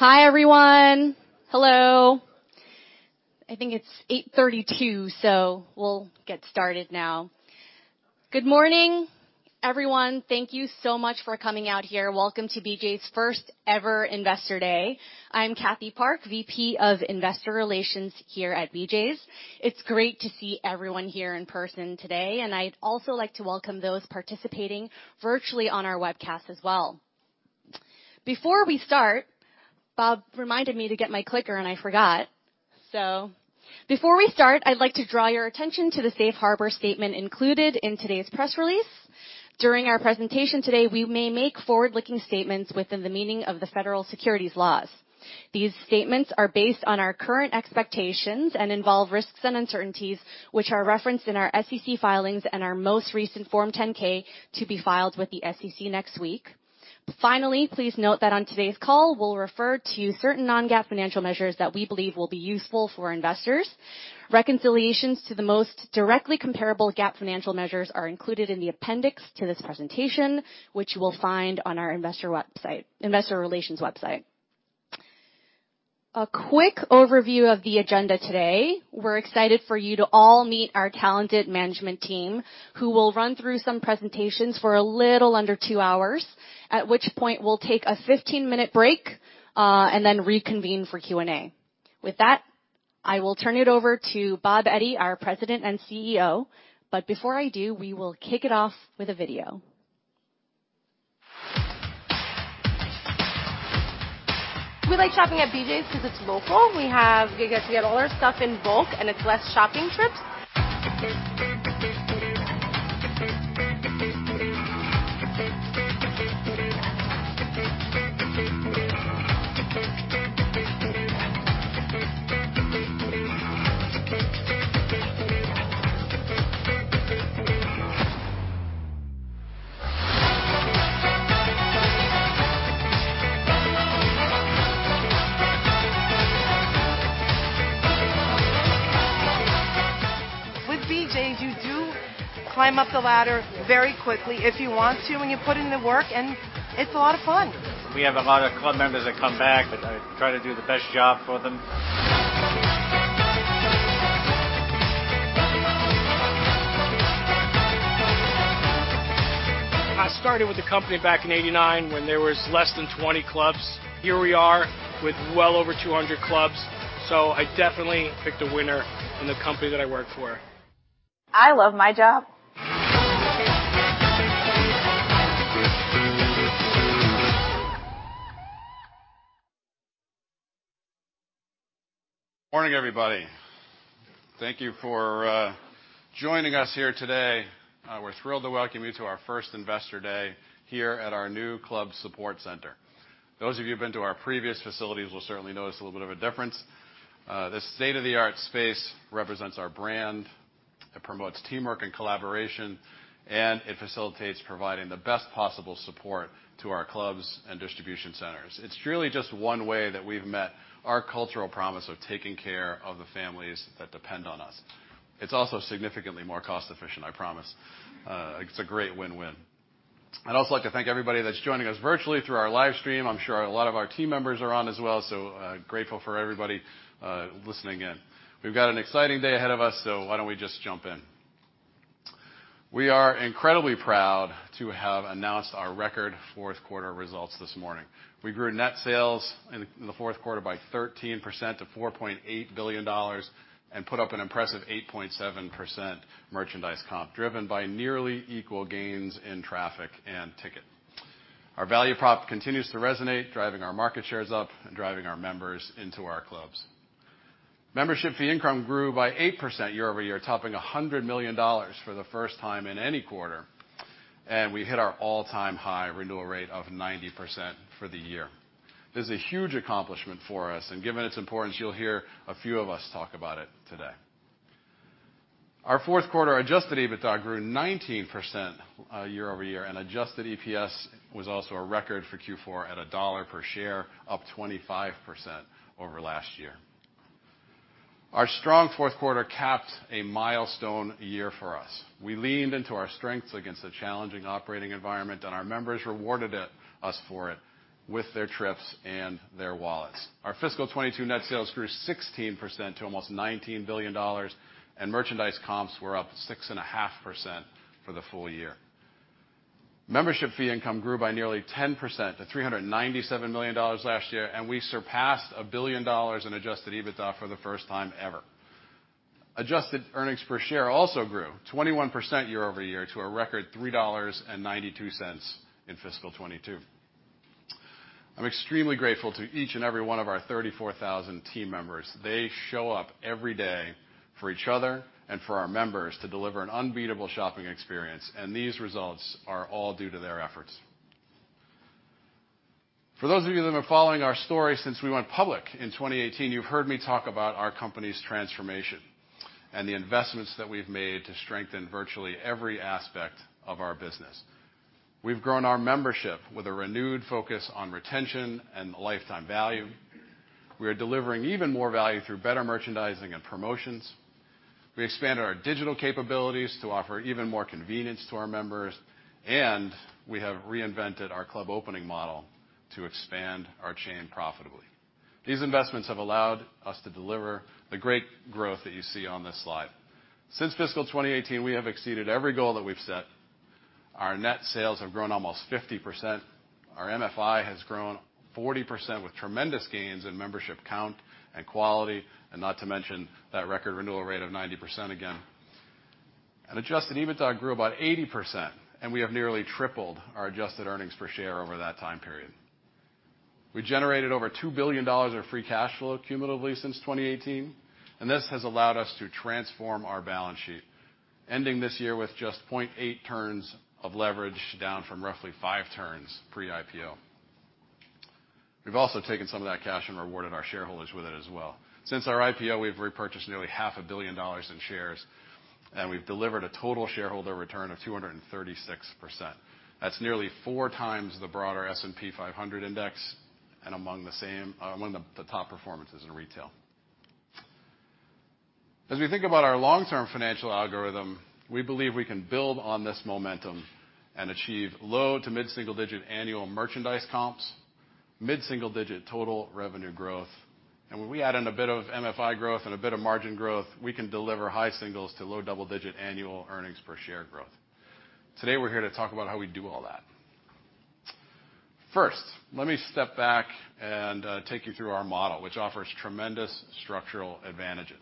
Hi, everyone. Hello. I think it's 8:32 A.M. We'll get started now. Good morning, everyone. Thank you so much for coming out here. Welcome to BJ's first-ever investor day. I'm Catherine Park, VP of Investor Relations here at BJ's. It's great to see everyone here in person today. I'd also like to welcome those participating virtually on our webcast as well. Before we start, Bob reminded me to get my clicker. I forgot. Before we start, I'd like to draw your attention to the Safe Harbor statement included in today's press release. During our presentation today, we may make forward-looking statements within the meaning of the federal securities laws. These statements are based on our current expectations and involve risks and uncertainties which are referenced in our SEC filings and our most recent Form 10-K to be filed with the SEC next week. Finally, please note that on today's call, we'll refer to certain non-GAAP financial measures that we believe will be useful for investors. Reconciliations to the most directly comparable GAAP financial measures are included in the appendix to this presentation, which you will find on our investor website, investor relations website. A quick overview of the agenda today. We're excited for you to all meet our talented management team, who will run through some presentations for a little under two hours, at which point we'll take a 15-minute break, then reconvene for Q&A. With that, I will turn it over to Bob Eddy, our President and CEO. Before I do, we will kick it off with a video. We like shopping at BJ's 'cause it's local. We get to get all our stuff in bulk, and it's less shopping trips. With BJ's, you do climb up the ladder very quickly if you want to and you put in the work, and it's a lot of fun. We have a lot of club members that come back, and I try to do the best job for them. I started with the company back in 1989 when there was less than 20 clubs. Here we are with well over 200 clubs. I definitely picked a winner in the company that I work for. I love my job. Morning, everybody. Thank you for joining us here today. We're thrilled to welcome you to our first investor day here at our new club support center. Those of you who've been to our previous facilities will certainly notice a little bit of a difference. This state-of-the-art space represents our brand, it promotes teamwork and collaboration, and it facilitates providing the best possible support to our clubs and distribution centers. It's truly just one way that we've met our cultural promise of taking care of the families that depend on us. It's also significantly more cost efficient, I promise. It's a great win-win. I'd also like to thank everybody that's joining us virtually through our live stream. I'm sure a lot of our team members are on as well. Grateful for everybody listening in. We've got an exciting day ahead of us, so why don't we just jump in? We are incredibly proud to have announced our record fourth quarter results this morning. We grew net sales in the fourth quarter by 13% to $4.8 billion and put up an impressive 8.7% merchandise comp, driven by nearly equal gains in traffic and ticket. Our value prop continues to resonate, driving our market shares up and driving our members into our clubs. Membership fee income grew by 8% year-over-year, topping $100 million for the first time in any quarter, and we hit our all-time high renewal rate of 90% for the year. This is a huge accomplishment for us, and given its importance, you'll hear a few of us talk about it today. Our fourth quarter Adjusted EBITDA grew 19% year-over-year, and Adjusted EPS was also a record for Q4 at $1 per share, up 25% over last year. Our strong fourth quarter capped a milestone year for us. We leaned into our strengths against a challenging operating environment, and our members rewarded us for it with their trips and their wallets. Our fiscal 2022 net sales grew 16% to almost $19 billion, and merchandise comps were up 6.5% for the full year. Membership fee income grew by nearly 10% to $397 million last year, and we surpassed $1 billion in Adjusted EBITDA for the first time ever. Adjusted earnings per share also grew 21% year-over-year to a record $3.92 in fiscal 2022. I'm extremely grateful to each and every one of our 34,000 team members. They show up every day for each other and for our members to deliver an unbeatable shopping experience, and these results are all due to their efforts. For those of you that have been following our story since we went public in 2018, you've heard me talk about our company's transformation and the investments that we've made to strengthen virtually every aspect of our business. We've grown our membership with a renewed focus on retention and lifetime value. We are delivering even more value through better merchandising and promotions. We expanded our digital capabilities to offer even more convenience to our members, and we have reinvented our club opening model to expand our chain profitably. These investments have allowed us to deliver the great growth that you see on this slide. Since fiscal 2018, we have exceeded every goal that we've set. Our net sales have grown almost 50%. Our MFI has grown 40% with tremendous gains in membership count and quality, and not to mention that record renewal rate of 90% again. Adjusted EBITDA grew about 80%, and we have nearly tripled our adjusted earnings per share over that time period. We generated over $2 billion of free cash flow cumulatively since 2018, and this has allowed us to transform our balance sheet, ending this year with just 0.8 turns of leverage, down from roughly 5 turns pre-IPO. We've also taken some of that cash and rewarded our shareholders with it as well. Since our IPO, we've repurchased nearly $500 million in shares, and we've delivered a total shareholder return of 236%. That's nearly 4x the broader S&P 500 index and among the top performances in retail. We think about our long-term financial algorithm, we believe we can build on this momentum and achieve low- to mid-single-digit annual merchandise comps, mid-single-digit total revenue growth, and when we add in a bit of MFI growth and a bit of margin growth, we can deliver high singles to low double-digit annual earnings per share growth. Today, we're here to talk about how we do all that. Let me step back and take you through our model, which offers tremendous structural advantages.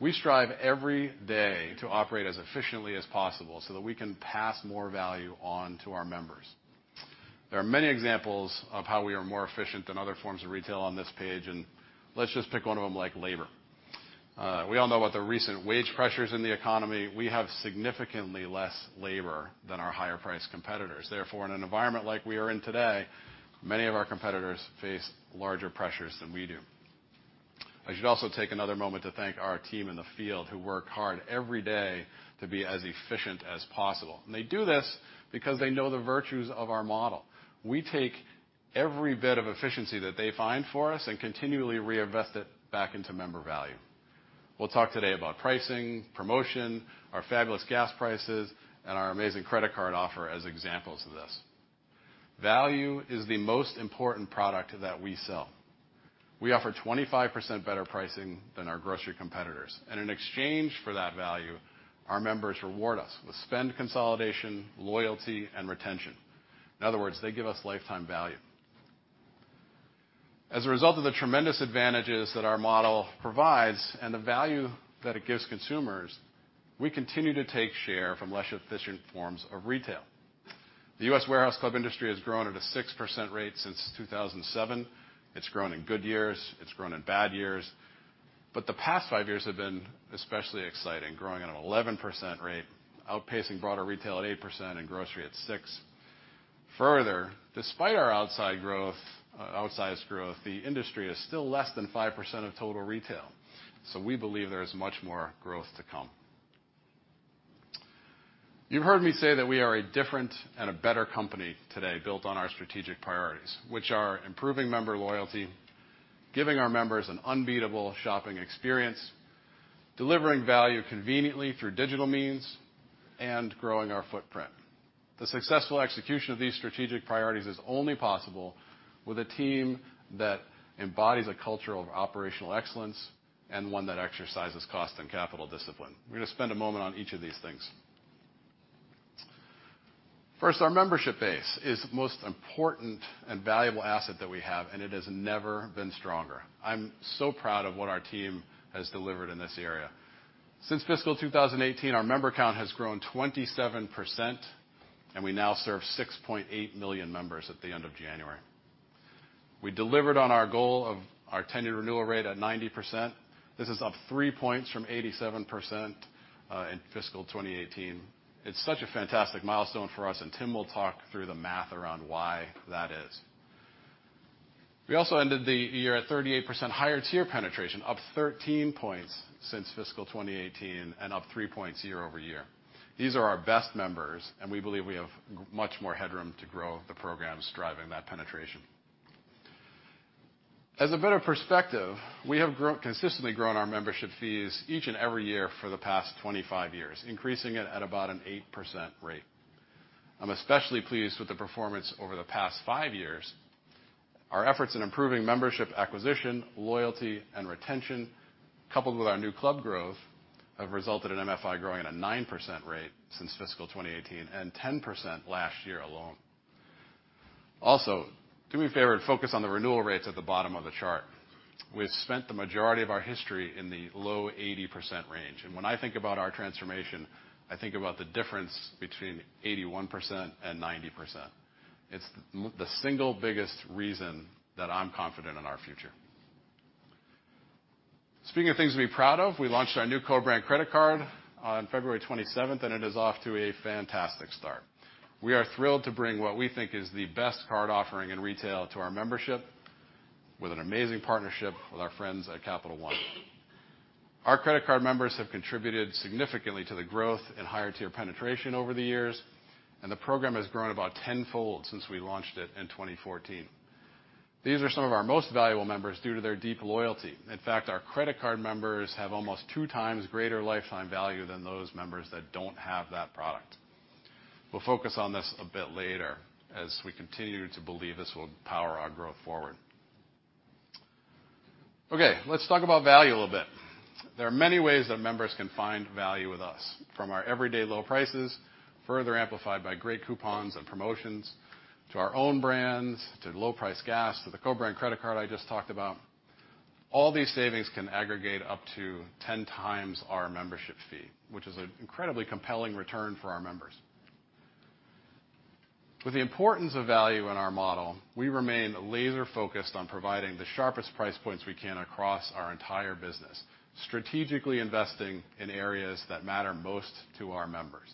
We strive every day to operate as efficiently as possible so that we can pass more value on to our members. There are many examples of how we are more efficient than other forms of retail on this page, and let's just pick one of them, like labor. We all know about the recent wage pressures in the economy. We have significantly less labor than our higher-priced competitors. Therefore, in an environment like we are in today, many of our competitors face larger pressures than we do. I should also take another moment to thank our team in the field who work hard every day to be as efficient as possible. They do this because they know the virtues of our model. We take every bit of efficiency that they find for us and continually reinvest it back into member value. We'll talk today about pricing, promotion, our fabulous gas prices, and our amazing credit card offer as examples of this. Value is the most important product that we sell. We offer 25% better pricing than our grocery competitors. In exchange for that value, our members reward us with spend consolidation, loyalty, and retention. In other words, they give us lifetime value. As a result of the tremendous advantages that our model provides and the value that it gives consumers, we continue to take share from less efficient forms of retail. The US warehouse club industry has grown at a 6% rate since 2007. It's grown in good years, it's grown in bad years. The past five years have been especially exciting, growing at an 11% rate, outpacing broader retail at 8% and grocery at 6%. Further, despite our outsized growth, the industry is still less than 5% of total retail. We believe there is much more growth to come. You heard me say that we are a different and a better company today built on our strategic priorities, which are improving member loyalty, giving our members an unbeatable shopping experience, delivering value conveniently through digital means, and growing our footprint. The successful execution of these strategic priorities is only possible with a team that embodies a culture of operational excellence and one that exercises cost and capital discipline. We're gonna spend a moment on each of these things. First, our membership base is the most important and valuable asset that we have, and it has never been stronger. I'm so proud of what our team has delivered in this area. Since fiscal 2018, our member count has grown 27%, and we now serve 6.8 million members at the end of January. We delivered on our goal of our 10-year renewal rate at 90%. This is up 3 points from 87% in fiscal 2018. It's such a fantastic milestone for us. Tim will talk through the math around why that is. We also ended the year at 38% higher tier penetration, up 13 points since fiscal 2018 and up 3 points year-over-year. These are our best members, and we believe we have much more headroom to grow the programs driving that penetration. As a bit of perspective, we have consistently grown our membership fees each and every year for the past 25 years, increasing it at about an 8% rate. I'm especially pleased with the performance over the past 5 years. Our efforts in improving membership acquisition, loyalty, and retention, coupled with our new club growth, have resulted in MFI growing at a 9% rate since fiscal 2018 and 10% last year alone. Also, do me a favor and focus on the renewal rates at the bottom of the chart. We've spent the majority of our history in the low 80% range. When I think about our transformation, I think about the difference between 81% and 90%. It's the single biggest reason that I'm confident in our future. Speaking of things to be proud of, we launched our co-brand credit card on February 27th, and it is off to a fantastic start. We are thrilled to bring what we think is the best card offering in retail to our membership with an amazing partnership with our friends at Capital One. Our credit card members have contributed significantly to the growth and higher-tier penetration over the years, and the program has grown about tenfold since we launched it in 2014. These are some of our most valuable members due to their deep loyalty. In fact, our credit card members have almost two times greater lifetime value than those members that don't have that product. We'll focus on this a bit later as we continue to believe this will power our growth forward. Okay, let's talk about value a little bit. There are many ways that members can find value with us, from our everyday low prices, further amplified by great coupons and promotions, to our own brands, to low-price gas, to co-brand credit card I just talked about. All these savings can aggregate up to 10x our membership fee, which is an incredibly compelling return for our members. With the importance of value in our model, we remain laser-focused on providing the sharpest price points we can across our entire business, strategically investing in areas that matter most to our members.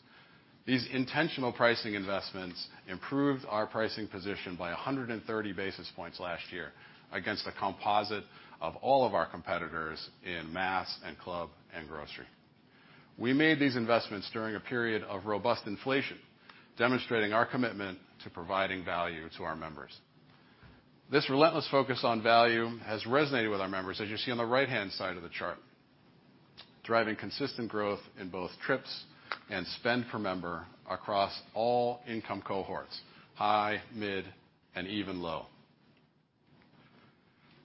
These intentional pricing investments improved our pricing position by 130 basis points last year against a composite of all of our competitors in mass and club and grocery. We made these investments during a period of robust inflation, demonstrating our commitment to providing value to our members. This relentless focus on value has resonated with our members, as you see on the right-hand side of the chart, driving consistent growth in both trips and spend per member across all income cohorts, high, mid, and even low.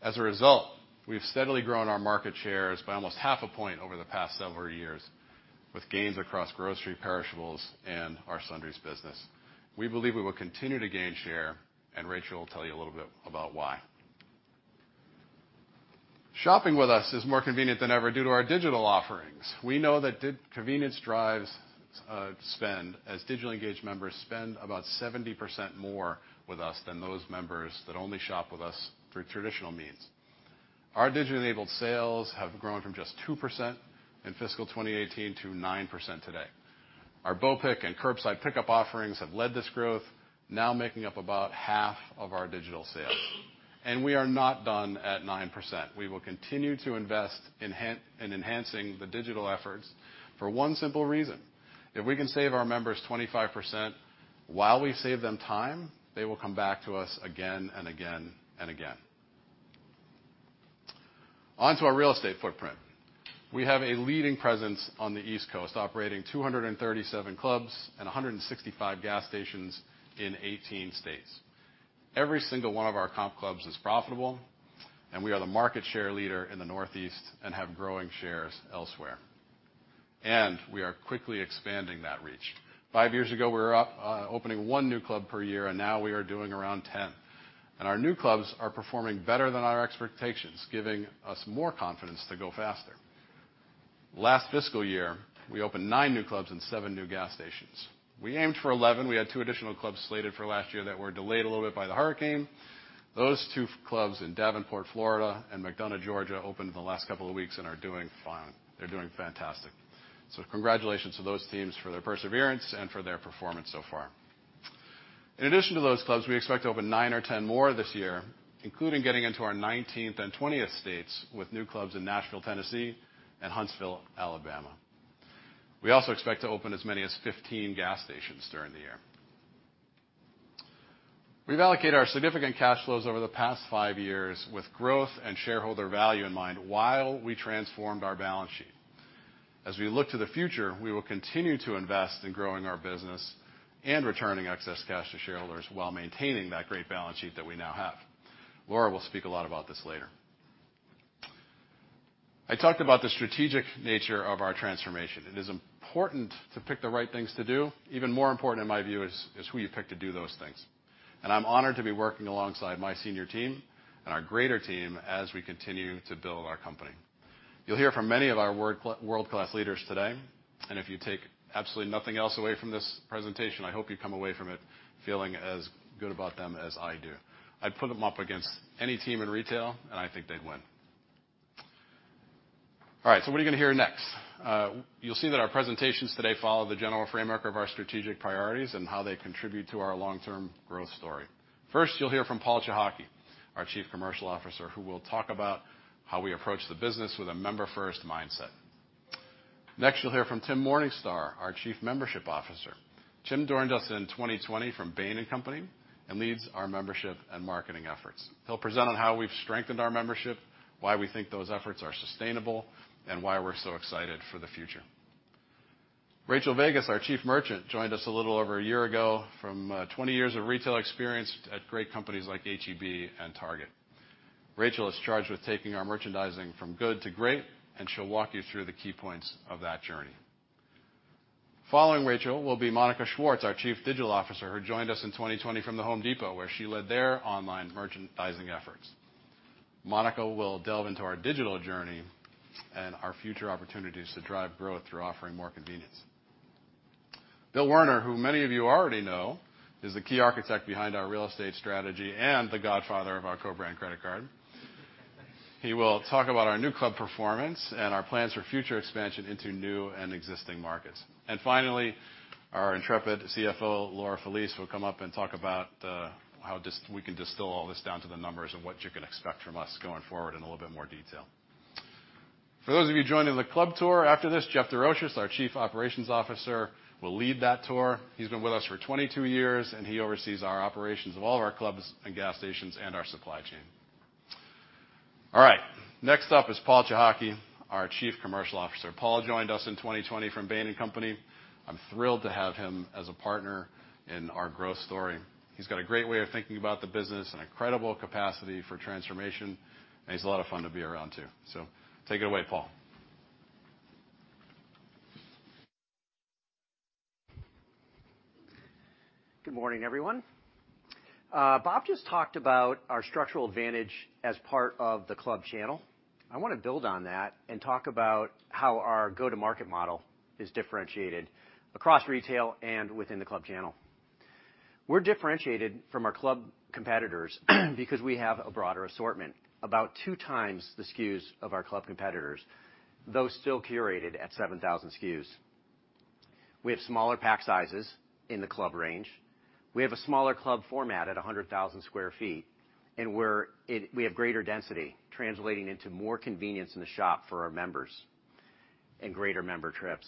A result, we've steadily grown our market shares by almost half a point over the past several years with gains across grocery perishables and our sundries business. We believe we will continue to gain share. Rachael will tell you a little bit about why. Shopping with us is more convenient than ever due to our digital offerings. We know that convenience drives spend as digitally engaged members spend about 70% more with us than those members that only shop with us through traditional means. Our digital-enabled sales have grown from just 2% in fiscal 2018 to 9% today. Our BOPIC and curbside pickup offerings have led this growth, now making up about half of our digital sales. We are not done at 9%. We will continue to invest in enhancing the digital efforts for one simple reason. If we can save our members 25% while we save them time, they will come back to us again and again and again. On to our real estate footprint. We have a leading presence on the East Coast, operating 237 clubs and 165 gas stations in 18 states. Every single one of our comp clubs is profitable, and we are the market share leader in the Northeast and have growing shares elsewhere. We are quickly expanding that reach. Five years ago, we were opening one new club per year, and now we are doing around 10. Our new clubs are performing better than our expectations, giving us more confidence to go faster. Last fiscal year, we opened 9 new clubs and 7 new gas stations. We aimed for 11. We had 2 additional clubs slated for last year that were delayed a little bit by the hurricane. Those 2 clubs in Davenport, Florida and McDonough, Georgia, opened in the last couple of weeks and are doing fine. They're doing fantastic. Congratulations to those teams for their perseverance and for their performance so far. In addition to those clubs, we expect to open 9 or 10 more this year, including getting into our 19th and 20th states with new clubs in Nashville, Tennessee, and Huntsville, Alabama. We also expect to open as many as 15 gas stations during the year. We've allocated our significant cash flows over the past five years with growth and shareholder value in mind while we transformed our balance sheet. As we look to the future, we will continue to invest in growing our business and returning excess cash to shareholders while maintaining that great balance sheet that we now have. Laura will speak a lot about this later. I talked about the strategic nature of our transformation. It is important to pick the right things to do. Even more important, in my view, is who you pick to do those things. I'm honored to be working alongside my senior team and our greater team as we continue to build our company. You'll hear from many of our world-class leaders today, if you take absolutely nothing else away from this presentation, I hope you come away from it feeling as good about them as I do. I'd put them up against any team in retail, I think they'd win. All right, what are you gonna hear next? You'll see that our presentations today follow the general framework of our strategic priorities and how they contribute to our long-term growth story. First, you'll hear from Paul Cichocki, our Chief Commercial Officer, who will talk about how we approach the business with a member-first mindset. Next, you'll hear from Tim Morningstar, our Chief Membership Officer. Tim joined us in 2020 from Bain & Company leads our membership and marketing efforts. He'll present on how we've strengthened our membership, why we think those efforts are sustainable, and why we're so excited for the future. Rachael Vegas, our Chief Merchant, joined us a little over a year ago from 20 years of retail experience at great companies like H-E-B and Target. Rachael is charged with taking our merchandising from good to great, and she'll walk you through the key points of that journey. Following Rachael will be Monica Schwartz, our Chief Digital Officer, who joined us in 2020 from The Home Depot, where she led their online merchandising efforts. Monica will delve into our digital journey and our future opportunities to drive growth through offering more convenience. Bill Werner, who many of you already know, is the key architect behind our real estate strategy and The Godfather of our co-brand credit card. He will talk about our new club performance and our plans for future expansion into new and existing markets. Finally, our intrepid CFO, Laura Felice, will come up and talk about how we can distill all this down to the numbers and what you can expect from us going forward in a little bit more detail. For those of you joining the club tour after this, Jeff Desroches, our Chief Operations Officer, will lead that tour. He's been with us for 22 years, and he oversees our operations of all of our clubs and gas stations and our supply chain. All right. Next up is Paul Cichocki, our Chief Commercial Officer. Paul joined us in 2020 from Bain & Company. I'm thrilled to have him as a partner in our growth story. He's got a great way of thinking about the business and a credible capacity for transformation, and he's a lot of fun to be around too. Take it away, Paul. Good morning, everyone. Bob just talked about our structural advantage as part of the club channel. I wanna build on that and talk about how our go-to-market model is differentiated across retail and within the club channel. We're differentiated from our club competitors because we have a broader assortment, about 2x the SKUs of our club competitors, though still curated at 7,000 SKUs. We have smaller pack sizes in the club range. We have a smaller club format at 100,000 sq ft, we have greater density, translating into more convenience in the shop for our members and greater member trips.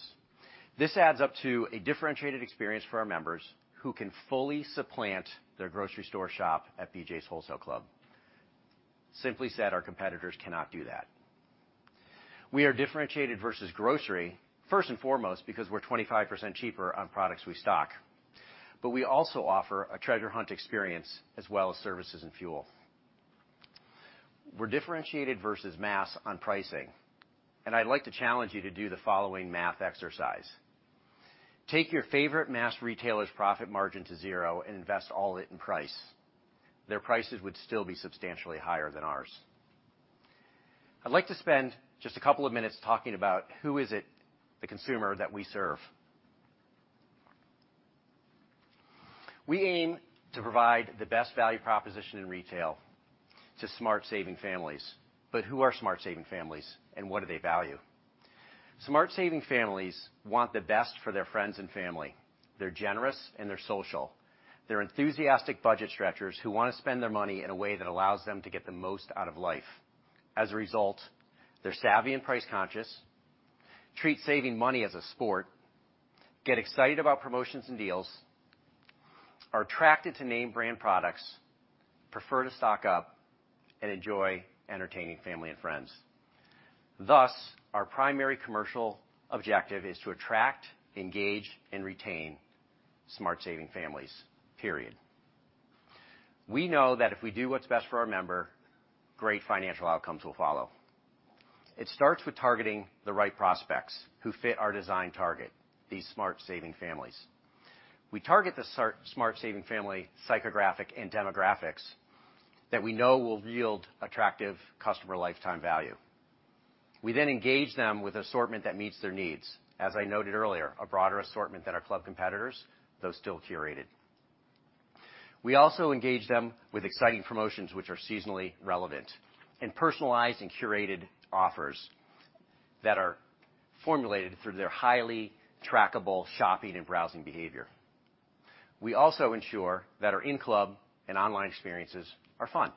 This adds up to a differentiated experience for our members, who can fully supplant their grocery store shop at BJ's Wholesale Club. Simply said, our competitors cannot do that. We are differentiated versus grocery, first and foremost, because we're 25% cheaper on products we stock. We also offer a treasure hunt experience as well as services and fuel. We're differentiated versus mass on pricing, I'd like to challenge you to do the following math exercise. Take your favorite mass retailer's profit margin to 0 and invest all it in price. Their prices would still be substantially higher than ours. I'd like to spend just a couple of minutes talking about who is it, the consumer that we serve. We aim to provide the best value proposition in retail to smart saving families. Who are smart saving families, and what do they value? Smart saving families want the best for their friends and family. They're generous and they're social. They're enthusiastic budget stretchers who wanna spend their money in a way that allows them to get the most out of life. As a result, they're savvy and price-conscious, treat saving money as a sport, get excited about promotions and deals, are attracted to name-brand products, prefer to stock up, and enjoy entertaining family and friends. Thus, our primary commercial objective is to attract, engage, and retain smart saving families, period. We know that if we do what's best for our member, great financial outcomes will follow. It starts with targeting the right prospects who fit our design target, these smart saving families. We target the smart saving family psychographic and demographics that we know will yield attractive customer lifetime value. We engage them with assortment that meets their needs. As I noted earlier, a broader assortment than our club competitors, though still curated. We also engage them with exciting promotions which are seasonally relevant and personalized and curated offers that are formulated through their highly trackable shopping and browsing behavior. We also ensure that our in-club and online experiences are fun.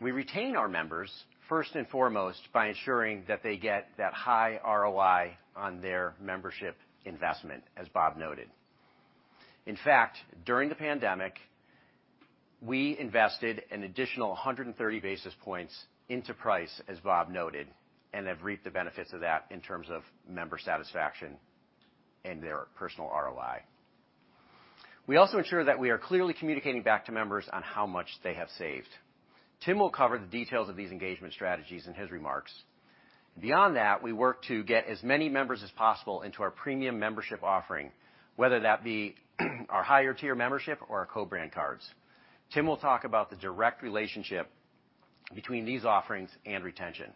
We retain our members, first and foremost, by ensuring that they get that high ROI on their membership investment, as Bob noted. In fact, during the pandemic, we invested an additional 130 basis points into price, as Bob noted, and have reaped the benefits of that in terms of member satisfaction and their personal ROI. We also ensure that we are clearly communicating back to members on how much they have saved. Tim will cover the details of these engagement strategies in his remarks. Beyond that, we work to get as many members as possible into our premium membership offering, whether that be our higher tier membership or our co-brand cards. Tim will talk about the direct relationship between these offerings and retention.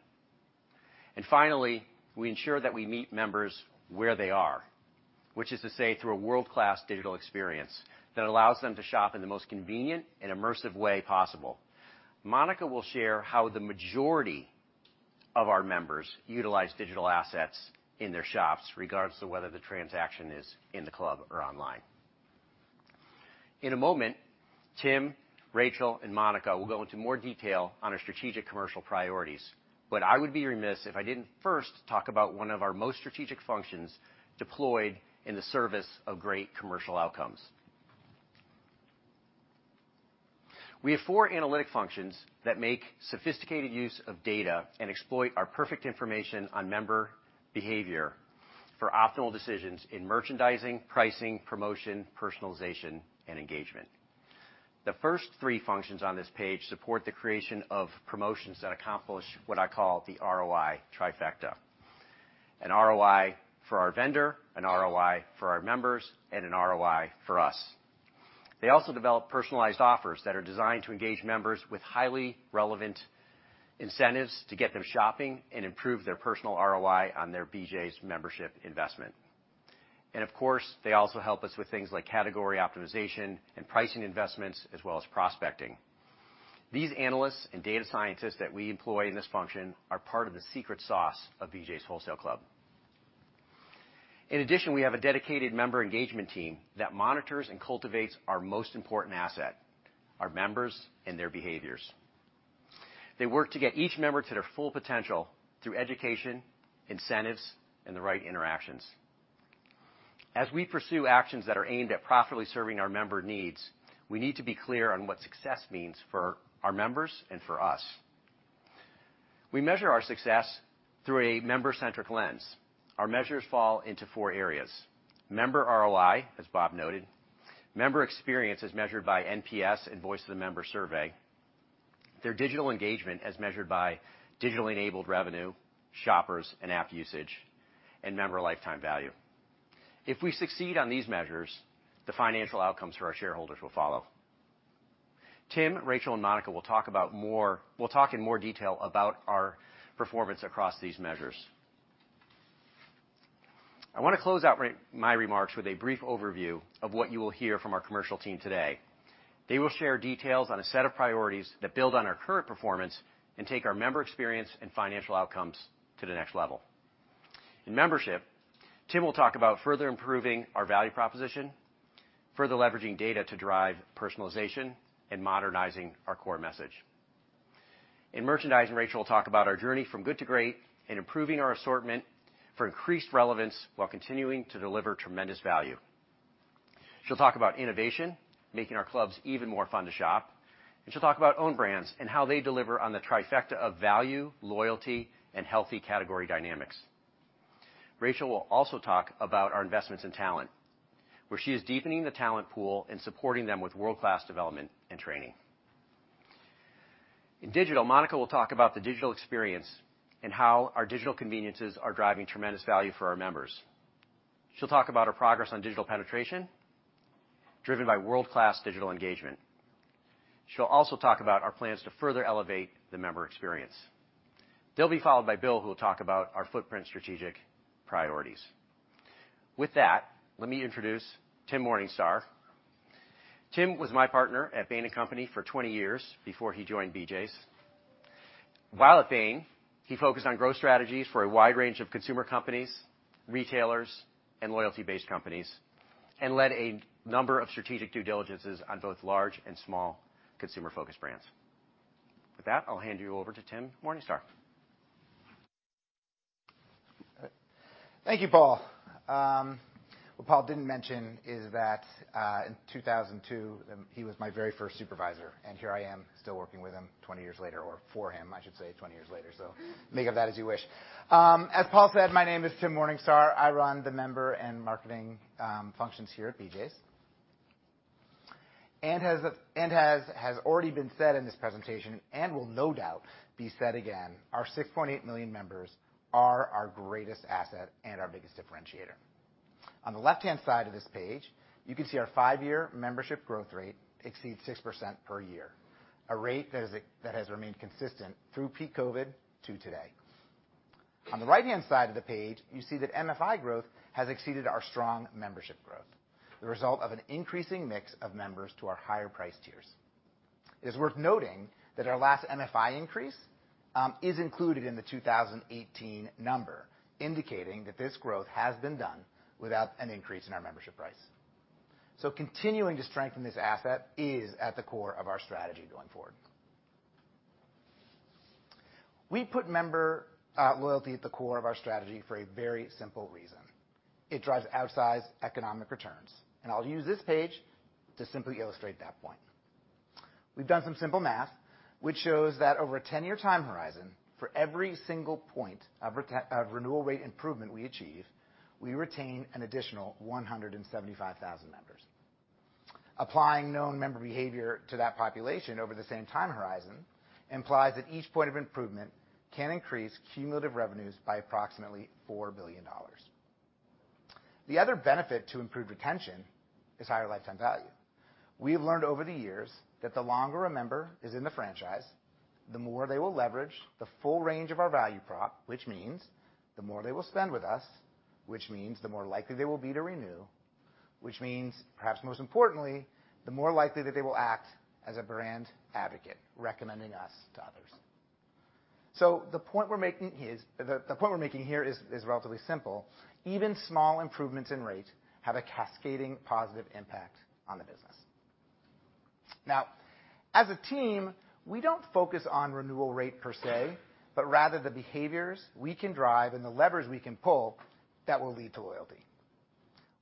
Finally, we ensure that we meet members where they are, which is to say through a world-class digital experience that allows them to shop in the most convenient and immersive way possible. Monica will share how the majority of our members utilize digital assets in their shops, regardless of whether the transaction is in the club or online. In a moment, Tim, Rachael, and Monica will go into more detail on our strategic commercial priorities, but I would be remiss if I didn't first talk about one of our most strategic functions deployed in the service of great commercial outcomes. We have four analytic functions that make sophisticated use of data and exploit our perfect information on member behavior for optimal decisions in merchandising, pricing, promotion, personalization, and engagement. The first three functions on this page support the creation of promotions that accomplish what I call the ROI trifecta, an ROI for our vendor, an ROI for our members, and an ROI for us. They also develop personalized offers that are designed to engage members with highly relevant incentives to get them shopping and improve their personal ROI on their BJ's membership investment. Of course, they also help us with things like category optimization and pricing investments, as well as prospecting. These analysts and data scientists that we employ in this function are part of the secret sauce of BJ's Wholesale Club. In addition, we have a dedicated member engagement team that monitors and cultivates our most important asset, our members and their behaviors. They work to get each member to their full potential through education, incentives, and the right interactions. As we pursue actions that are aimed at profitably serving our member needs, we need to be clear on what success means for our members and for us. We measure our success through a member-centric lens. Our measures fall into four areas. Member ROI, as Bob noted, member experience as measured by NPS and Voice of the Member survey, their digital engagement as measured by digitally enabled revenue, shoppers, and app usage, and member lifetime value. If we succeed on these measures, the financial outcomes for our shareholders will follow. Tim, Rachael, and Monica will talk in more detail about our performance across these measures. I wanna close out my remarks with a brief overview of what you will hear from our commercial team today. They will share details on a set of priorities that build on our current performance and take our member experience and financial outcomes to the next level. In membership, Tim will talk about further improving our value proposition, further leveraging data to drive personalization, and modernizing our core message. In merchandising, Rachael will talk about our journey from good to great and improving our assortment for increased relevance while continuing to deliver tremendous value. She'll talk about innovation, making our clubs even more fun to shop, and she'll talk about Own Brands and how they deliver on the trifecta of value, loyalty, and healthy category dynamics. Rachael will also talk about our investments in talent, where she is deepening the talent pool and supporting them with world-class development and training. In digital, Monica Schwartz will talk about the digital experience and how our digital conveniences are driving tremendous value for our members. She'll talk about our progress on digital penetration, driven by world-class digital engagement. She'll also talk about our plans to further elevate the member experience. They'll be followed by Bill Werner, who will talk about our footprint strategic priorities. With that, let me introduce Tim Morningstar. Tim Morningstar was my partner at Bain & Company for 20 years before he joined BJ's. While at Bain, he focused on growth strategies for a wide range of consumer companies, retailers, and loyalty-based companies, and led a number of strategic due diligences on both large and small consumer-focused brands. With that, I'll hand you over to Tim Morningstar. Thank you, Paul. What Paul didn't mention is that in 2002, he was my very first supervisor, and here I am still working with him 20 years later, or for him, I should say, 20 years later, so make of that as you wish. As Paul said, my name is Tim Morningstar. I run the member and marketing functions here at BJ's. As has already been said in this presentation and will no doubt be said again, our 6.8 million members are our greatest asset and our biggest differentiator. On the left-hand side of this page, you can see our 5-year membership growth rate exceeds 6% per year, a rate that has remained consistent through peak COVID to today. On the right-hand side of the page, you see that MFI growth has exceeded our strong membership growth, the result of an increasing mix of members to our higher-price tiers. It's worth noting that our last MFI increase is included in the 2018 number, indicating that this growth has been done without an increase in our membership price. Continuing to strengthen this asset is at the core of our strategy going forward. We put member loyalty at the core of our strategy for a very simple reason. It drives outsized economic returns, and I'll use this page to simply illustrate that point. We've done some simple math which shows that over a 10-year time horizon, for every single point of renewal rate improvement we achieve, we retain an additional 175,000 members. Applying known member behavior to that population over the same time horizon implies that each point of improvement can increase cumulative revenues by approximately $4 billion. The other benefit to improved retention is higher lifetime value. We have learned over the years that the longer a member is in the franchise, the more they will leverage the full range of our value prop, which means the more they will spend with us, which means the more likely they will be to renew, which means, perhaps most importantly, the more likely that they will act as a brand advocate, recommending us to others. The point we're making here is relatively simple. Even small improvements in rate have a cascading positive impact on the business. As a team, we don't focus on renewal rate per se, but rather the behaviors we can drive and the levers we can pull that will lead to loyalty.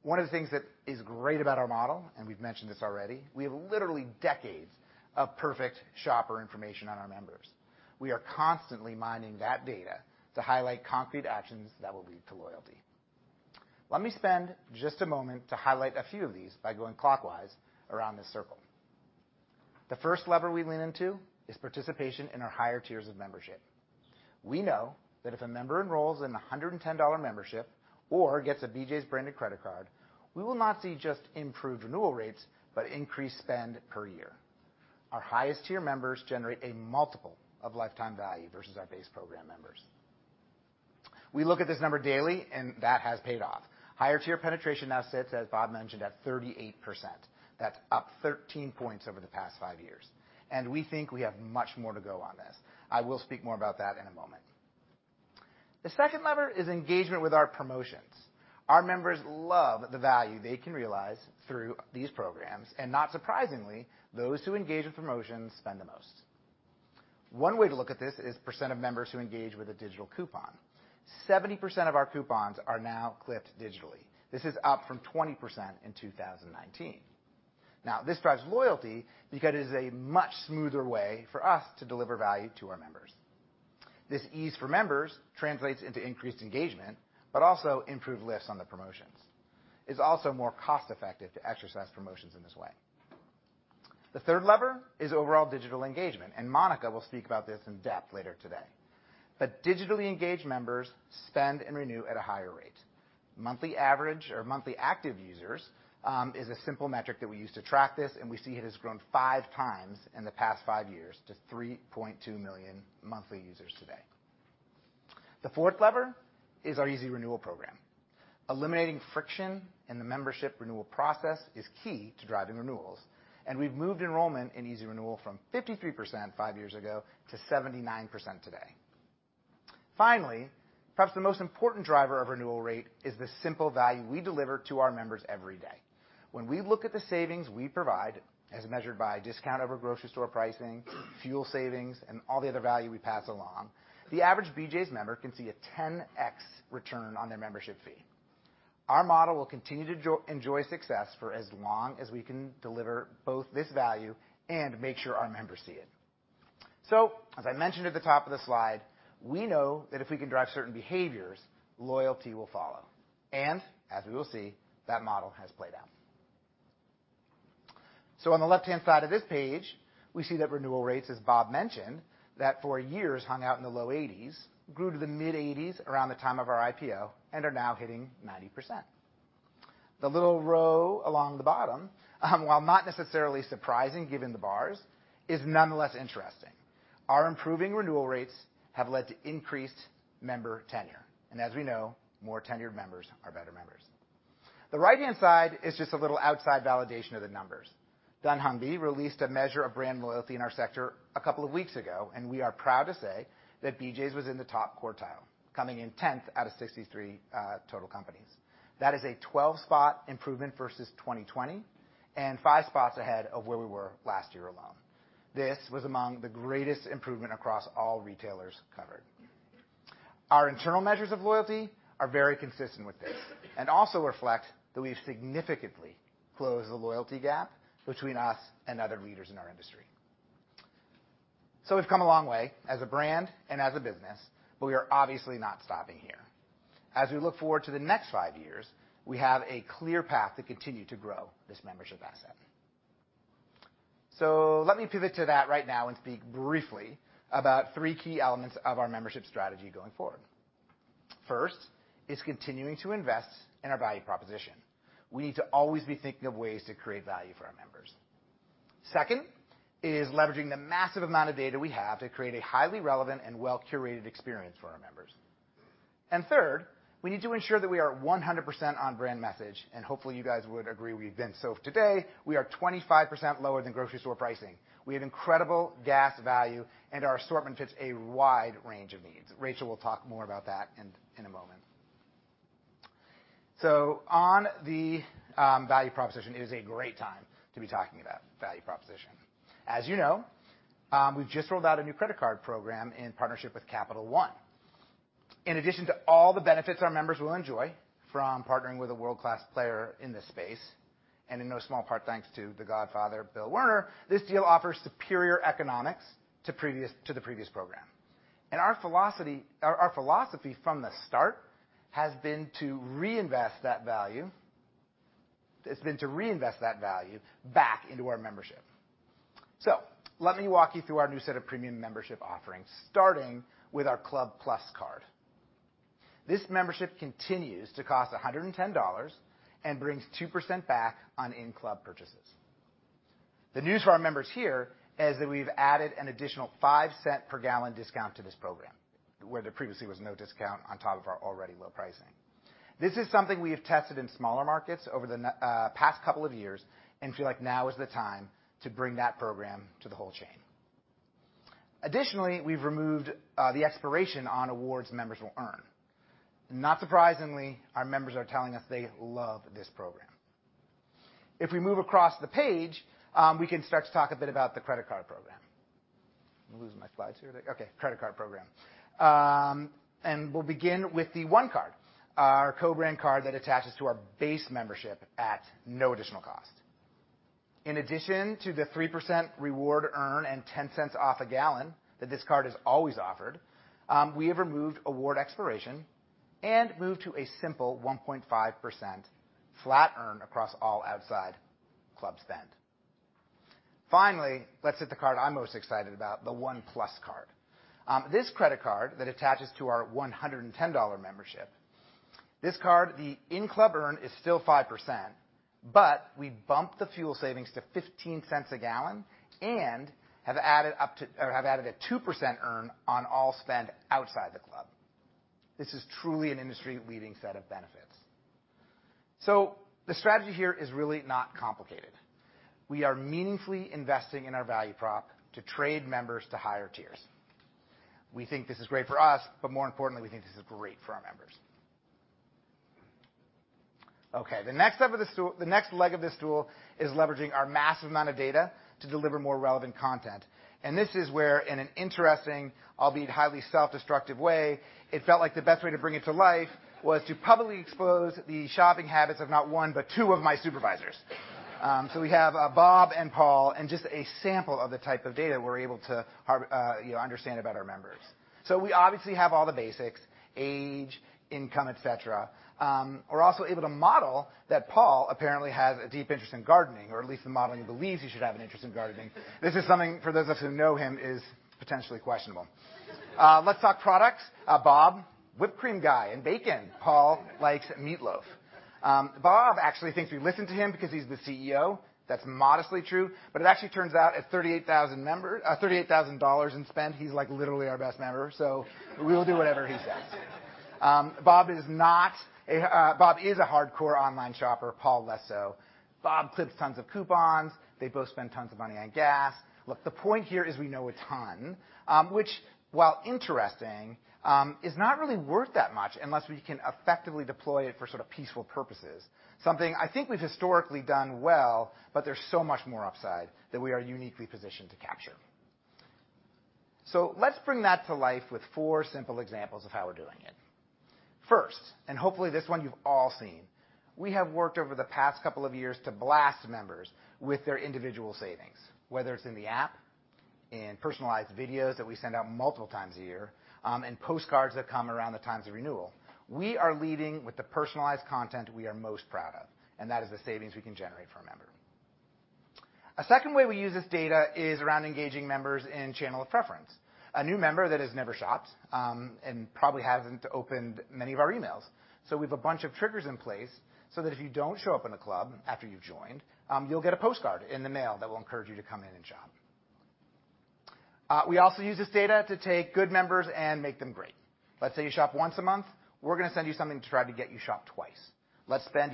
One of the things that is great about our model, and we've mentioned this already, we have literally decades of perfect shopper information on our members. We are constantly mining that data to highlight concrete actions that will lead to loyalty. Let me spend just a moment to highlight a few of these by going clockwise around this circle. The first lever we lean into is participation in our higher tiers of membership. We know that if a member enrolls in a $110 membership or gets a BJ's branded credit card, we will not see just improved renewal rates, but increased spend per year. Our highest tier members generate a multiple of lifetime value versus our base program members. That has paid off. Higher tier penetration now sits, as Bob mentioned, at 38%. That's up 13 points over the past five years, we think we have much more to go on this. I will speak more about that in a moment. The second lever is engagement with our promotions. Our members love the value they can realize through these programs, not surprisingly, those who engage in promotions spend the most. One way to look at this is percent of members who engage with a digital coupon. 70% of our coupons are now clipped digitally. This is up from 20% in 2019. Now, this drives loyalty because it is a much smoother way for us to deliver value to our members. This ease for members translates into increased engagement, but also improved lifts on the promotions. It's also more cost-effective to exercise promotions in this way. The third lever is overall digital engagement. Monica will speak about this in depth later today. Digitally engaged members spend and renew at a higher rate. Monthly average or monthly active users is a simple metric that we use to track this. We see it has grown 5x in the past 5 years to 3.2 million monthly users today. The fourth lever is our Easy Renewal program. Eliminating friction in the membership renewal process is key to driving renewals. We've moved enrollment in Easy Renewal from 53% 5 years ago to 79% today. Finally, perhaps the most important driver of renewal rate is the simple value we deliver to our members every day. When we look at the savings we provide, as measured by discount over grocery store pricing, fuel savings, and all the other value we pass along, the average BJ's member can see a 10x return on their membership fee. Our model will continue to enjoy success for as long as we can deliver both this value and make sure our members see it. As I mentioned at the top of the slide, we know that if we can drive certain behaviors, loyalty will follow. As we will see, that model has played out. On the left-hand side of this page, we see that renewal rates, as Bob mentioned, that for years hung out in the low 80s, grew to the mid-80s around the time of our IPO, and are now hitting 90%. The little row along the bottom, while not necessarily surprising, given the bars, is nonetheless interesting. Our improving renewal rates have led to increased member tenure. As we know, more tenured members are better members. The right-hand side is just a little outside validation of the numbers. Dunnhumby released a measure of brand loyalty in our sector a couple of weeks ago, and we are proud to say that BJ's was in the top quartile, coming in tenth out of 63 total companies. That is a 12-spot improvement versus 2020 and five spots ahead of where we were last year alone. This was among the greatest improvement across all retailers covered. Our internal measures of loyalty are very consistent with this and also reflect that we've significantly closed the loyalty gap between us and other leaders in our industry. We've come a long way as a brand and as a business, but we are obviously not stopping here. As we look forward to the next five years, we have a clear path to continue to grow this membership asset. Let me pivot to that right now and speak briefly about three key elements of our membership strategy going forward. First is continuing to invest in our value proposition. We need to always be thinking of ways to create value for our members. Second is leveraging the massive amount of data we have to create a highly relevant and well-curated experience for our members. Third, we need to ensure that we are 100% on brand message, and hopefully, you guys would agree we've been so. Today, we are 25% lower than grocery store pricing. We have incredible gas value, and our assortment fits a wide range of needs. Rachael will talk more about that in a moment. On the value proposition, it is a great time to be talking about value proposition. As you know, we've just rolled out a new credit card program in partnership with Capital One. In addition to all the benefits our members will enjoy from partnering with a world-class player in this space, and in no small part, thanks to The Godfather, Bill Werner, this deal offers superior economics to the previous program. Our philosophy from the start has been to reinvest that value. It's been to reinvest that value back into our membership. Let me walk you through our new set of premium membership offerings, starting with our Club+ Card. This membership continues to cost $110 and brings 2% back on in-club purchases. The news for our members here is that we've added an additional 5 cent per gallon discount to this program, where there previously was no discount on top of our already low pricing. This is something we have tested in smaller markets over the past couple of years and feel like now is the time to bring that program to the whole chain. Additionally, we've removed the expiration on awards members will earn. Not surprisingly, our members are telling us they love this program. If we move across the page, we can start to talk a bit about the credit card program. I'm losing my slides here. Okay, credit card program. We'll begin with the One Card, our co-brand card that attaches to our base membership at no additional cost. In addition to the 3% reward earn and $0.10 off a gallon that this card has always offered, we have removed award expiration and moved to a simple 1.5% flat earn across all outside club spend. Finally, let's hit the card I'm most excited about, the One+ card. This credit card that attaches to our $110 membership. This card, the in-club earn is still 5%, but we bumped the fuel savings to $0.15 a gallon and have added a 2% earn on all spend outside the club. This is truly an industry-leading set of benefits. The strategy here is really not complicated. We are meaningfully investing in our value prop to trade members to higher tiers. We think this is great for us, but more importantly, we think this is great for our members. The next leg of this stool is leveraging our massive amount of data to deliver more relevant content. This is where, in an interesting, albeit highly self-destructive way, it felt like the best way to bring it to life was to publicly expose the shopping habits of not one, but two of my supervisors. We have Bob and Paul, and just a sample of the type of data we're able to, you know, understand about our members. We obviously have all the basics: age, income, et cetera. We're also able to model that Paul apparently has a deep interest in gardening, or at least the modeling believes he should have an interest in gardening. This is something, for those of us who know him, is potentially questionable. Let's talk products. Bob, whipped cream guy and bacon. Paul likes meatloaf. Bob actually thinks we listen to him because he's the CEO. That's modestly true, but it actually turns out, at $38,000 in spend, he's, like, literally our best member. We will do whatever he says. Bob is a hardcore online shopper, Paul less so. Bob clips tons of coupons. They both spend tons of money on gas. Look, the point here is we know a ton, which, while interesting, is not really worth that much unless we can effectively deploy it for sort of peaceful purposes. Something I think we've historically done well, there's so much more upside that we are uniquely positioned to capture. Let's bring that to life with 4 simple examples of how we're doing it. First, hopefully this one you've all seen, we have worked over the past couple of years to blast members with their individual savings, whether it's in the app, in personalized videos that we send out multiple times a year, in postcards that come around the times of renewal. We are leading with the personalized content we are most proud of, that is the savings we can generate for a member. A second way we use this data is around engaging members in channel of preference. A new member that has never shopped and probably hasn't opened many of our emails. We've a bunch of triggers in place so that if you don't show up in a club after you've joined, you'll get a postcard in the mail that will encourage you to come in and shop. We also use this data to take good members and make them great. Let's say you shop once a month, we're gonna send you something to try to get you shop twice. Let's say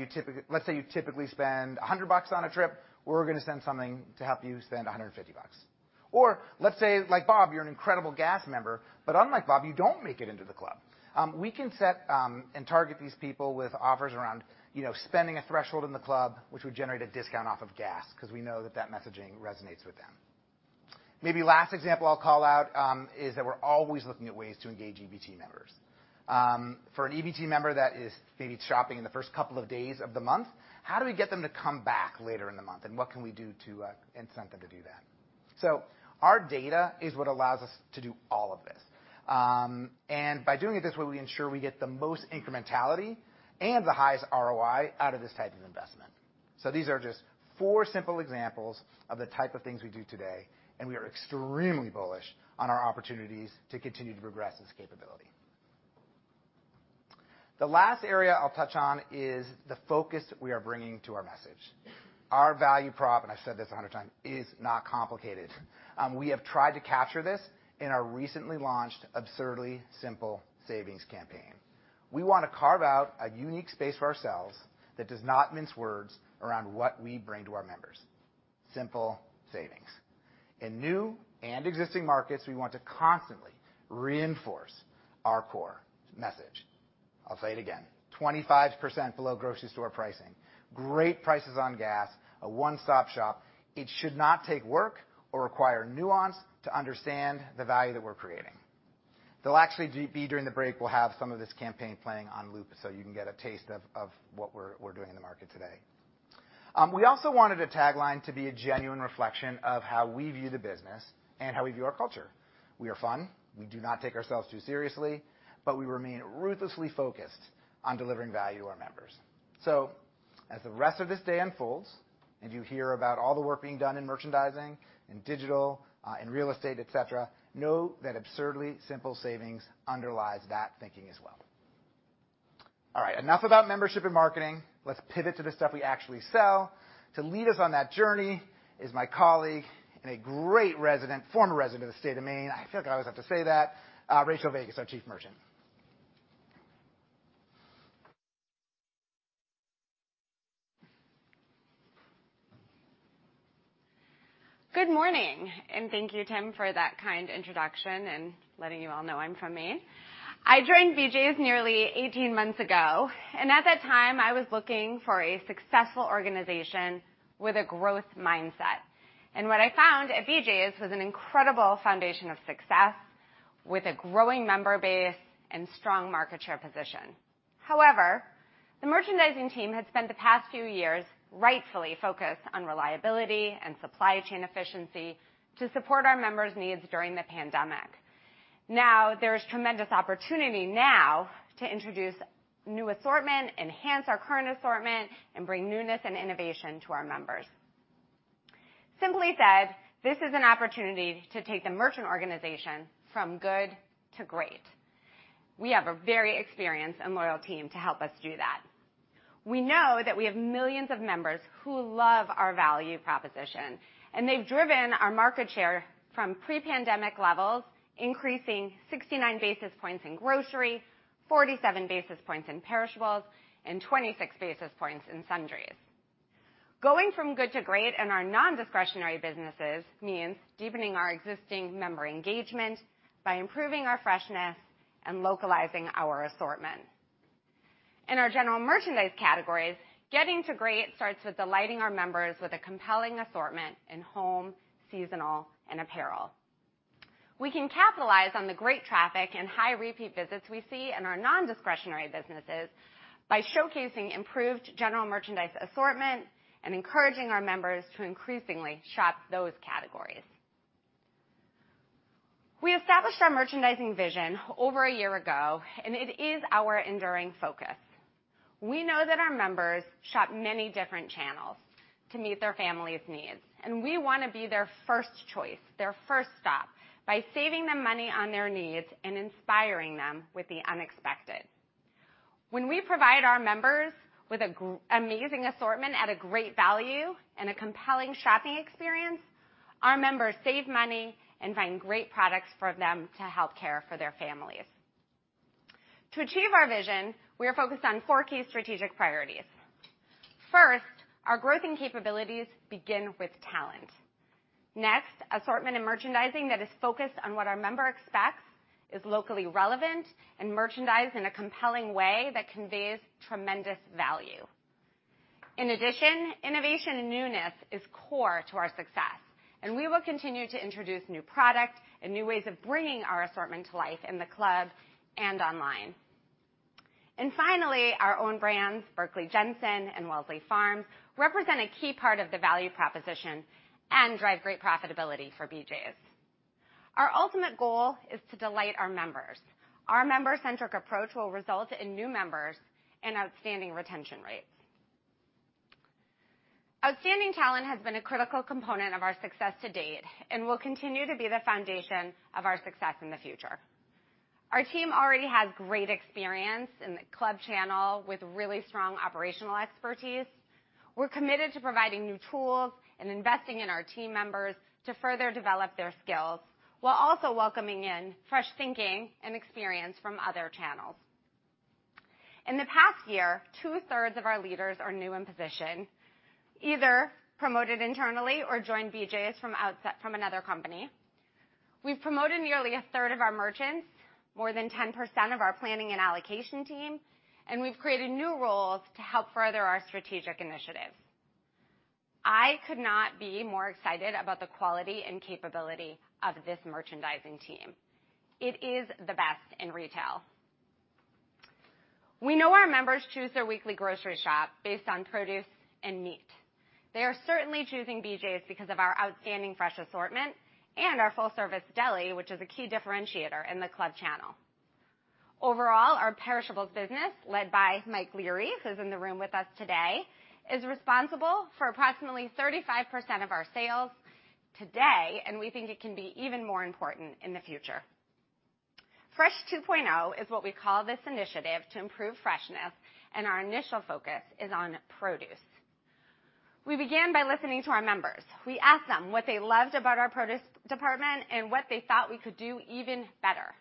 you typically spend $100 on a trip, we're gonna send something to help you spend $150. Let's say, like Bob Eddy, you're an incredible gas member, but unlike Bob Eddy, you don't make it into the club. We can set and target these people with offers around, you know, spending a threshold in the club, which would generate a discount off of gas because we know that that messaging resonates with them. Maybe last example I'll call out is that we're always looking at ways to engage EBT members. For an EBT member that is maybe shopping in the first couple of days of the month, how do we get them to come back later in the month? What can we do to incentive them to do that? Our data is what allows us to do all of this. By doing it this way, we ensure we get the most incrementality and the highest ROI out of this type of investment. These are just four simple examples of the type of things we do today, and we are extremely bullish on our opportunities to continue to progress this capability. The last area I'll touch on is the focus we are bringing to our message. Our value prop, and I've said this 100x, is not complicated. We have tried to capture this in our recently launched Absurdly Simple Savings campaign. We wanna carve out a unique space for ourselves that does not mince words around what we bring to our members, simple savings. In new and existing markets, we want to constantly reinforce our core message. I'll say it again, 25% below grocery store pricing, great prices on gas, a one-stop shop. It should not take work or require nuance to understand the value that we're creating. There'll actually be, during the break, we'll have some of this campaign playing on loop, so you can get a taste of what we're doing in the market today. We also wanted a tagline to be a genuine reflection of how we view the business and how we view our culture. We are fun, we do not take ourselves too seriously, but we remain ruthlessly focused on delivering value to our members. As the rest of this day unfolds and you hear about all the work being done in merchandising, in digital, in real estate, et cetera, know that Absurdly Simple Savings underlies that thinking as well. All right, enough about membership and marketing. Let's pivot to the stuff we actually sell. To lead us on that journey is my colleague and a great former resident of the state of Maine. I feel like I always have to say that, Rachael Vegas, our Chief Merchant. Good morning, and thank you, Tim, for that kind introduction and letting you all know I'm from Maine. I joined BJ's nearly 18 months ago, at that time, I was looking for a successful organization with a growth mindset. What I found at BJ's was an incredible foundation of success with a growing member base and strong market share position. However, the merchandising team had spent the past few years rightfully focused on reliability and supply chain efficiency to support our members' needs during the pandemic. There is tremendous opportunity now to introduce new assortment, enhance our current assortment, and bring newness and innovation to our members. Simply said, this is an opportunity to take the merchant organization from good to great. We have a very experienced and loyal team to help us do that. We know that we have millions of members who love our value proposition, and they've driven our market share from pre-pandemic levels, increasing 69 basis points in grocery, 47 basis points in perishables, and 26 basis points in sundries. Going from good to great in our non-discretionary businesses means deepening our existing member engagement by improving our freshness and localizing our assortment. In our general merchandise categories, getting to great starts with delighting our members with a compelling assortment in home, seasonal, and apparel. We can capitalize on the great traffic and high repeat visits we see in our non-discretionary businesses by showcasing improved general merchandise assortment and encouraging our members to increasingly shop those categories. We established our merchandising vision over 1 year ago, and it is our enduring focus. We know that our members shop many different channels to meet their family's needs, and we wanna be their first choice, their first stop, by saving them money on their needs and inspiring them with the unexpected. When we provide our members with amazing assortment at a great value and a compelling shopping experience, our members save money and find great products for them to help care for their families. To achieve our vision, we are focused on four key strategic priorities. First, our growth and capabilities begin with talent. Next, assortment and merchandising that is focused on what our member expects, is locally relevant and merchandised in a compelling way that conveys tremendous value. In addition, innovation and newness is core to our success, and we will continue to introduce new product and new ways of bringing our assortment to life in the club and online. Finally, our own brands, Berkley Jensen and Wellsley Farms, represent a key part of the value proposition and drive great profitability for BJ's. Our ultimate goal is to delight our members. Our member-centric approach will result in new members and outstanding retention rates. Outstanding talent has been a critical component of our success to date and will continue to be the foundation of our success in the future. Our team already has great experience in the club channel with really strong operational expertise. We're committed to providing new tools and investing in our team members to further develop their skills while also welcoming in fresh thinking and experience from other channels. In the past year, 2/3 of our leaders are new in position, either promoted internally or joined BJ's from another company. We've promoted nearly a third of our merchants, more than 10% of our planning and allocation team. We've created new roles to help further our strategic initiatives. I could not be more excited about the quality and capability of this merchandising team. It is the best in retail. We know our members choose their weekly grocery shop based on produce and meat. They are certainly choosing BJ's because of our outstanding fresh assortment and our full-service deli, which is a key differentiator in the club channel. Overall, our perishables business, led by Mike Leary, who's in the room with us today, is responsible for approximately 35% of our sales today. We think it can be even more important in the future. Fresh 2.0 is what we call this initiative to improve freshness. Our initial focus is on produce. We began by listening to our members. We asked them what they loved about our produce department and what they thought we could do even better.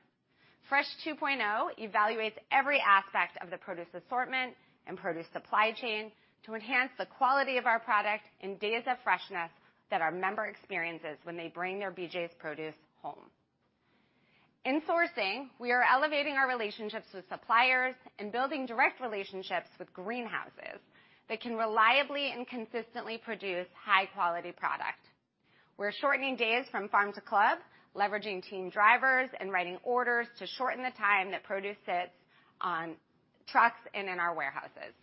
Fresh 2.0 evaluates every aspect of the produce assortment and produce supply chain to enhance the quality of our product and days of freshness that our member experiences when they bring their BJ's produce home. In sourcing, we are elevating our relationships with suppliers and building direct relationships with greenhouses that can reliably and consistently produce high-quality product. We're shortening days from farm to club, leveraging team drivers and writing orders to shorten the time that produce sits on trucks and in our warehouses.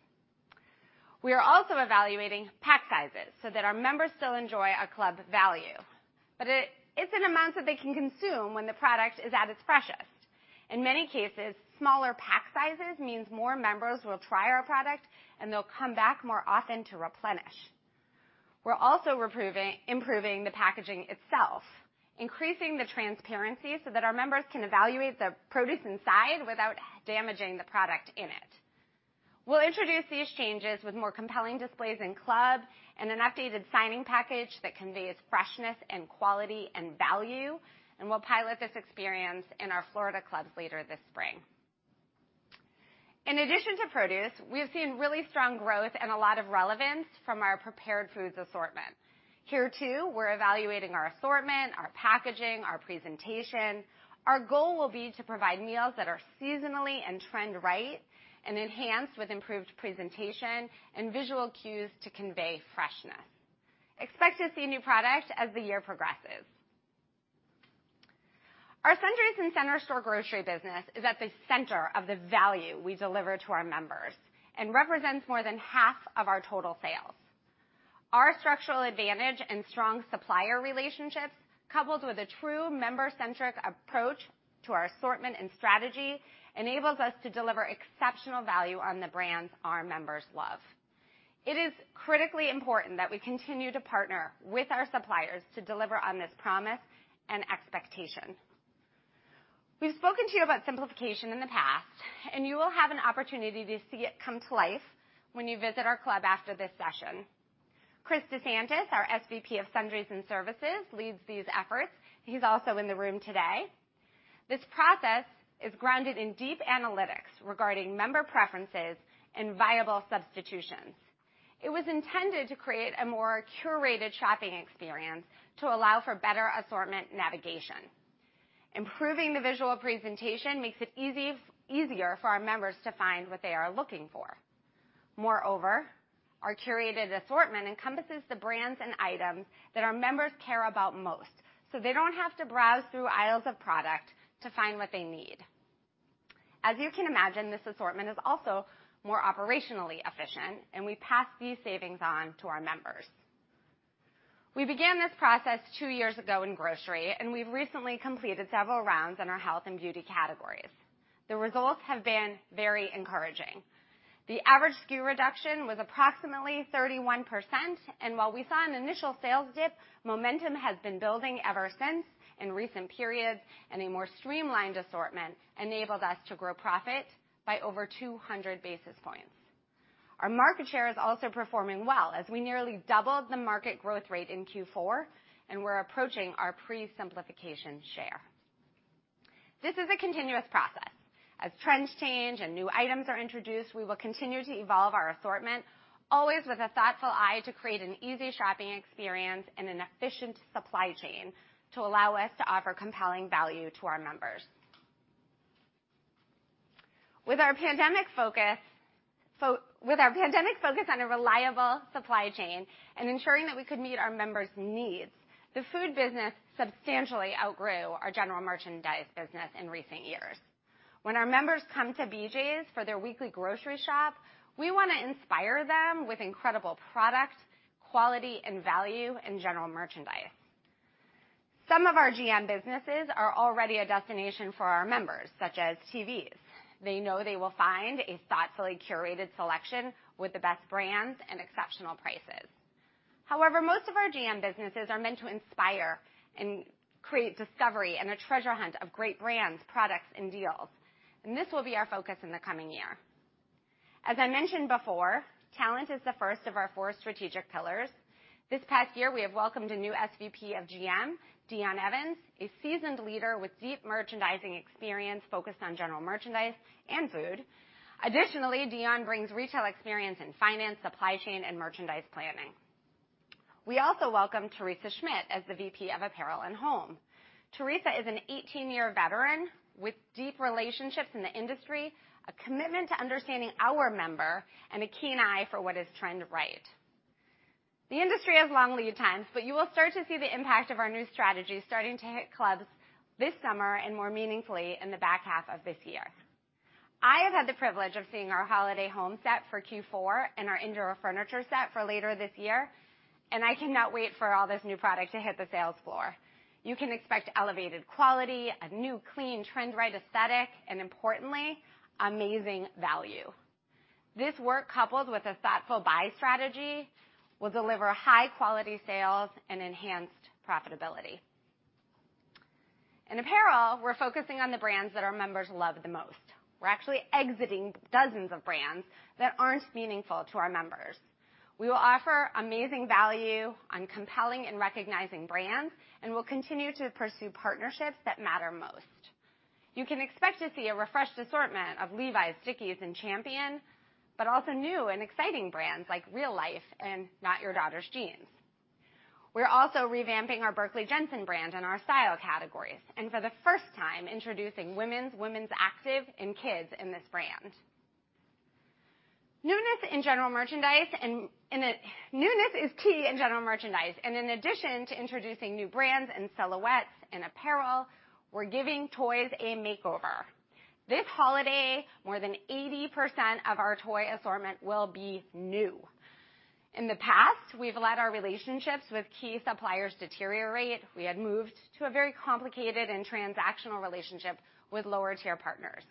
We are also evaluating pack sizes so that our members still enjoy our club value, but it's an amount that they can consume when the product is at its freshest. In many cases, smaller pack sizes means more members will try our product, and they'll come back more often to replenish. We're also improving the packaging itself, increasing the transparency so that our members can evaluate the produce inside without damaging the product in it. We'll introduce these changes with more compelling displays in club and an updated signing package that conveys freshness and quality and value, and we'll pilot this experience in our Florida clubs later this spring. In addition to produce, we've seen really strong growth and a lot of relevance from our prepared foods assortment. Here too, we're evaluating our assortment, our packaging, our presentation. Our goal will be to provide meals that are seasonally and trend-right and enhanced with improved presentation and visual cues to convey freshness. Expect to see new product as the year progresses. Our sundries and center store grocery business is at the center of the value we deliver to our members and represents more than half of our total sales. Our structural advantage and strong supplier relationships, coupled with a true member-centric approach to our assortment and strategy, enables us to deliver exceptional value on the brands our members love. It is critically important that we continue to partner with our suppliers to deliver on this promise and expectation. We've spoken to you about simplification in the past. You will have an opportunity to see it come to life when you visit our club after this session. Chris DeSantis, our SVP of sundries and services, leads these efforts. He's also in the room today. This process is grounded in deep analytics regarding member preferences and viable substitutions. It was intended to create a more curated shopping experience to allow for better assortment navigation. Improving the visual presentation makes it easier for our members to find what they are looking for. Moreover, our curated assortment encompasses the brands and items that our members care about most, so they don't have to browse through aisles of product to find what they need. As you can imagine, this assortment is also more operationally efficient, and we pass these savings on to our members. We began this process two years ago in grocery, and we've recently completed several rounds in our health and beauty categories. The results have been very encouraging. The average SKU reduction was approximately 31%, and while we saw an initial sales dip, momentum has been building ever since in recent periods, and a more streamlined assortment enabled us to grow profit by over 200 basis points. Our market share is also performing well as we nearly doubled the market growth rate in Q4, and we're approaching our pre-simplification share. This is a continuous process. As trends change and new items are introduced, we will continue to evolve our assortment, always with a thoughtful eye to create an easy shopping experience and an efficient supply chain to allow us to offer compelling value to our members. With our pandemic focus on a reliable supply chain and ensuring that we could meet our members' needs, the food business substantially outgrew our general merchandise business in recent years. When our members come to BJ's for their weekly grocery shop, we want to inspire them with incredible product, quality, and value in general merchandise. Some of our GM businesses are already a destination for our members, such as TVs. They know they will find a thoughtfully curated selection with the best brands and exceptional prices. However, most of our GM businesses are meant to inspire and create discovery and a treasure hunt of great brands, products, and deals. This will be our focus in the coming year. As I mentioned before, talent is the first of our four strategic pillars. This past year, we have welcomed a new SVP of GM, Dion Evans, a seasoned leader with deep merchandising experience focused on general merchandise and food. Additionally, Dion brings retail experience in finance, supply chain, and merchandise planning. We also welcome Theresa Schmidt as the VP of Apparel and Home. Theresa is an 18-year veteran with deep relationships in the industry, a commitment to understanding our member, and a keen eye for what is trend-right. The industry has long lead times, you will start to see the impact of our new strategy starting to hit clubs this summer and more meaningfully in the back half of this year. I have had the privilege of seeing our holiday home set for Q4 and our indoor furniture set for later this year, I cannot wait for all this new product to hit the sales floor. You can expect elevated quality, a new clean trend-right aesthetic, importantly, amazing value. This work, coupled with a thoughtful buy strategy, will deliver high-quality sales and enhanced profitability. In apparel, we're focusing on the brands that our members love the most. We're actually exiting dozens of brands that aren't meaningful to our members. We will offer amazing value on compelling and recognizing brands, and we'll continue to pursue partnerships that matter most. You can expect to see a refreshed assortment of Levi's, Dickies, and Champion, but also new and exciting brands like Real Life and Not Your Daughter's Jeans. We're also revamping our Berkley Jensen brand in our style categories and for the first time, introducing women's active, and kids in this brand. Newness is key in general merchandise, and in addition to introducing new brands and silhouettes in apparel, we're giving toys a makeover. This holiday, more than 80% of our toy assortment will be new. In the past, we've let our relationships with key suppliers deteriorate. We had moved to a very complicated and transactional relationship with lower tier partners.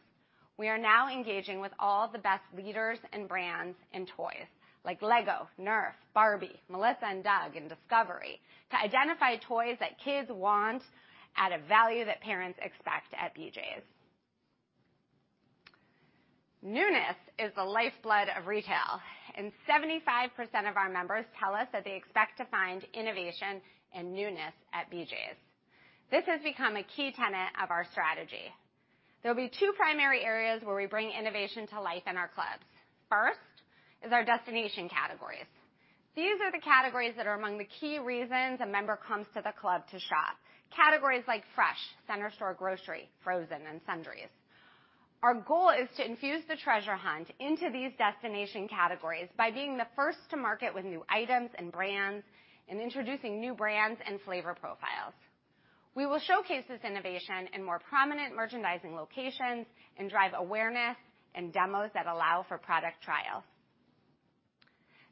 We are now engaging with all the best leaders and brands in toys like LEGO, NERF, Barbie, Melissa & Doug, and Discovery to identify toys that kids want at a value that parents expect at BJ's. Newness is the lifeblood of retail. 75% of our members tell us that they expect to find innovation and newness at BJ's. This has become a key tenet of our strategy. There'll be 2 primary areas where we bring innovation to life in our clubs. First is our destination categories. These are the categories that are among the key reasons a member comes to the club to shop, categories like fresh, center store grocery, frozen, and sundries. Our goal is to infuse the treasure hunt into these destination categories by being the first to market with new items and brands, and introducing new brands and flavor profiles. We will showcase this innovation in more prominent merchandising locations and drive awareness and demos that allow for product trial.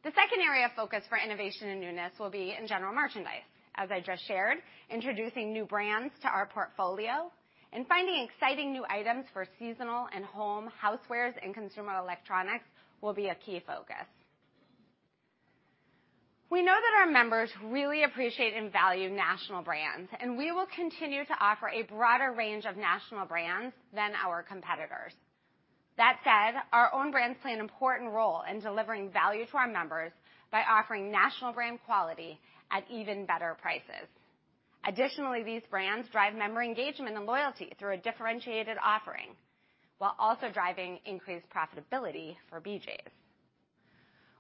The second area of focus for innovation and newness will be in general merchandise. As I just shared, introducing new brands to our portfolio and finding exciting new items for seasonal and home housewares and consumer electronics will be a key focus. We know that our members really appreciate and value national brands, and we will continue to offer a broader range of national brands than our competitors. That said, our own brands play an important role in delivering value to our members by offering national brand quality at even better prices. Additionally, these brands drive member engagement and loyalty through a differentiated offering, while also driving increased profitability for BJ's.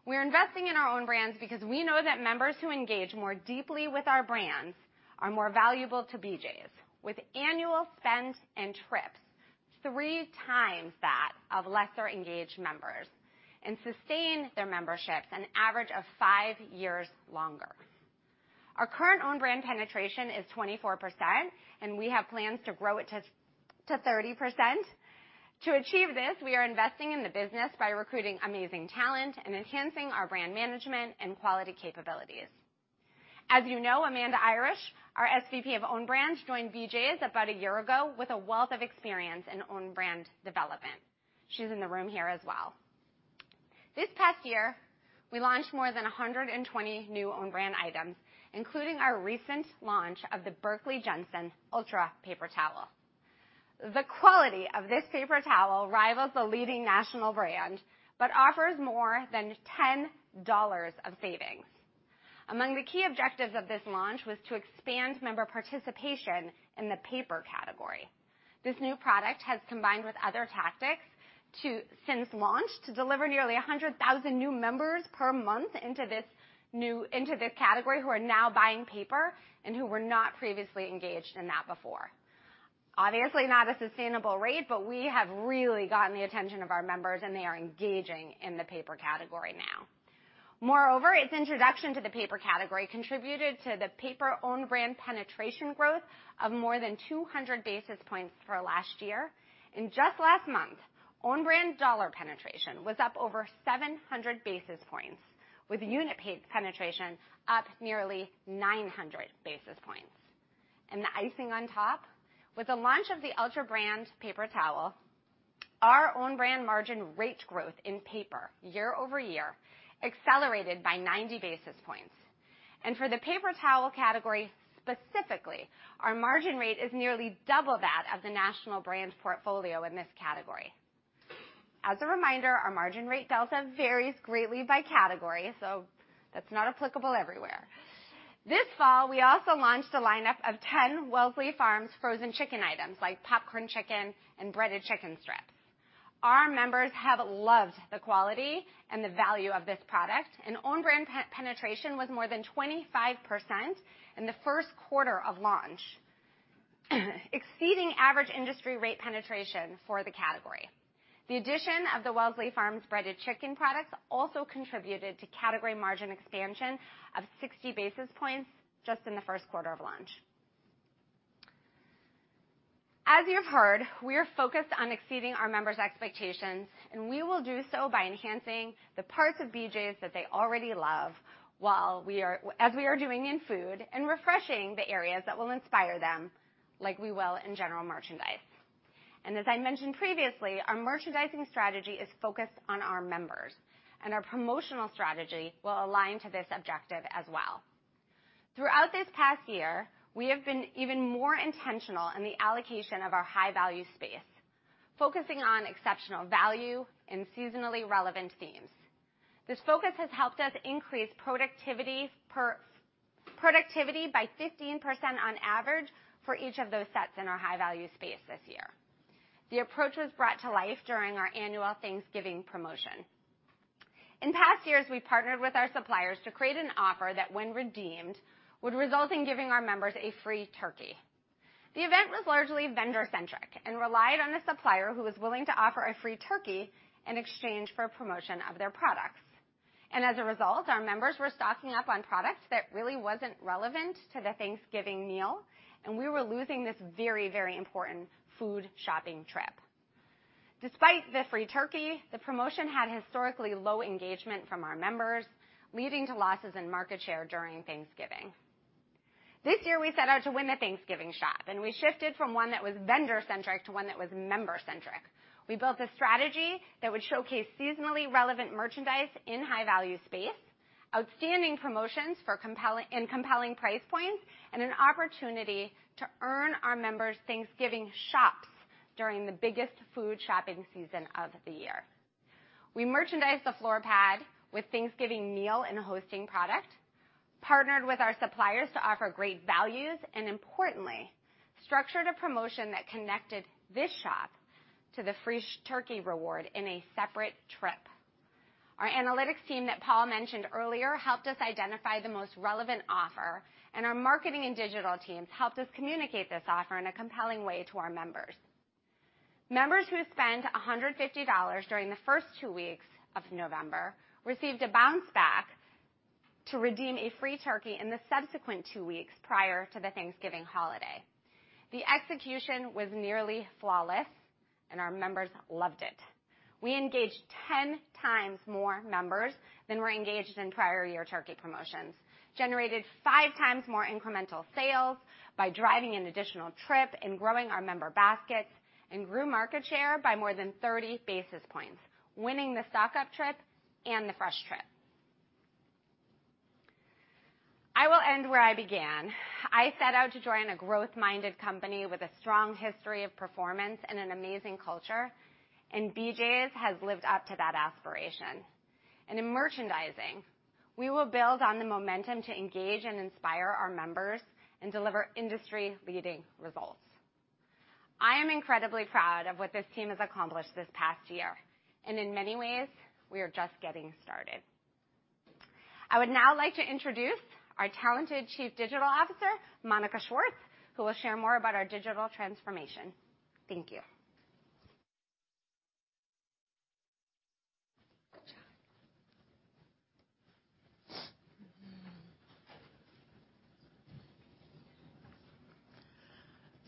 We're investing in our own brands because we know that members who engage more deeply with our brands are more valuable to BJ's with annual spend and trips 3x that of lesser engaged members and sustain their memberships an average of five years longer. Our current owned brand penetration is 24%. We have plans to grow it to 30%. To achieve this, we are investing in the business by recruiting amazing talent and enhancing our brand management and quality capabilities. As you know, Amanda Irish, our SVP of Own Brands, joined BJ's about a year ago with a wealth of experience in own brand development. She's in the room here as well. This past year, we launched more than 120 new own brand items, including our recent launch of the Berkley Jensen Ultra Paper Towel. The quality of this paper towel rivals a leading national brand, offers more than $10 of savings. Among the key objectives of this launch was to expand member participation in the paper category. This new product has combined with other tactics since launch, to deliver nearly 100,000 new members per month into this category who are now buying paper and who were not previously engaged in that before. Obviously, not a sustainable rate. We have really gotten the attention of our members, and they are engaging in the paper category now. Moreover, its introduction to the paper category contributed to the paper own brand penetration growth of more than 200 basis points for last year. In just last month, own brand dollar penetration was up over 700 basis points, with unit penetration up nearly 900 basis points. The icing on top, with the launch of the Ultra Paper Towel, our own brand margin rate growth in paper year-over-year accelerated by 90 basis points. For the paper towel category, specifically, our margin rate is nearly double that of the national brand portfolio in this category. As a reminder, our margin rate delta varies greatly by category, so that's not applicable everywhere. This fall, we also launched a lineup of 10 Wellesley Farms frozen chicken items like popcorn chicken and breaded chicken strips. Our members have loved the quality and the value of this product, and own brand penetration was more than 25% in the first quarter of launch, exceeding average industry rate penetration for the category. The addition of the Wellesley Farms breaded chicken products also contributed to category margin expansion of 60 basis points just in the first quarter of launch. As you've heard, we are focused on exceeding our members' expectations, we will do so by enhancing the parts of BJ's that they already love while as we are doing in food and refreshing the areas that will inspire them like we will in general merchandise. As I mentioned previously, our merchandising strategy is focused on our members, and our promotional strategy will align to this objective as well. Throughout this past year, we have been even more intentional in the allocation of our high-value space, focusing on exceptional value and seasonally relevant themes. This focus has helped us increase productivity by 15% on average for each of those sets in our high-value space this year. The approach was brought to life during our annual Thanksgiving promotion. In past years, we partnered with our suppliers to create an offer that, when redeemed, would result in giving our members a free turkey. The event was largely vendor-centric and relied on the supplier who was willing to offer a free turkey in exchange for a promotion of their products. As a result, our members were stocking up on products that really wasn't relevant to the Thanksgiving meal, and we were losing this very, very important food shopping trip. Despite the free turkey, the promotion had historically low engagement from our members, leading to losses in market share during Thanksgiving. This year, we set out to win the Thanksgiving shop, and we shifted from one that was vendor-centric to one that was member-centric. We built a strategy that would showcase seasonally relevant merchandise in high-value space, outstanding promotions for compelling price points, and an opportunity to earn our members Thanksgiving shops during the biggest food shopping season of the year. We merchandised the floor pad with Thanksgiving meal and hosting product, partnered with our suppliers to offer great values, and importantly, structured a promotion that connected this shop to the free turkey reward in a separate trip. Our analytics team that Paul mentioned earlier helped us identify the most relevant offer, and our marketing and digital teams helped us communicate this offer in a compelling way to our members. Members who spent $150 during the first two weeks of November received a bounce back to redeem a free turkey in the subsequent two weeks prior to the Thanksgiving holiday. The execution was nearly flawless, and our members loved it. We engaged 10 times more members than were engaged in prior year turkey promotions, generated 5x more incremental sales by driving an additional trip and growing our member baskets, and grew market share by more than 30 basis points, winning the stock-up trip and the fresh trip. I will end where I began. I set out to join a growth-minded company with a strong history of performance and an amazing culture, and BJ's has lived up to that aspiration. In merchandising, we will build on the momentum to engage and inspire our members and deliver industry-leading results. I am incredibly proud of what this team has accomplished this past year, in many ways, we are just getting started. I would now like to introduce our talented Chief Digital Officer, Monica Schwartz, who will share more about our digital transformation. Thank you.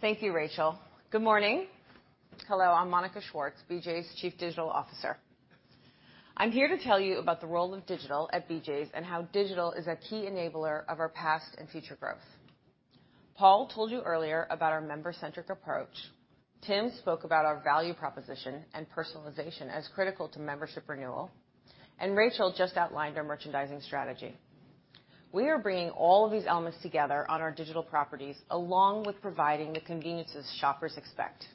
Good job. Thank you, Rachael. Good morning. Hello, I'm Monica Schwartz, BJ's Chief Digital Officer. I'm here to tell you about the role of digital at BJ's and how digital is a key enabler of our past and future growth. Paul told you earlier about our member-centric approach. Tim spoke about our value proposition and personalization as critical to membership renewal, and Rachael just outlined our merchandising strategy. We are bringing all of these elements together on our digital properties, along with providing the conveniences shoppers expect.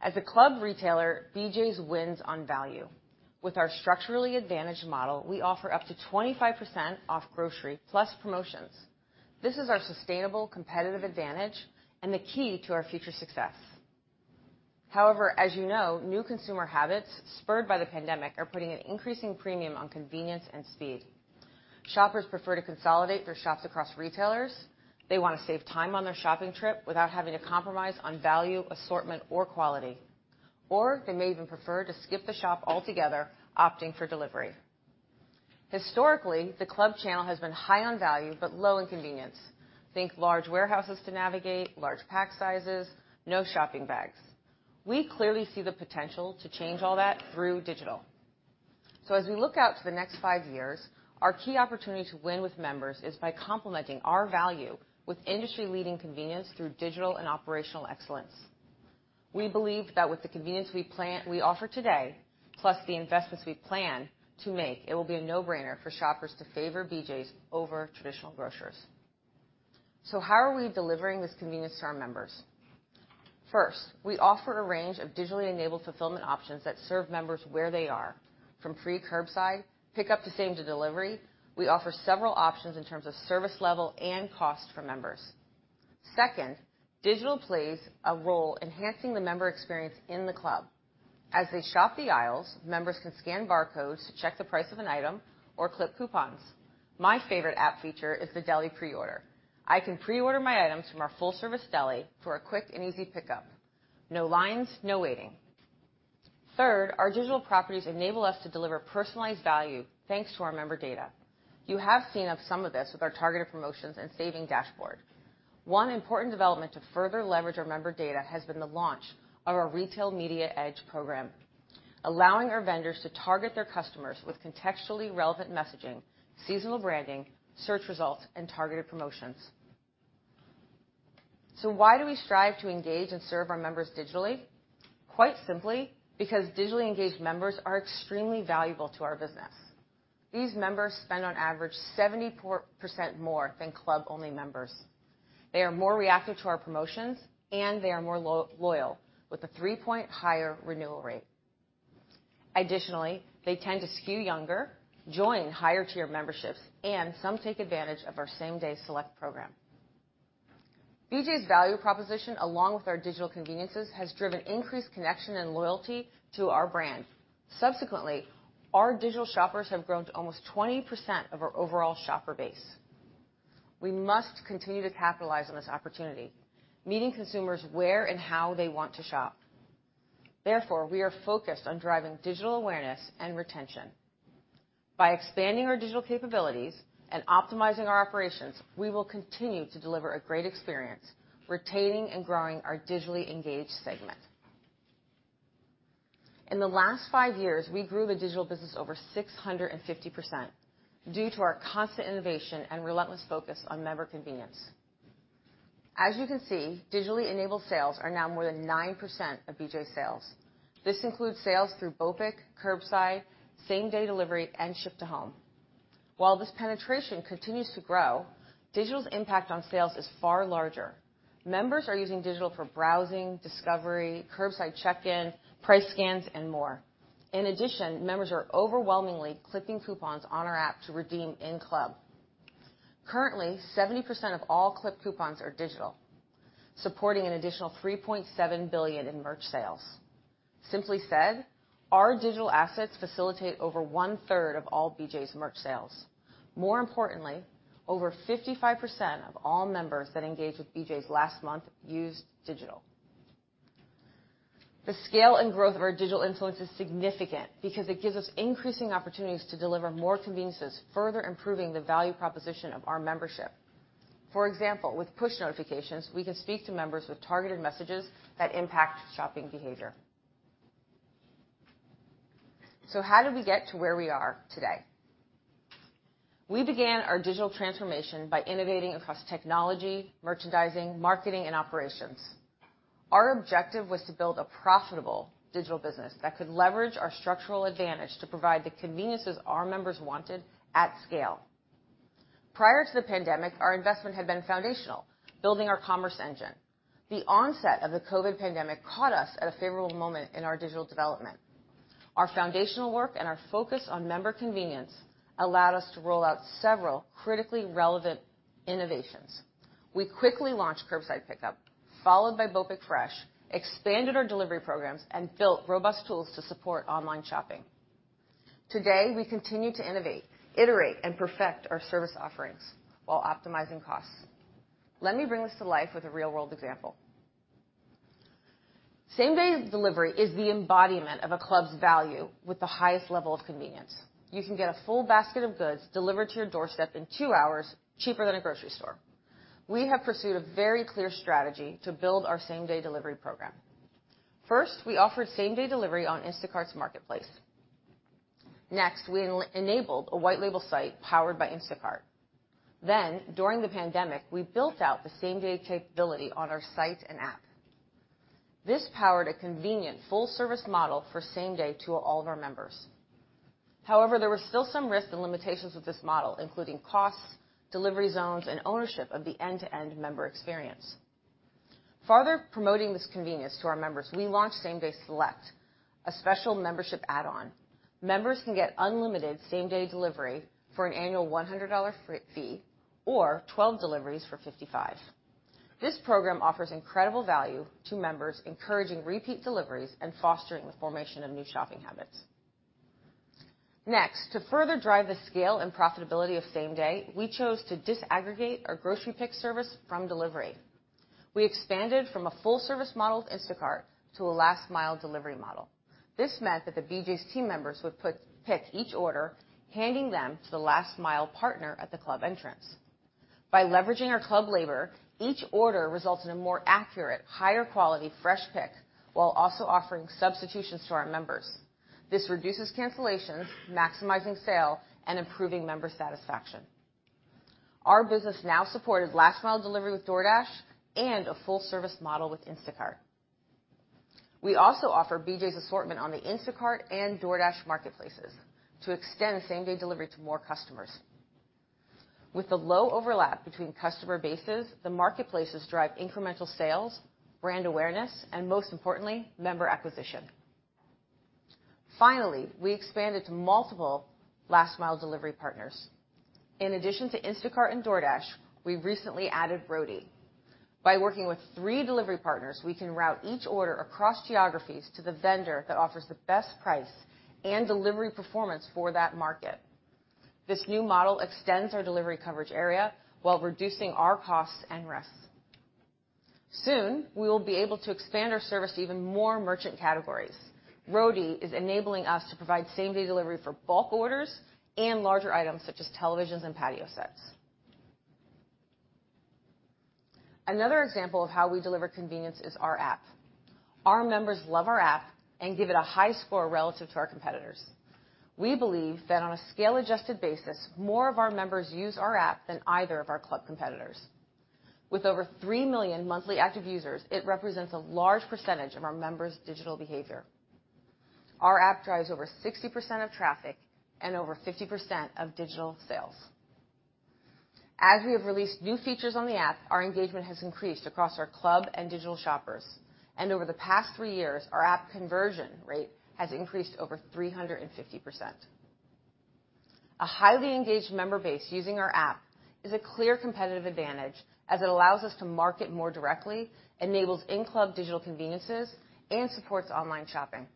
As a club retailer, BJ's wins on value. With our structurally advantaged model, we offer up to 25% off grocery plus promotions. This is our sustainable competitive advantage and the key to our future success. However, as you know, new consumer habits spurred by the pandemic are putting an increasing premium on convenience and speed. Shoppers prefer to consolidate their shops across retailers. They wanna save time on their shopping trip without having to compromise on value, assortment, or quality. They may even prefer to skip the shop altogether, opting for delivery. Historically, the club channel has been high on value, but low in convenience. Think large warehouses to navigate, large pack sizes, no shopping bags. We clearly see the potential to change all that through digital. As we look out to the next 5 years, our key opportunity to win with members is by complementing our value with industry-leading convenience through digital and operational excellence. We believe that with the convenience we offer today, plus the investments we plan to make, it will be a no-brainer for shoppers to favor BJ's over traditional grocers. How are we delivering this convenience to our members? We offer a range of digitally enabled fulfillment options that serve members where they are. From free curbside, pick up the same-day delivery, we offer several options in terms of service level and cost for members. Digital plays a role enhancing the member experience in the club. As they shop the aisles, members can scan barcodes to check the price of an item or clip coupons. My favorite app feature is the deli pre-order. I can pre-order my items from our full-service deli for a quick and easy pickup. No lines, no waiting. Our digital properties enable us to deliver personalized value, thanks to our member data. You have seen of some of this with our targeted promotions and saving dashboard. One important development to further leverage our member data has been the launch of our BJ's Media Edge program, allowing our vendors to target their customers with contextually relevant messaging, seasonal branding, search results, and targeted promotions. Why do we strive to engage and serve our members digitally? Quite simply, because digitally engaged members are extremely valuable to our business. These members spend on average 74% more than club-only members. They are more reactive to our promotions, and they are more loyal with a 3-point higher renewal rate. Additionally, they tend to skew younger, join higher tier memberships, and some take advantage of our Same-Day Select program. BJ's value proposition, along with our digital conveniences, has driven increased connection and loyalty to our brand. Subsequently, our digital shoppers have grown to almost 20% of our overall shopper base. We must continue to capitalize on this opportunity, meeting consumers where and how they want to shop. Therefore, we are focused on driving digital awareness and retention. By expanding our digital capabilities and optimizing our operations, we will continue to deliver a great experience, retaining and growing our digitally engaged segment. In the last five years, we grew the digital business over 650% due to our constant innovation and relentless focus on member convenience. As you can see, digitally enabled sales are now more than 9% of BJ's sales. This includes sales through BOPIC, curbside, same-day delivery, and ship-to-home. While this penetration continues to grow, digital's impact on sales is far larger. Members are using digital for browsing, discovery, curbside check-in, price scans, and more. In addition, members are overwhelmingly clipping coupons on our app to redeem in club. Currently, 70% of all clipped coupons are digital, supporting an additional $3.7 billion in merch sales. Simply said, our digital assets facilitate over one-third of all BJ's merch sales. More importantly, over 55% of all members that engaged with BJ's last month used digital. The scale and growth of our digital influence is significant because it gives us increasing opportunities to deliver more conveniences, further improving the value proposition of our membership. For example, with push notifications, we can speak to members with targeted messages that impact shopping behavior. How did we get to where we are today? We began our digital transformation by innovating across technology, merchandising, marketing, and operations. Our objective was to build a profitable digital business that could leverage our structural advantage to provide the conveniences our members wanted at scale. Prior to the pandemic, our investment had been foundational, building our commerce engine. The onset of the COVID pandemic caught us at a favorable moment in our digital development. Our foundational work and our focus on member convenience allowed us to roll out several critically relevant innovations. We quickly launched curbside pickup, followed by BJ's App Fresh, expanded our delivery programs and built robust tools to support online shopping. Today, we continue to innovate, iterate, and perfect our service offerings while optimizing costs. Let me bring this to life with a real-world example. Same-day delivery is the embodiment of a club's value with the highest level of convenience. You can get a full basket of goods delivered to your doorstep in two hours cheaper than a grocery store. We have pursued a very clear strategy to build our same-day delivery program. First, we offered same-day delivery on Instacart's marketplace. We enabled a white label site powered by Instacart. During the pandemic, we built out the same-day capability on our site and app. This powered a convenient full-service model for same-day to all of our members. There were still some risks and limitations with this model, including costs, delivery zones, and ownership of the end-to-end member experience. Farther promoting this convenience to our members, we launched Same-Day Select, a special membership add-on. Members can get unlimited same-day delivery for an annual $100 fee or 12 deliveries for $55. This program offers incredible value to members, encouraging repeat deliveries and fostering the formation of new shopping habits. To further drive the scale and profitability of Same-Day, we chose to disaggregate our grocery pick service from delivery. We expanded from a full-service model with Instacart to a last-mile delivery model. This meant that the BJ's team members would pick each order, handing them to the last-mile partner at the club entrance. By leveraging our club labor, each order results in a more accurate, higher-quality fresh pick while also offering substitutions to our members. This reduces cancellations, maximizing sale, and improving member satisfaction. Our business now supported last-mile delivery with DoorDash and a full-service model with Instacart. We also offer BJ's assortment on the Instacart and DoorDash marketplaces to extend same-day delivery to more customers. With the low overlap between customer bases, the marketplaces drive incremental sales, brand awareness, and most importantly, member acquisition. We expanded to multiple last-mile delivery partners. In addition to Instacart and DoorDash, we recently added Roadie. By working with three delivery partners, we can route each order across geographies to the vendor that offers the best price and delivery performance for that market. This new model extends our delivery coverage area while reducing our costs and risks. Soon, we will be able to expand our service to even more merchant categories. Roadie is enabling us to provide same-day delivery for bulk orders and larger items such as televisions and patio sets. Another example of how we deliver convenience is our app. Our members love our app and give it a high score relative to our competitors. We believe that on a scale-adjusted basis, more of our members use our app than either of our club competitors. With over 3 million monthly active users, it represents a large percentage of our members' digital behavior. Our app drives over 60% of traffic and over 50% of digital sales. As we have released new features on the app, our engagement has increased across our club and digital shoppers. Over the past 3 years, our app conversion rate has increased over 350%. A highly engaged member base using our app is a clear competitive advantage as it allows us to market more directly, enables in-club digital conveniences, and supports online shopping.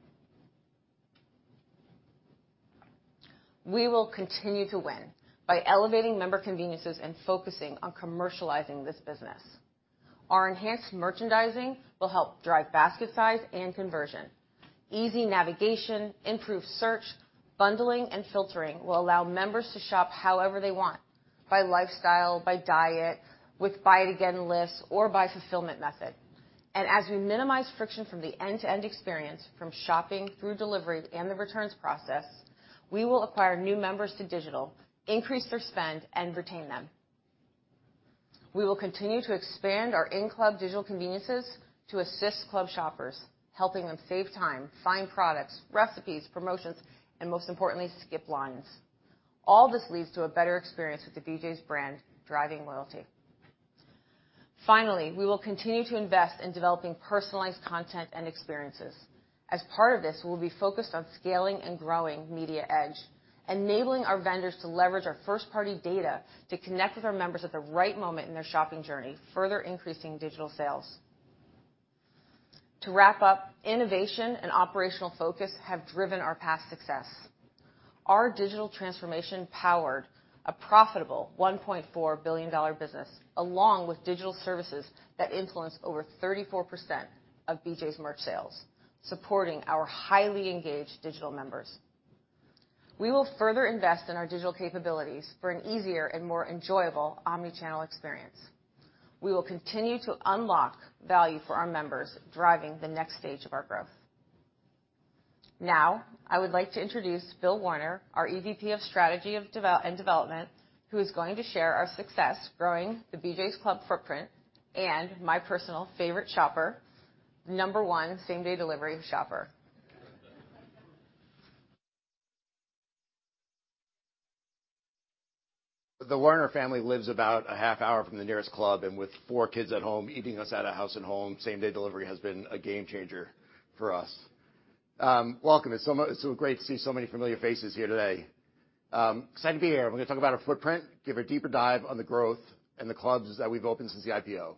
We will continue to win by elevating member conveniences and focusing on commercializing this business. Our enhanced merchandising will help drive basket size and conversion. Easy navigation, improved search, bundling, and filtering will allow members to shop however they want, by lifestyle, by diet, with buy-it-again lists, or by fulfillment method. As we minimize friction from the end-to-end experience from shopping through delivery and the returns process, we will acquire new members to digital, increase their spend, and retain them. We will continue to expand our in-club digital conveniences to assist club shoppers, helping them save time, find products, recipes, promotions, and most importantly, skip lines. All this leads to a better experience with the BJ's brand, driving loyalty. We will continue to invest in developing personalized content and experiences. As part of this, we'll be focused on scaling and growing Media Edge, enabling our vendors to leverage our first-party data to connect with our members at the right moment in their shopping journey, further increasing digital sales. To wrap up, innovation and operational focus have driven our past success. Our digital transformation powered a profitable $1.4 billion business, along with digital services that influence over 34% of BJ's merch sales, supporting our highly engaged digital members. We will further invest in our digital capabilities for an easier and more enjoyable omni-channel experience. We will continue to unlock value for our members, driving the next stage of our growth. I would like to introduce Bill Werner, our EVP of Strategy and Development, who is going to share our success growing the BJ's Club footprint and my personal favorite shopper, number 1 same-day delivery shopper. The Werner family lives about a half hour from the nearest club, and with four kids at home, eating us out of house and home, same-day delivery has been a game changer for us. Welcome. It's so great to see so many familiar faces here today. Excited to be here. We're gonna talk about our footprint, give a deeper dive on the growth and the clubs that we've opened since the IPO.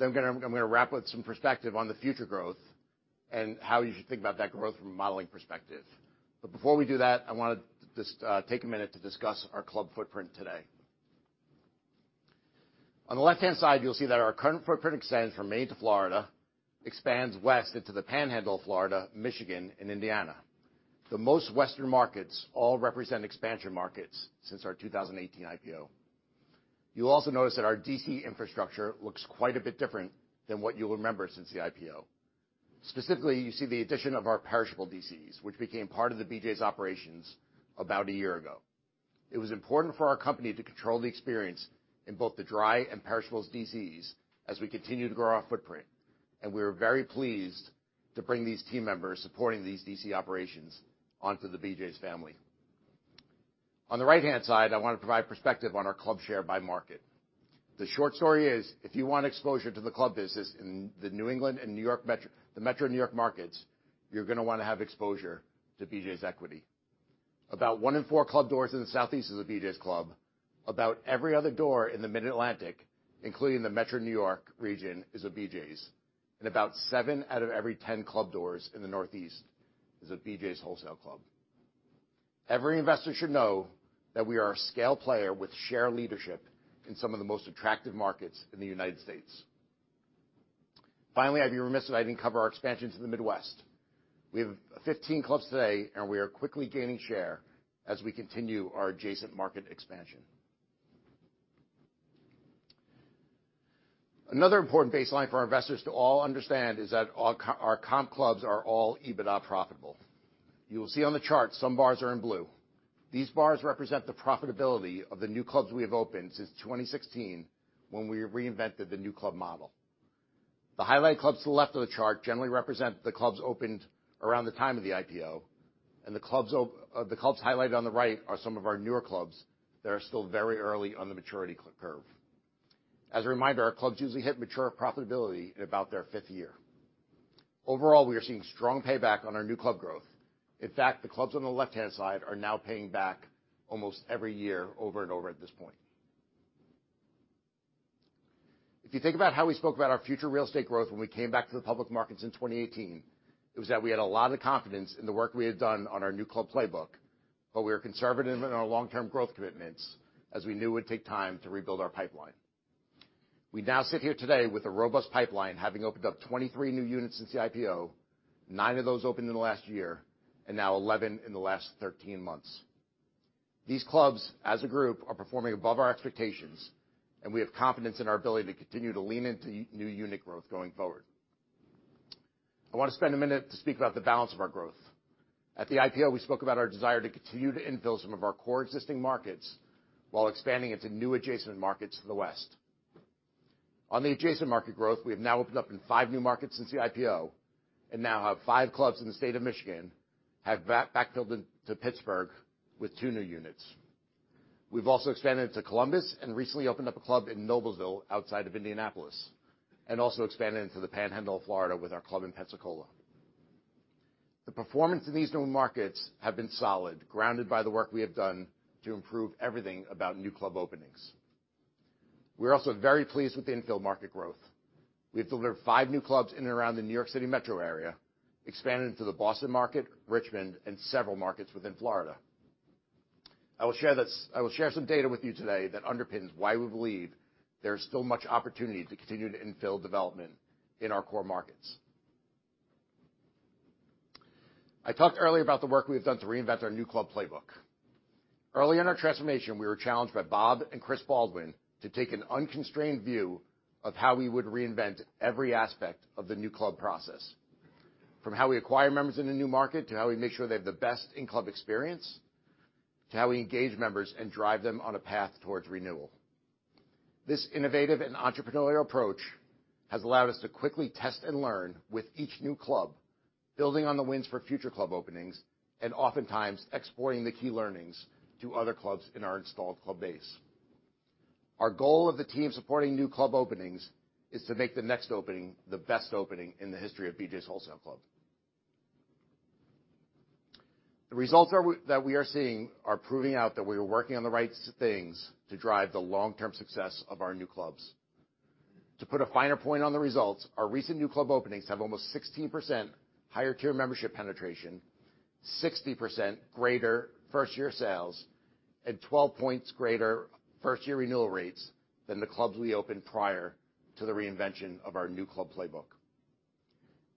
I'm gonna wrap with some perspective on the future growth and how you should think about that growth from a modeling perspective. Before we do that, I wanna just take a minute to discuss our club footprint today. On the left-hand side, you'll see that our current footprint extends from Maine to Florida, expands west into the panhandle of Florida, Michigan, and Indiana. The most western markets all represent expansion markets since our 2018 IPO. You'll also notice that our DC infrastructure looks quite a bit different than what you'll remember since the IPO. Specifically, you see the addition of our perishable DCs, which became part of the BJ's operations about a year ago. It was important for our company to control the experience in both the dry and perishables DCs as we continue to grow our footprint, and we were very pleased to bring these team members supporting these DC operations onto the BJ's family. On the right-hand side, I want to provide perspective on our club share by market. The short story is, if you want exposure to the club business in the New England and New York metro New York markets, you're gonna wanna have exposure to BJ's equity. About one in four club doors in the Southeast is a BJ's club. About every other door in the Mid-Atlantic, including the metro New York region, is a BJ's. About 7 out of every 10 club doors in the Northeast is a BJ's Wholesale Club. Every investor should know that we are a scale player with share leadership in some of the most attractive markets in the United States. Finally, I'd be remiss if I didn't cover our expansions in the Midwest. We have 15 clubs today, and we are quickly gaining share as we continue our adjacent market expansion. Another important baseline for our investors to all understand is that all our comp clubs are all EBITDA profitable. You will see on the chart some bars are in blue. These bars represent the profitability of the new clubs we have opened since 2016, when we reinvented the new club model. The highlighted clubs to the left of the chart generally represent the clubs opened around the time of the IPO, and the clubs highlighted on the right are some of our newer clubs that are still very early on the maturity curve. As a reminder, our clubs usually hit mature profitability in about their fifth year. Overall, we are seeing strong payback on our new club growth. In fact, the clubs on the left-hand side are now paying back almost every year over and over at this point. If you think about how we spoke about our future real estate growth when we came back to the public markets in 2018, it was that we had a lot of confidence in the work we had done on our new club playbook, but we were conservative in our long-term growth commitments as we knew it would take time to rebuild our pipeline. We now sit here today with a robust pipeline, having opened up 23 new units since the IPO, nine of those opened in the last year, and now 11 in the last 13 months. These clubs, as a group, are performing above our expectations, and we have confidence in our ability to continue to lean into new unit growth going forward. I want to spend a minute to speak about the balance of our growth. At the IPO, we spoke about our desire to continue to infill some of our core existing markets while expanding into new adjacent markets to the west. On the adjacent market growth, we have now opened up in 5 new markets since the IPO and now have 5 clubs in the state of Michigan, have backfilled into Pittsburgh with 2 new units. We've also expanded into Columbus and recently opened up a club in Noblesville outside of Indianapolis and also expanded into the panhandle of Florida with our club in Pensacola. The performance in these new markets have been solid, grounded by the work we have done to improve everything about new club openings. We're also very pleased with the infill market growth. We have delivered 5 new clubs in and around the New York City metro area, expanded into the Boston market, Richmond, and several markets within Florida. I will share some data with you today that underpins why we believe there is still much opportunity to continue to infill development in our core markets. I talked earlier about the work we have done to reinvent our new club playbook. Early in our transformation, we were challenged by Bob and Chris Baldwin to take an unconstrained view of how we would reinvent every aspect of the new club process, from how we acquire members in a new market, to how we make sure they have the best in-club experience, to how we engage members and drive them on a path towards renewal. This innovative and entrepreneurial approach has allowed us to quickly test and learn with each new club, building on the wins for future club openings and oftentimes exporting the key learnings to other clubs in our installed club base. Our goal of the team supporting new club openings is to make the next opening the best opening in the history of BJ's Wholesale Club. The results that we are seeing are proving out that we are working on the right things to drive the long-term success of our new clubs. To put a finer point on the results, our recent new club openings have almost 16% higher tier membership penetration, 60% greater first-year sales, and 12 points greater first-year renewal rates than the clubs we opened prior to the reinvention of our new club playbook.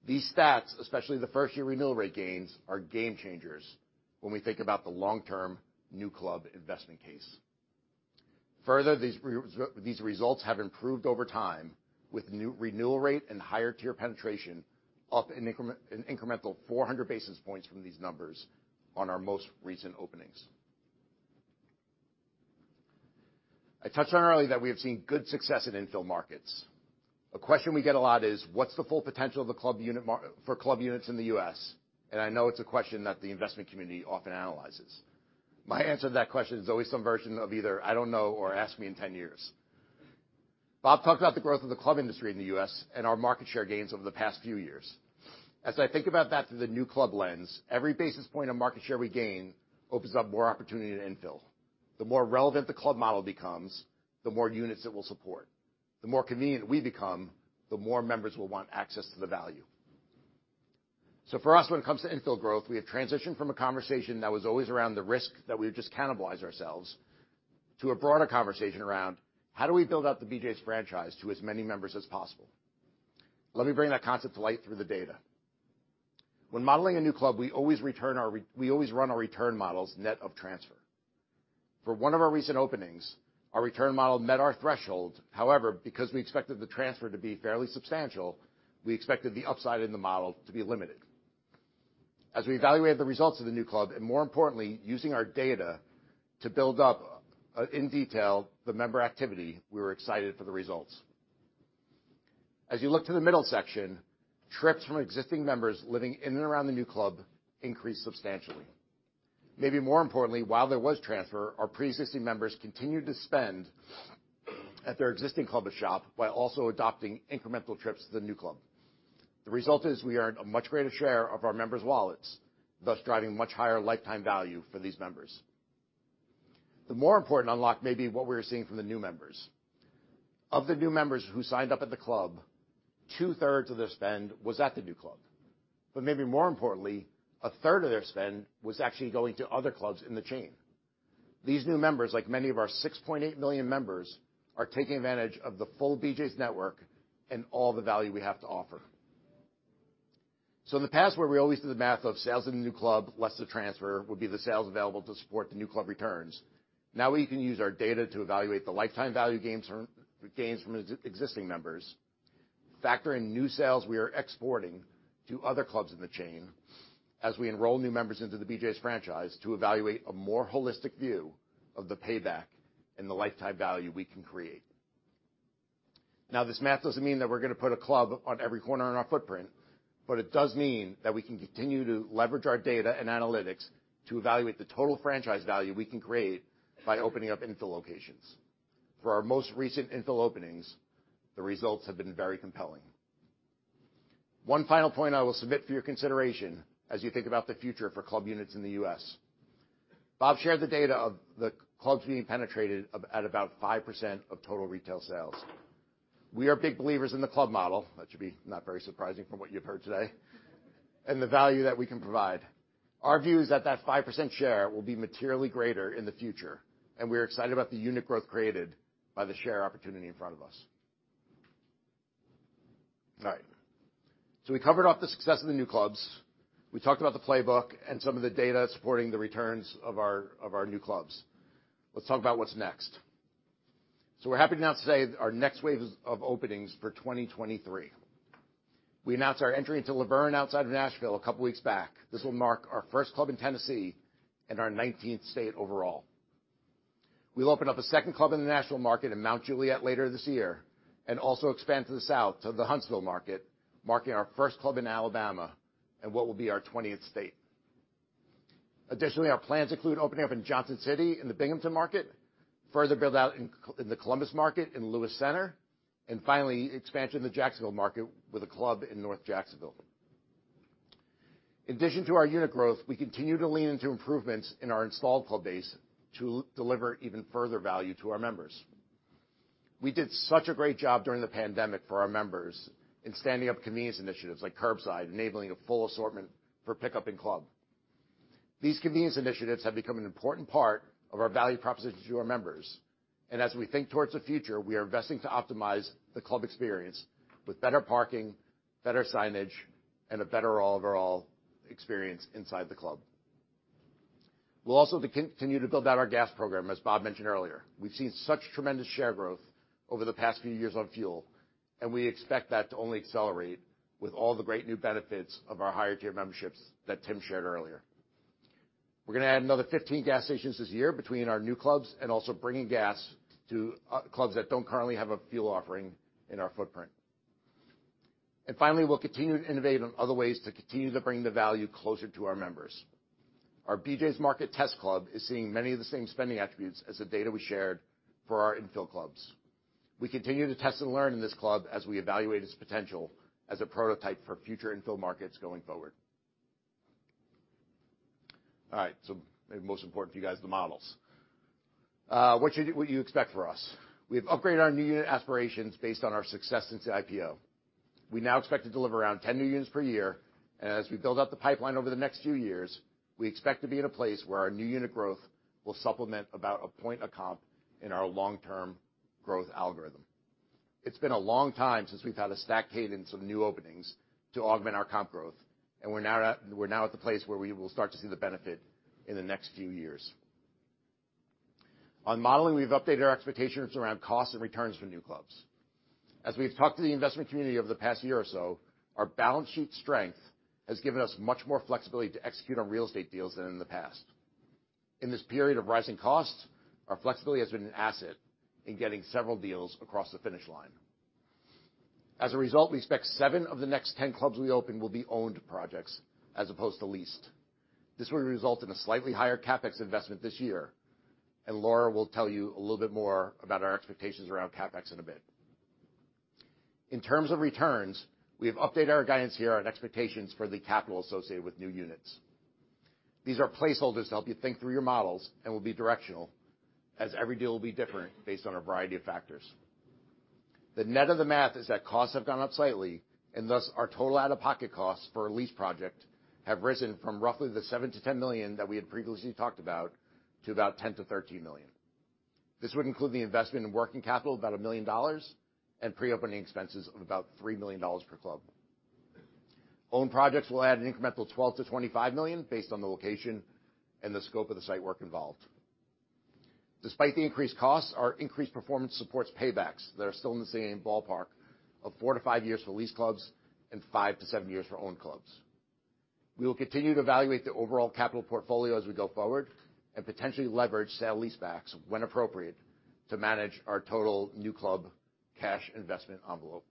These stats, especially the first-year renewal rate gains, are game changers when we think about the long-term new club investment case. Further, these results have improved over time with new renewal rate and higher tier penetration up an incremental 400 basis points from these numbers on our most recent openings. I touched on earlier that we have seen good success in infill markets. A question we get a lot is what's the full potential of the club units in the U.S., and I know it's a question that the investment community often analyzes. My answer to that question is always some version of either I don't know or ask me in 10 years. Bob talked about the growth of the club industry in the U.S. and our market share gains over the past few years. As I think about that through the new club lens, every basis point of market share we gain opens up more opportunity to infill. The more relevant the club model becomes, the more units it will support. The more convenient we become, the more members will want access to the value. For us, when it comes to infill growth, we have transitioned from a conversation that was always around the risk that we've just cannibalized ourselves to a broader conversation around how do we build out the BJ's franchise to as many members as possible? Let me bring that concept to light through the data. When modeling a new club, we always run our return models net of transfer. For one of our recent openings, our return model met our threshold. Because we expected the transfer to be fairly substantial, we expected the upside in the model to be limited. We evaluated the results of the new club, and more importantly, using our data to build up in detail the member activity, we were excited for the results. You look to the middle section, trips from existing members living in and around the new club increased substantially. Maybe more importantly, while there was transfer, our pre-existing members continued to spend at their existing club of shop while also adopting incremental trips to the new club. The result is we earned a much greater share of our members' wallets, thus driving much higher lifetime value for these members. The more important unlock may be what we're seeing from the new members. Of the new members who signed up at the club, 2/3 of their spend was at the new club. Maybe more importantly, 1/3 of their spend was actually going to other clubs in the chain. These new members, like many of our 6.8 million members, are taking advantage of the full BJ's network and all the value we have to offer. In the past, where we always did the math of sales in the new club less the transfer would be the sales available to support the new club returns, now we can use our data to evaluate the lifetime value gains from existing members. Factor in new sales we are exporting to other clubs in the chain as we enroll new members into the BJ's franchise to evaluate a more holistic view of the payback and the lifetime value we can create. This math doesn't mean that we're gonna put a club on every corner in our footprint, but it does mean that we can continue to leverage our data and analytics to evaluate the total franchise value we can create by opening up infill locations. For our most recent infill openings, the results have been very compelling. One final point I will submit for your consideration as you think about the future for club units in the U.S. Bob shared the data of the clubs being penetrated at about 5% of total retail sales. We are big believers in the club model, that should be not very surprising from what you have heard today, and the value that we can provide. Our view is that 5% share will be materially greater in the future. We are excited about the unit growth created by the share opportunity in front of us. All right, we covered off the success of the new clubs. We talked about the playbook and some of the data supporting the returns of our new clubs. Let's talk about what's next. We're happy to now say our next wave of openings for 2023. We announced our entry into La Vergne outside of Nashville a couple weeks back. This will mark our first club in Tennessee and our 19th state overall. We'll open up a second club in the Nashville market in Mount Juliet later this year. Also expand to the south to the Huntsville market, marking our first club in Alabama and what will be our 20th state. Additionally, our plans include opening up in Johnson City, in the Binghamton market, further build out in the Columbus market, in Lewis Center, and finally expansion in the Jacksonville market with a club in North Jacksonville. In addition to our unit growth, we continue to lean into improvements in our installed club base to deliver even further value to our members. We did such a great job during the pandemic for our members in standing up convenience initiatives like curbside, enabling a full assortment for pickup in club. These convenience initiatives have become an important part of our value proposition to our members. As we think towards the future, we are investing to optimize the club experience with better parking, better signage, and a better overall experience inside the club. We'll also continue to build out our gas program, as Bob mentioned earlier. We've seen such tremendous share growth over the past few years on fuel, and we expect that to only accelerate with all the great new benefits of our higher tier memberships that Tim shared earlier. We're gonna add another 15 gas stations this year between our new clubs and also bringing gas to clubs that don't currently have a fuel offering in our footprint. Finally, we'll continue to innovate on other ways to continue to bring the value closer to our members. Our BJ's Market test club is seeing many of the same spending attributes as the data we shared for our infill clubs. We continue to test and learn in this club as we evaluate its potential as a prototype for future infill markets going forward. All right, maybe most important to you guys, the models. What you expect from us? We've upgraded our new unit aspirations based on our success since the IPO. We now expect to deliver around 10 new units per year. As we build out the pipeline over the next few years, we expect to be in a place where our new unit growth will supplement about a point a comp in our long-term growth algorithm. It's been a long time since we've had a stacked cadence of new openings to augment our comp growth, and we're now at the place where we will start to see the benefit in the next few years. On modeling, we've updated our expectations around costs and returns from new clubs. As we've talked to the investment community over the past year or so, our balance sheet strength has given us much more flexibility to execute on real estate deals than in the past. In this period of rising costs, our flexibility has been an asset in getting several deals across the finish line. As a result, we expect seven of the next 10 clubs we open will be owned projects as opposed to leased. This will result in a slightly higher CapEx investment this year, and Laura will tell you a little bit more about our expectations around CapEx in a bit. In terms of returns, we have updated our guidance here on expectations for the capital associated with new units. These are placeholders to help you think through your models and will be directional, as every deal will be different based on a variety of factors. The net of the math is that costs have gone up slightly and, thus, our total out-of-pocket costs for a lease project have risen from roughly the $7 million-$10 million that we had previously talked about to about $10 million-$13 million. This would include the investment in working capital of about $1 million and pre-opening expenses of about $3 million per club. Owned projects will add an incremental $12 million-$20 million based on the location and the scope of the site work involved. Despite the increased costs, our increased performance supports paybacks that are still in the same ballpark of 4-5 years for leased clubs and 5-7 years for owned clubs. We will continue to evaluate the overall capital portfolio as we go forward and potentially leverage sale-leasebacks when appropriate to manage our total new club cash investment envelope.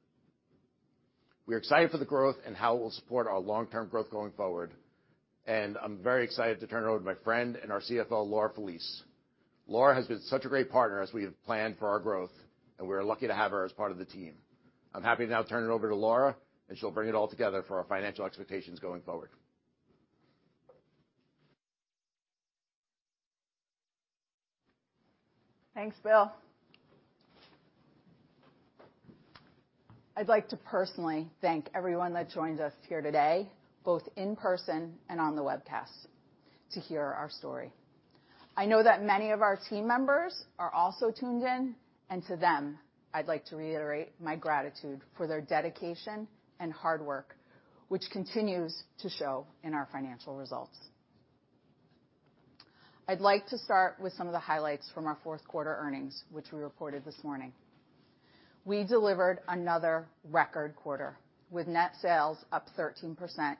We're excited for the growth and how it will support our long-term growth going forward, and I'm very excited to turn it over to my friend and our CFO, Laura Felice. Laura has been such a great partner as we have planned for our growth, and we are lucky to have her as part of the team. I'm happy to now turn it over to Laura, and she'll bring it all together for our financial expectations going forward. Thanks, Bill. I'd like to personally thank everyone that joins us here today, both in person and on the webcast, to hear our story. I know that many of our team members are also tuned in. To them, I'd like to reiterate my gratitude for their dedication and hard work, which continues to show in our financial results. I'd like to start with some of the highlights from our fourth quarter earnings, which we reported this morning. We delivered another record quarter, with net sales up 13%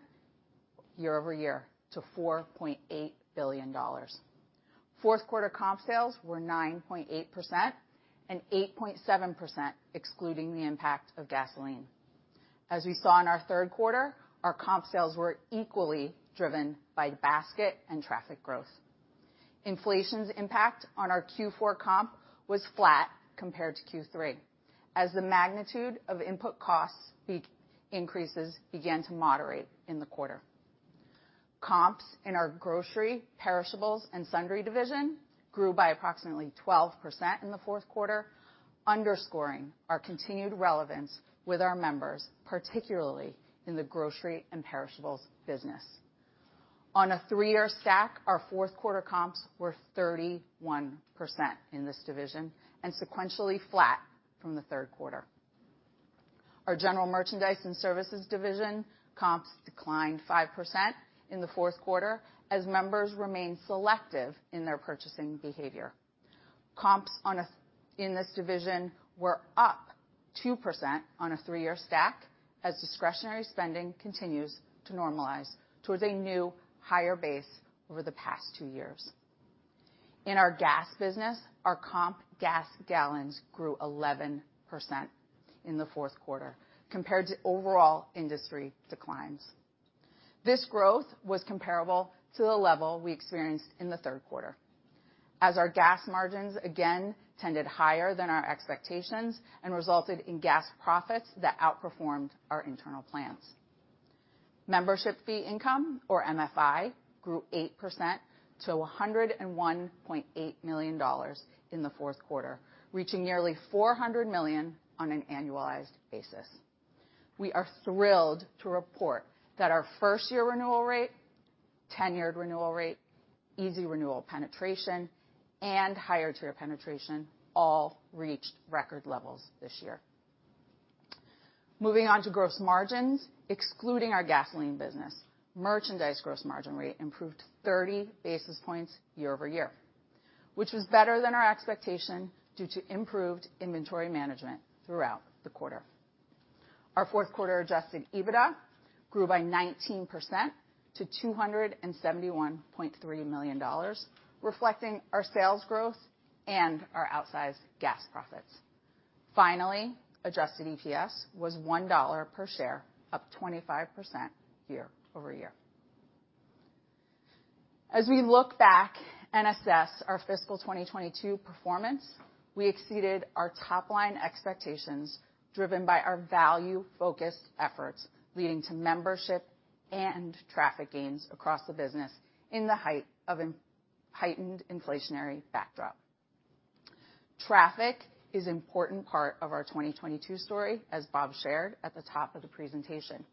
year-over-year to $4.8 billion. Fourth quarter comp sales were 9.8%. 8.7% excluding the impact of gasoline. As we saw in our third quarter, our comp sales were equally driven by basket and traffic growth. Inflation's impact on our Q4 comp was flat compared to Q3, as the magnitude of input costs increases began to moderate in the quarter. Comps in our grocery, perishables, and sundry division grew by approximately 12% in the fourth quarter, underscoring our continued relevance with our members, particularly in the grocery and perishables business. On a 3-year stack, our fourth quarter comps were 31% in this division and sequentially flat from the third quarter. Our General Merchandise and Services division comps declined 5% in the fourth quarter as members remained selective in their purchasing behavior. Comps in this division were up 2% on a 3-year stack as discretionary spending continues to normalize towards a new higher base over the past 2 years. In our gas business, our comp gas gallons grew 11% in the fourth quarter compared to overall industry declines. This growth was comparable to the level we experienced in the third quarter, as our gas margins, again, tended higher than our expectations and resulted in gas profits that outperformed our internal plans. Membership fee income, or MFI, grew 8% to $101.8 million in the fourth quarter, reaching nearly $400 million on an annualized basis. We are thrilled to report that our first-year renewal rate, tenured renewal rate, Easy Renewal penetration, and higher tier penetration all reached record levels this year. Moving on to gross margins, excluding our gasoline business, merchandise gross margin rate improved 30 basis points year-over-year, which was better than our expectation due to improved inventory management throughout the quarter. Our fourth quarter Adjusted EBITDA grew by 19% to $271.3 million, reflecting our sales growth and our outsized gas profits. Finally, Adjusted EPS was $1 per share, up 25% year-over-year. As we look back and assess our fiscal 2022 performance, we exceeded our top-line expectations, driven by our value-focused efforts, leading to membership and traffic gains across the business in the heightened inflationary backdrop. Traffic is an important part of our 2022 story, as Bob shared at the top of the presentation.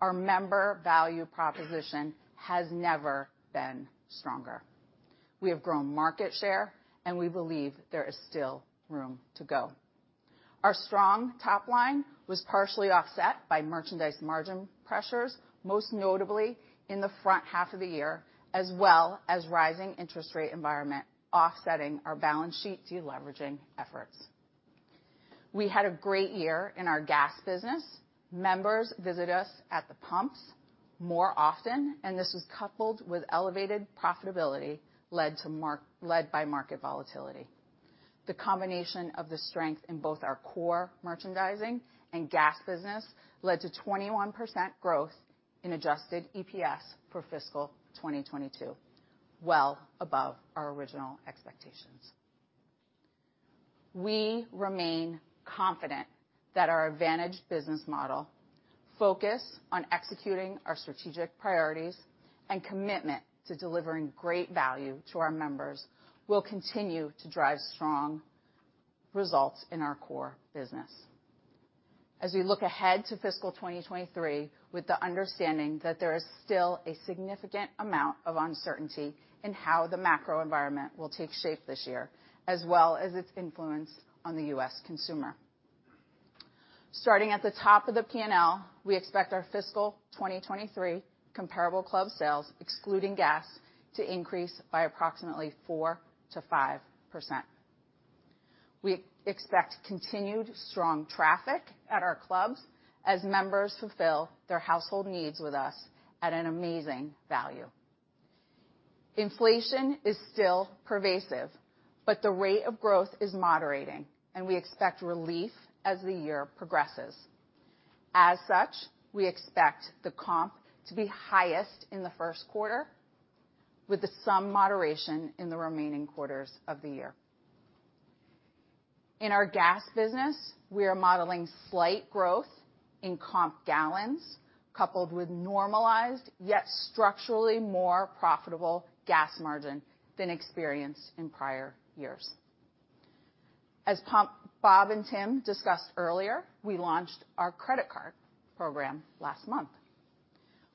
Our member value proposition has never been stronger. We have grown market share, and we believe there is still room to go. Our strong top line was partially offset by merchandise margin pressures, most notably in the front half of the year, as well as rising interest rate environment, offsetting our balance sheet deleveraging efforts. We had a great year in our gas business. Members visit us at the pumps more often. This is coupled with elevated profitability led by market volatility. The combination of the strength in both our core merchandising and gas business led to 21% growth in adjusted EPS for fiscal 2022, well above our original expectations. We remain confident that our vantage business model, focus on executing our strategic priorities, and commitment to delivering great value to our members will continue to drive strong results in our core business. We look ahead to fiscal 2023, with the understanding that there is still a significant amount of uncertainty in how the macro environment will take shape this year, as well as its influence on the US consumer. Starting at the top of the P&L, we expect our fiscal 2023 comparable club sales excluding gas, to increase by approximately 4%-5%. We expect continued strong traffic at our clubs as members fulfill their household needs with us at an amazing value. Inflation is still pervasive, the rate of growth is moderating, and we expect relief as the year progresses. As such, we expect the comp to be highest in the first quarter, with some moderation in the remaining quarters of the year. In our gas business, we are modeling slight growth in comp gallons, coupled with normalized, yet structurally more profitable gas margin than experienced in prior years. As Bob and Tim discussed earlier, we launched our credit card program last month.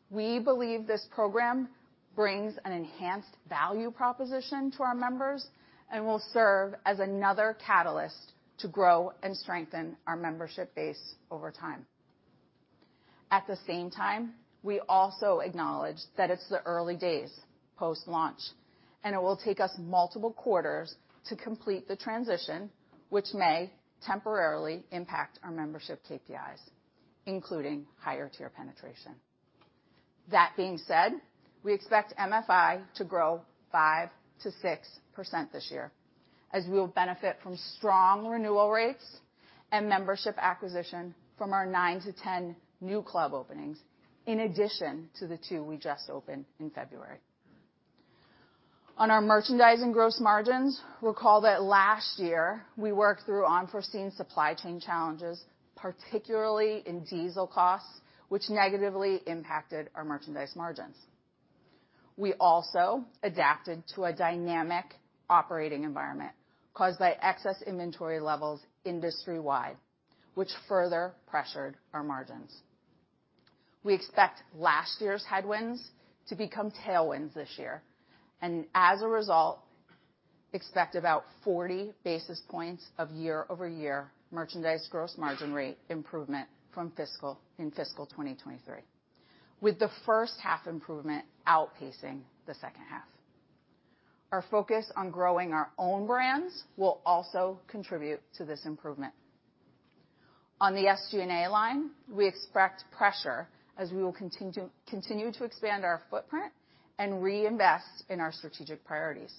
We believe this program brings an enhanced value proposition to our members and will serve as another catalyst to grow and strengthen our membership base over time. At the same time, we also acknowledge that it's the early days post-launch, and it will take us multiple quarters to complete the transition, which may temporarily impact our membership KPIs, including higher tier penetration. That being said, we expect MFI to grow 5%-6% this year, as we will benefit from strong renewal rates and membership acquisition from our 9-10 new club openings in addition to the 2 we just opened in February. On our merchandising gross margins, recall that last year, we worked through unforeseen supply chain challenges, particularly in diesel costs, which negatively impacted our merchandise margins. We also adapted to a dynamic operating environment caused by excess inventory levels industry-wide, which further pressured our margins. We expect last year's headwinds to become tailwinds this year. As a result, expect about 40 basis points of year-over-year merchandise gross margin rate improvement in fiscal 2023, with the first half improvement outpacing the second half. Our focus on growing our own brands will also contribute to this improvement. On the SG&A line, we expect pressure as we will continue to expand our footprint and reinvest in our strategic priorities.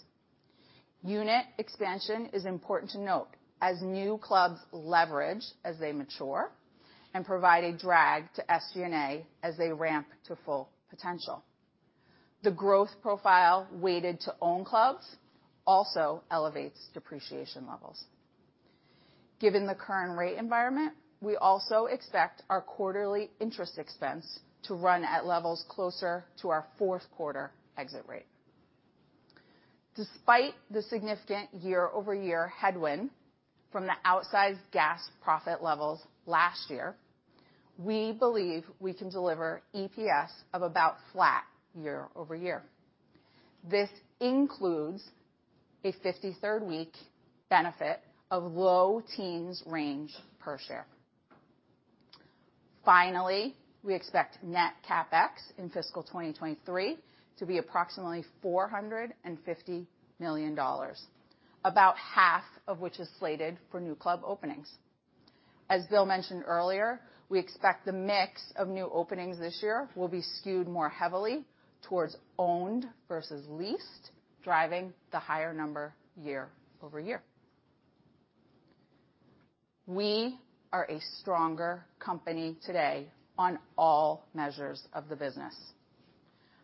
Unit expansion is important to note as new clubs leverage as they mature and provide a drag to SG&A as they ramp to full potential. The growth profile weighted to own clubs also elevates depreciation levels. Given the current rate environment, we also expect our quarterly interest expense to run at levels closer to our fourth quarter exit rate. Despite the significant year-over-year headwind from the outsized gas profit levels last year, we believe we can deliver EPS of about flat year-over-year. This includes a 53rd week benefit of low teens range per share. We expect net CapEx in fiscal 2023 to be approximately $450 million, about half of which is slated for new club openings. As Bill mentioned earlier, we expect the mix of new openings this year will be skewed more heavily towards owned versus leased, driving the higher number year-over-year. We are a stronger company today on all measures of the business.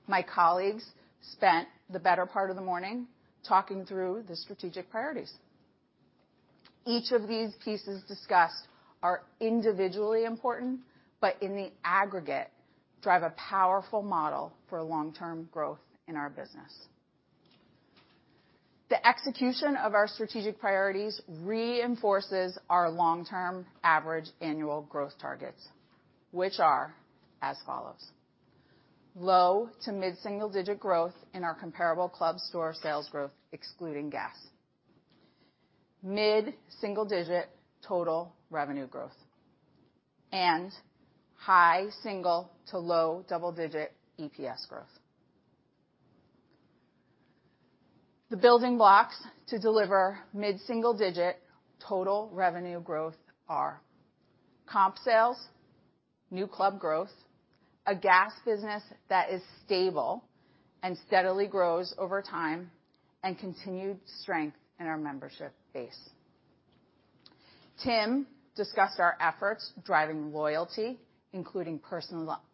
My colleagues spent the better part of the morning talking through the strategic priorities. Each of these pieces discussed are individually important, but in the aggregate, drive a powerful model for long-term growth in our business. The execution of our strategic priorities reinforces our long-term average annual growth targets, which are as follows. Low to mid-single-digit growth in our comparable club store sales growth excluding gas. Mid-single-digit total revenue growth and high single to low double-digit EPS growth. The building blocks to deliver mid-single-digit total revenue growth are comp sales, new club growth, a gas business that is stable and steadily grows over time, and continued strength in our membership base. Tim discussed our efforts driving loyalty, including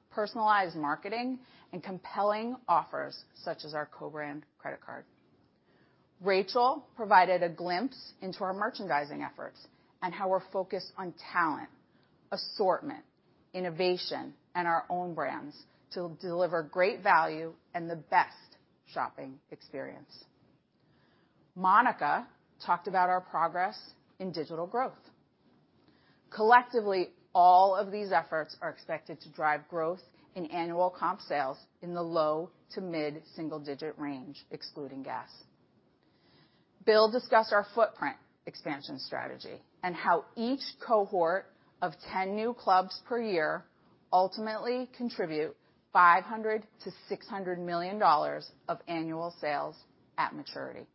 personalized marketing and compelling offers, such as co-brand credit card. Rachael provided a glimpse into our merchandising efforts and how we're focused on talent, assortment, innovation, and our own brands to deliver great value and the best shopping experience. Monica Schwartz talked about our progress in digital growth. Collectively, all of these efforts are expected to drive growth in annual comp sales in the low to mid-single digit range, excluding gas. Bill Werner discussed our footprint expansion strategy and how each cohort of 10 new clubs per year ultimately contribute $500 million-$600 million of annual sales at maturity.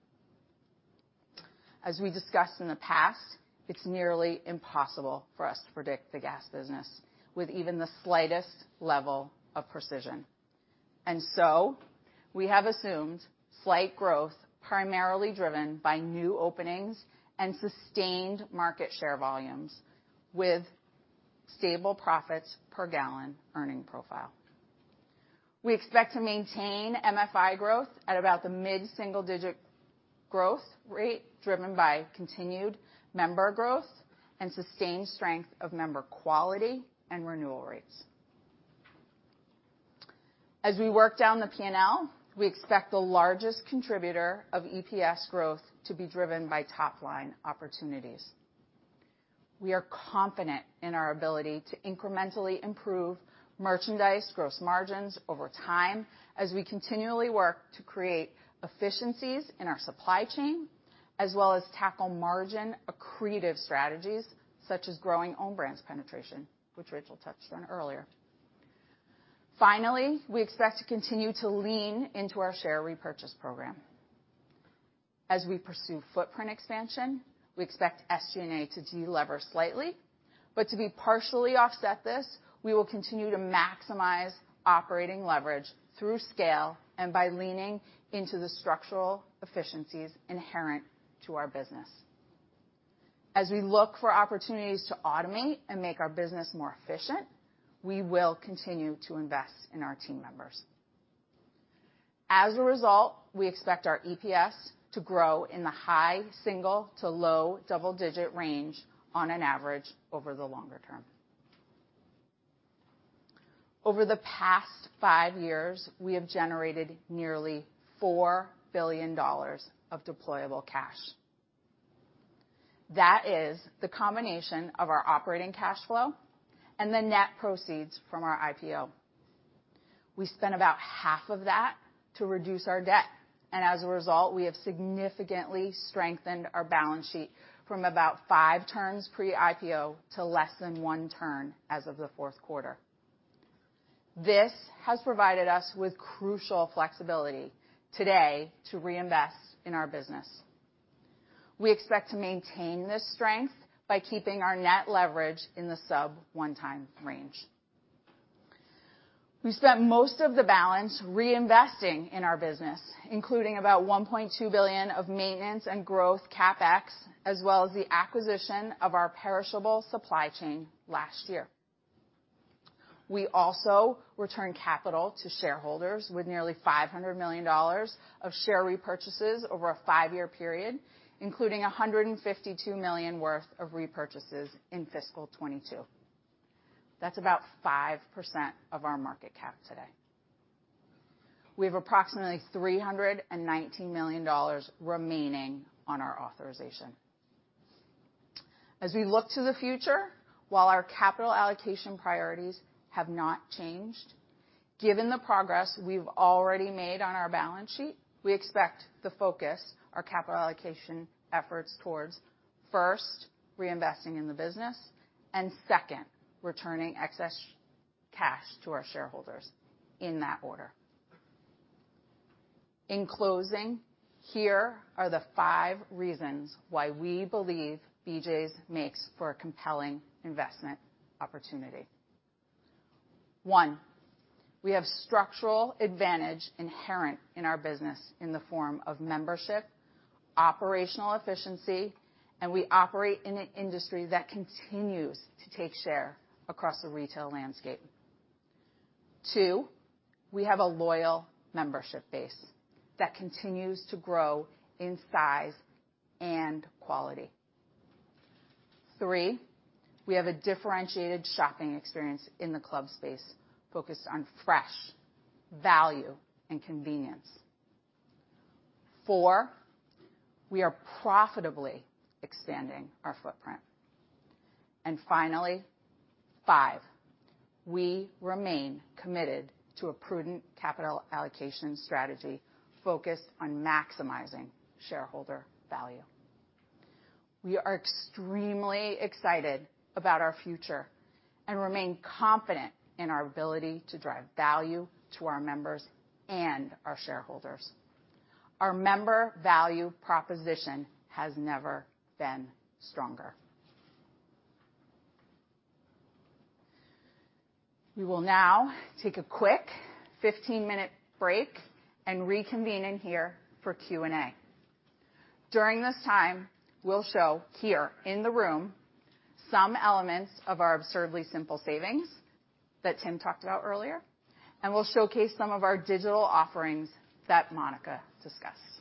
As we discussed in the past, it's nearly impossible for us to predict the gas business with even the slightest level of precision. So we have assumed slight growth, primarily driven by new openings and sustained market share volumes with stable profits per gallon earning profile. We expect to maintain MFI growth at about the mid-single digit growth rate, driven by continued member growth and sustained strength of member quality and renewal rates. We work down the P&L, we expect the largest contributor of EPS growth to be driven by top-line opportunities. We are confident in our ability to incrementally improve merchandise gross margins over time as we continually work to create efficiencies in our supply chain, as well as tackle margin accretive strategies such as growing own brands penetration, which Rachael touched on earlier. We expect to continue to lean into our share repurchase program. We pursue footprint expansion, we expect SG&A to delever slightly, but to partially offset this, we will continue to maximize operating leverage through scale and by leaning into the structural efficiencies inherent to our business. We look for opportunities to automate and make our business more efficient, we will continue to invest in our team members. As a result, we expect our EPS to grow in the high single-digit to low double-digit range on an average over the longer term. Over the past 5 years, we have generated nearly $4 billion of deployable cash. That is the combination of our operating cash flow and the net proceeds from our IPO. We spent about half of that to reduce our debt, and as a result, we have significantly strengthened our balance sheet from about 5 turns pre-IPO to less than 1 turn as of the fourth quarter. This has provided us with crucial flexibility today to reinvest in our business. We expect to maintain this strength by keeping our net leverage in the sub 1 time range. We spent most of the balance reinvesting in our business, including about $1.2 billion of maintenance and growth CapEx, as well as the acquisition of our perishable supply chain last year. We also returned capital to shareholders with nearly $500 million of share repurchases over a five-year period, including $152 million worth of repurchases in fiscal 2022. That's about 5% of our market cap today. We have approximately $319 million remaining on our authorization. As we look to the future, while our capital allocation priorities have not changed, given the progress we've already made on our balance sheet, we expect to focus our capital allocation efforts towards first, reinvesting in the business, and second, returning excess cash to our shareholders in that order. In closing, here are the 5 reasons why we believe BJ's makes for a compelling investment opportunity. 1, we have structural advantage inherent in our business in the form of membership, operational efficiency, we operate in an industry that continues to take share across the retail landscape. 2, we have a loyal membership base that continues to grow in size and quality. 3, we have a differentiated shopping experience in the club space focused on fresh, value, and convenience. 4, we are profitably expanding our footprint. Finally, 5, we remain committed to a prudent capital allocation strategy focused on maximizing shareholder value. We are extremely excited about our future and remain confident in our ability to drive value to our members and our shareholders. Our member value proposition has never been stronger. We will now take a quick 15-minute break and reconvene in here for Q&A. During this time, we'll show here in the room some elements of our Absurdly Simple Savings that Tim talked about earlier, and we'll showcase some of our digital offerings that Monica discussed.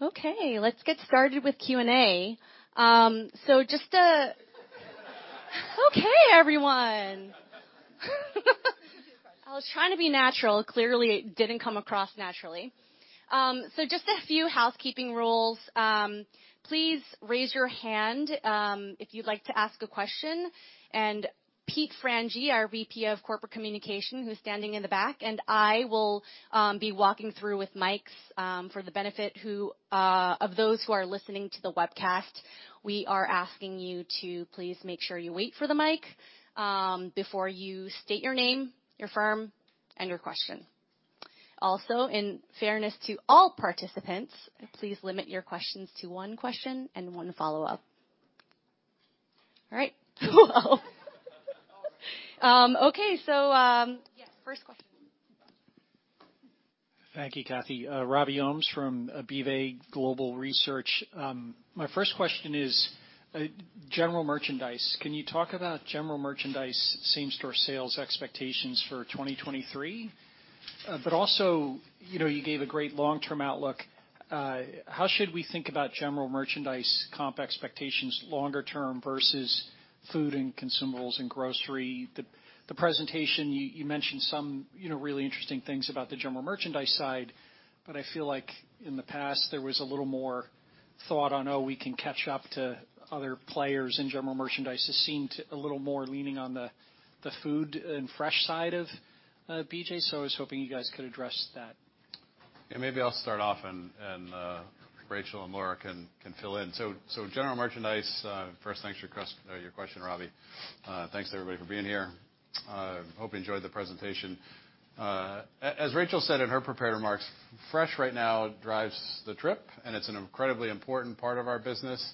Okay, let's get started with Q&A. Okay, everyone. I was trying to be natural. Clearly, it didn't come across naturally. Just a few housekeeping rules. Please raise your hand if you'd like to ask a question. Pete Frangie, our VP of Corporate Communications, who's standing in the back, and I will be walking through with mics. For the benefit of those who are listening to the webcast, we are asking you to please make sure you wait for the mic before you state your name, your firm, and your question. Also, in fairness to all participants, please limit your questions to one question and one follow-up. All right. Okay. First question. Thank you, Cathy. Robbie Holmes from BofA Global Research. My first question is general merchandise. Can you talk about general merchandise same-store sales expectations for 2023? Also, you know, you gave a great long-term outlook. How should we think about general merchandise comp expectations longer term versus food and consumables and grocery? The presentation, you mentioned some, you know, really interesting things about the general merchandise side. I feel like in the past there was a little more thought on, "Oh, we can catch up to other players in general merchandise." This seemed a little more leaning on the food and fresh side of BJ's. I was hoping you guys could address that. Yeah, maybe I'll start off and Rachael and Laura can fill in. General merchandise, first thanks for your question, Robbie. Thanks everybody for being here. Hope you enjoyed the presentation. As Rachael said in her prepared remarks, fresh right now drives the trip, and it's an incredibly important part of our business.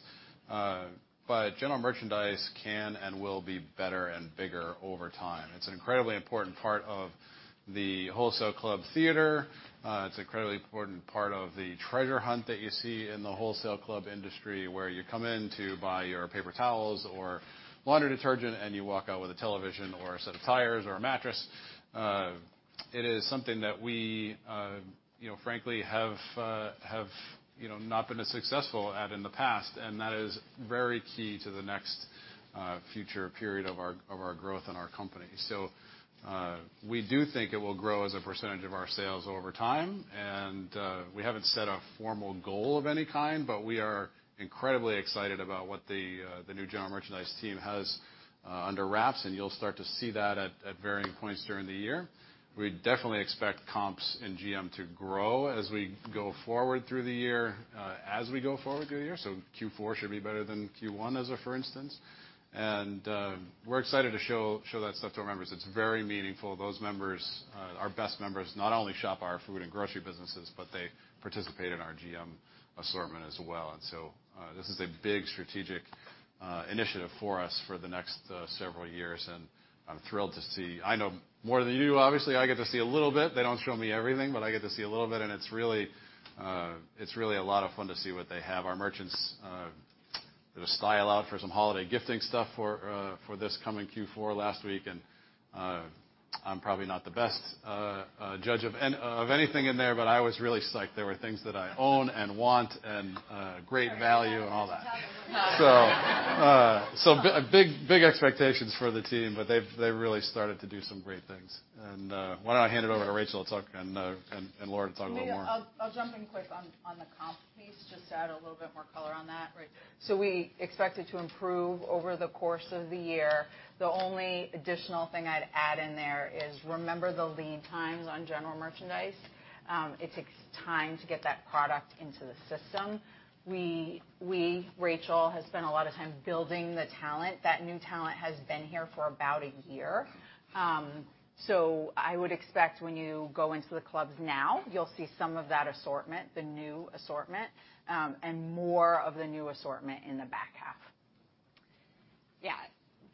General merchandise can and will be better and bigger over time. It's an incredibly important part of the wholesale club theater. It's an incredibly important part of the treasure hunt that you see in the wholesale club industry, where you come in to buy your paper towels or laundry detergent, and you walk out with a television or a set of tires or a mattress. It is something that we, you know, frankly have, you know, not been as successful at in the past, and that is very key to the next, future period of our, of our growth in our company. We do think it will grow as a % of our sales over time, and we haven't set a formal goal of any kind, but we are incredibly excited about what the new general merchandise team has under wraps, and you'll start to see that at varying points during the year. We definitely expect comps in GM to grow as we go forward through the year. Q4 should be better than Q1 as a for instance. We're excited to show that stuff to our members. It's very meaningful. Those members, our best members, not only shop our food and grocery businesses, but they participate in our GM assortment as well. This is a big strategic initiative for us for the next several years. I know more than you obviously, I get to see a little bit. They don't show me everything, but I get to see a little bit, it's really a lot of fun to see what they have. Our merchants did a style out for some holiday gifting stuff for this coming Q4 last week, I'm probably not the best judge of anything in there, but I was really psyched. There were things that I own and want, great value and all that. Big expectations for the team, but they've really started to do some great things. Why don't I hand it over to Rachael Vegas to talk and Laura Felice to talk a little more. Let me I'll jump in quick on the comp piece, just to add a little bit more color on that. Right. We expect it to improve over the course of the year. The only additional thing I'd add in there is remember the lead times on general merchandise. It takes time to get that product into the system. We, Rachael, has spent a lot of time building the talent. That new talent has been here for about a year. I would expect when you go into the clubs now, you'll see some of that assortment, the new assortment, and more of the new assortment in the back half.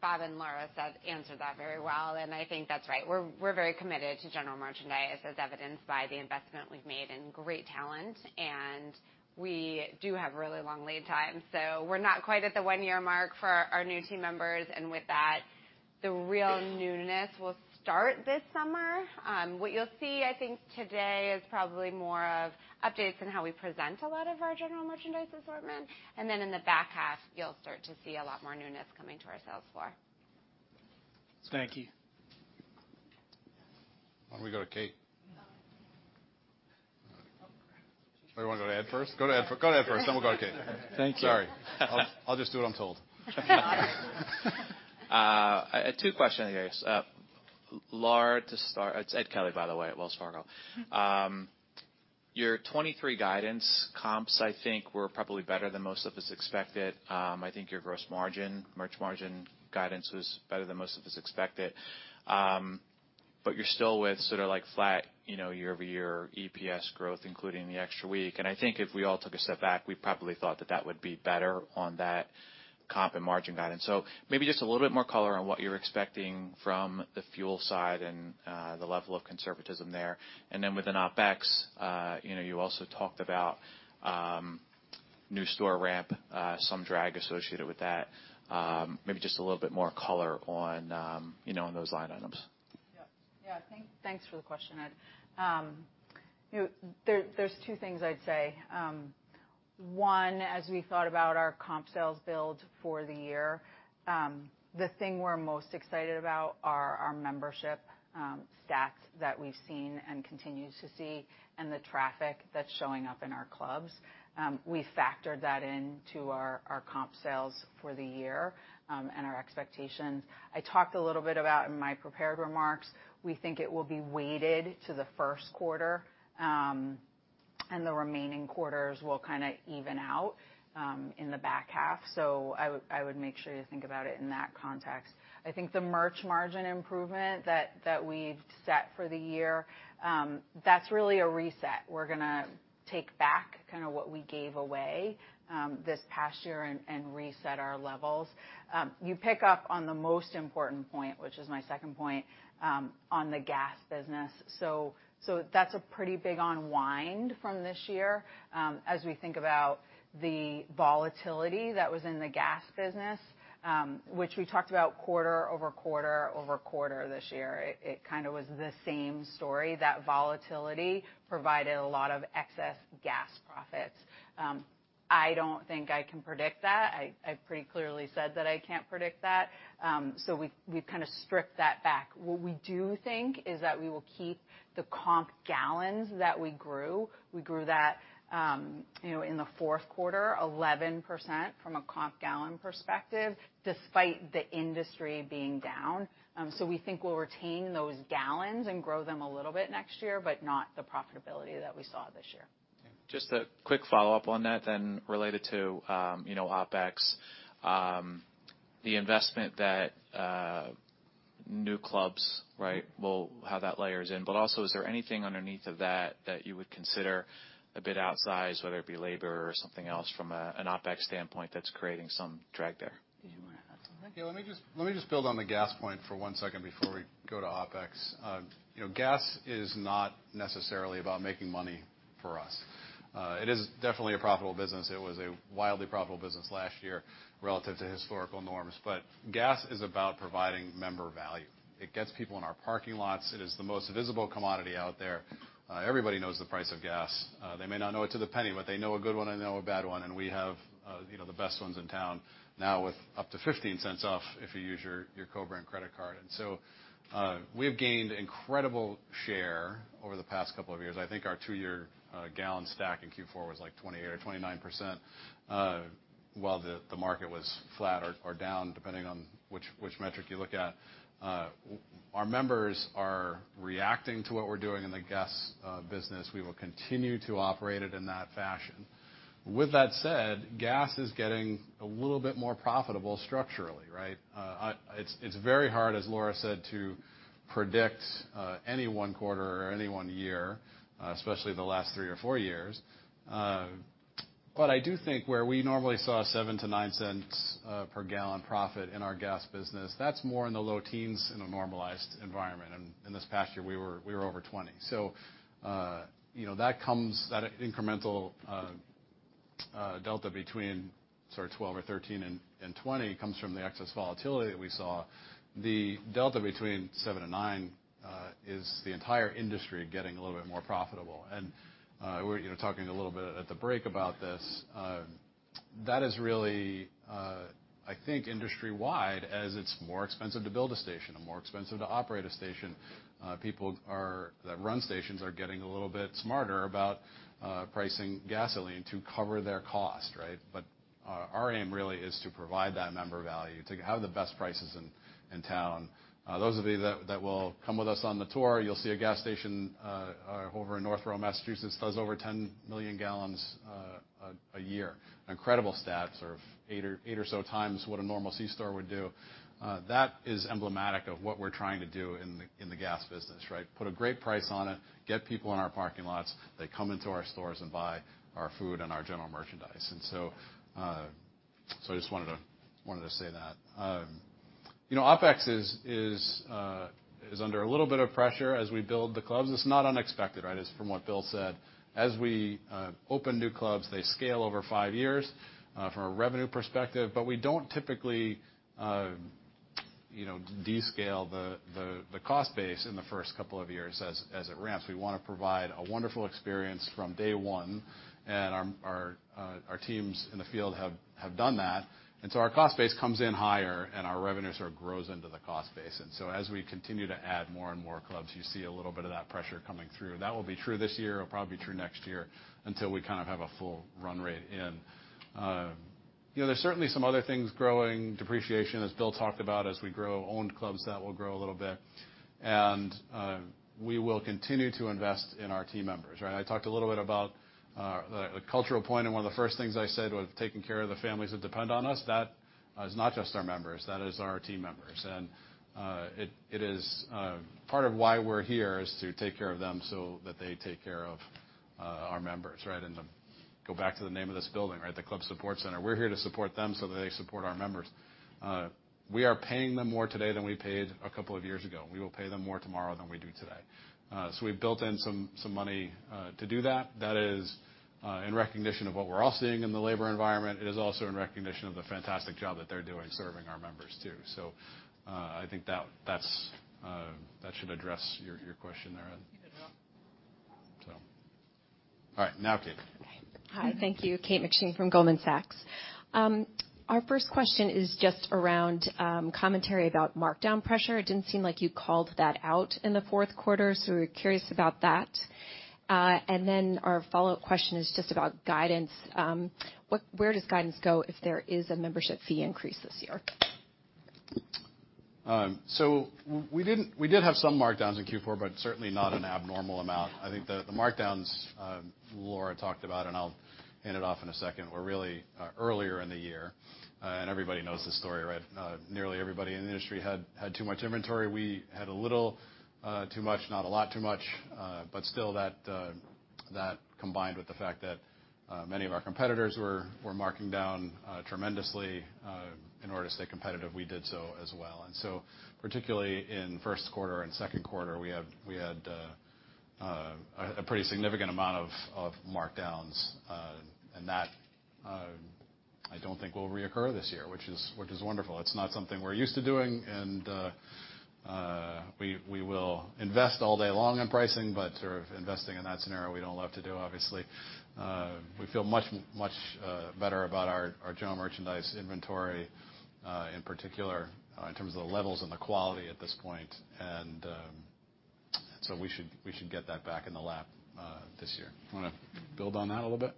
Bob and Laura said, answered that very well, and I think that's right. We're very committed to general merchandise as evidenced by the investment we've made in great talent, and we do have really long lead times. We're not quite at the one-year mark for our new team members, and with that, the real newness will start this summer. What you'll see, I think, today is probably more of updates on how we present a lot of our general merchandise assortment. In the back half, you'll start to see a lot more newness coming to our sales floor. Thank you. Why don't we go to Kate? No. You wanna go to Ed first? Go to Ed first, then we'll go to Kate. Thank you. Sorry. I'll just do what I'm told. I had 2 questions, I guess. Laura, it's Edward Kelly, by the way, at Wells Fargo. Your 2023 guidance comps, I think, were probably better than most of us expected. I think your gross margin, merch margin guidance was better than most of us expected. You're still with sort of like flat, you know, year-over-year EPS growth, including the extra week. I think if we all took a step back, we probably thought that that would be better on that comp and margin guidance. Maybe just a little bit more color on what you're expecting from the fuel side and the level of conservatism there. Then within OpEx, you know, you also talked about new store ramp, some drag associated with that. Maybe just a little bit more color on, you know, on those line items. Yeah. Thanks for the question, Ed Kelly. There's two things I'd say. One, as we thought about our comp sales build for the year, the thing we're most excited about are our membership stats that we've seen and continue to see and the traffic that's showing up in our clubs. We factored that into our comp sales for the year and our expectations. I talked a little bit about in my prepared remarks, we think it will be weighted to the first quarter and the remaining quarters will kind of even out in the back half. I would make sure you think about it in that context. I think the merch margin improvement that we've set for the year, that's really a reset. We're gonna take back kind of what we gave away, this past year and reset our levels. You pick up on the most important point, which is my second point, on the gas business. That's a pretty big unwind from this year, as we think about the volatility that was in the gas business, which we talked about quarter-over-quarter-over-quarter this year. It kind of was the same story. That volatility provided a lot of excess gas profits. I don't think I can predict that. I pretty clearly said that I can't predict that. We've kinda stripped that back. What we do think is that we will keep the comp gallons that we grew. We grew that, you know, in the fourth quarter 11% from a comp gallon perspective, despite the industry being down. We think we'll retain those gallons and grow them a little bit next year, but not the profitability that we saw this year. Just a quick follow-up on that then related to, you know, OpEx. The investment that new clubs, right, how that layers in. Also is there anything underneath of that that you would consider a bit outsized, whether it be labor or something else from an OpEx standpoint that's creating some drag there? Yeah, let me just build on the gas point for one second before we go to OpEx. You know, gas is not necessarily about making money for us. It is definitely a profitable business. It was a wildly profitable business last year relative to historical norms. Gas is about providing member value. It gets people in our parking lots. It is the most visible commodity out there. Everybody knows the price of gas. They may not know it to the penny, but they know a good one and they know a bad one, and we have, you know, the best ones in town now with up to 15 cents off if you use co-brand credit card. we have gained incredible share over the past couple of years. I think our two-year gallon stack in Q4 was like 20% or 29% while the market was flat or down, depending on which metric you look at. Our members are reacting to what we're doing in the gas business. We will continue to operate it in that fashion. With that said, gas is getting a little bit more profitable structurally, right? It's very hard, as Laura said, to predict any one quarter or any one year, especially the last 3 or 4 years. I do think where we normally saw $0.07-$0.09 per gallon profit in our gas business, that's more in the low teens in a normalized environment. In this past year, we were over $0.20. you know, that incremental delta between sort of 12 or 13 and 20 comes from the excess volatility that we saw. The delta between seven and nine is the entire industry getting a little bit more profitable. we were, you know, talking a little bit at the break about this. that is really, I think industry wide as it's more expensive to build a station and more expensive to operate a station. people that run stations are getting a little bit smarter about pricing gasoline to cover their cost, right? our aim really is to provide that member value, to have the best prices in town. Those of you that will come with us on the tour, you'll see a gas station over in Northborough, Massachusetts, does over 10 million gallons a year. Incredible stats of 8 or so times what a normal C-store would do. That is emblematic of what we're trying to do in the gas business, right? Put a great price on it, get people in our parking lots. They come into our stores and buy our food and our general merchandise. So I just wanted to say that. You know, OpEx is under a little bit of pressure as we build the clubs. It's not unexpected, right, as from what Bill said. As we open new clubs, they scale over five years from a revenue perspective. We don't typically descale the cost base in the first couple of years as it ramps. We wanna provide a wonderful experience from day one. Our teams in the field have done that. Our cost base comes in higher and our revenue sort of grows into the cost base. As we continue to add more and more clubs, you see a little bit of that pressure coming through. That will be true this year. It'll probably be true next year until we kind of have a full run rate in. There's certainly some other things growing. Depreciation, as Bill talked about, as we grow owned clubs, that will grow a little bit. We will continue to invest in our team members, right? I talked a little bit about the cultural point, and one of the first things I said was taking care of the families that depend on us. That is not just our members, that is our team members. It is part of why we're here is to take care of them so that they take care of our members, right? Go back to the name of this building, right, the Club Support Center. We're here to support them so that they support our members. We are paying them more today than we paid a couple of years ago. We will pay them more tomorrow than we do today. We've built in some money to do that. That is in recognition of what we're all seeing in the labor environment. It is also in recognition of the fantastic job that they're doing serving our members, too. I think that's, that should address your question there. All right, now Kate. Hi. Thank you. Kate McShane from Goldman Sachs. Our first question is just around commentary about markdown pressure. It didn't seem like you called that out in the fourth quarter. We're curious about that. Our follow-up question is just about guidance. Where does guidance go if there is a membership fee increase this year? We did have some markdowns in Q4, but certainly not an abnormal amount. I think the markdowns Laura talked about, and I'll hand it off in a second, were really earlier in the year, and everybody knows this story, right? Nearly everybody in the industry had too much inventory. We had a little too much, not a lot too much, but still that combined with the fact that many of our competitors were marking down tremendously in order to stay competitive, we did so as well. Particularly in first quarter and second quarter, we had a pretty significant amount of markdowns. That I don't think will reoccur this year, which is wonderful. It's not something we're used to doing, we will invest all day long in pricing, but sort of investing in that scenario, we don't love to do, obviously. We feel much better about our general merchandise inventory, in particular, in terms of the levels and the quality at this point. So we should get that back in the lap this year. You wanna build on that a little bit?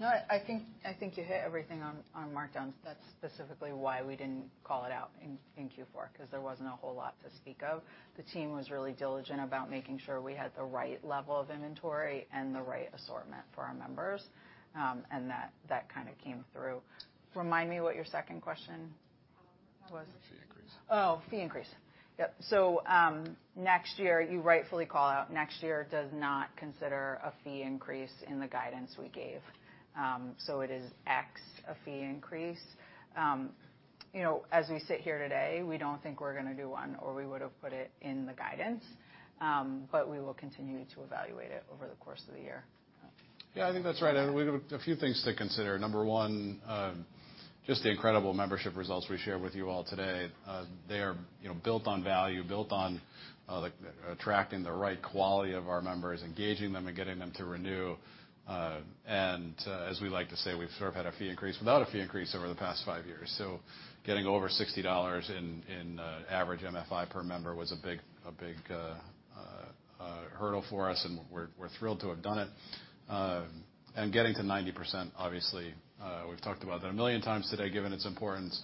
No, I think you hit everything on markdowns. That's specifically why we didn't call it out in Q4, 'cause there wasn't a whole lot to speak of. The team was really diligent about making sure we had the right level of inventory and the right assortment for our members, and that kinda came through. Remind me what your second question was? Fee increase. Oh, fee increase. Yep. Next year, you rightfully call out next year does not consider a fee increase in the guidance we gave. It is X, a fee increase. You know, as we sit here today, we don't think we're gonna do one, or we would've put it in the guidance. We will continue to evaluate it over the course of the year. Yeah, I think that's right. A few things to consider. Number one, just the incredible membership results we shared with you all today. They are, you know, built on value, built on, like, attracting the right quality of our members, engaging them and getting them to renew. As we like to say, we've sort of had a fee increase without a fee increase over the past five years. Getting over $60 in average MFI per member was a big hurdle for us, and we're thrilled to have done it. Getting to 90%, obviously, we've talked about that 1 million times today, given its importance.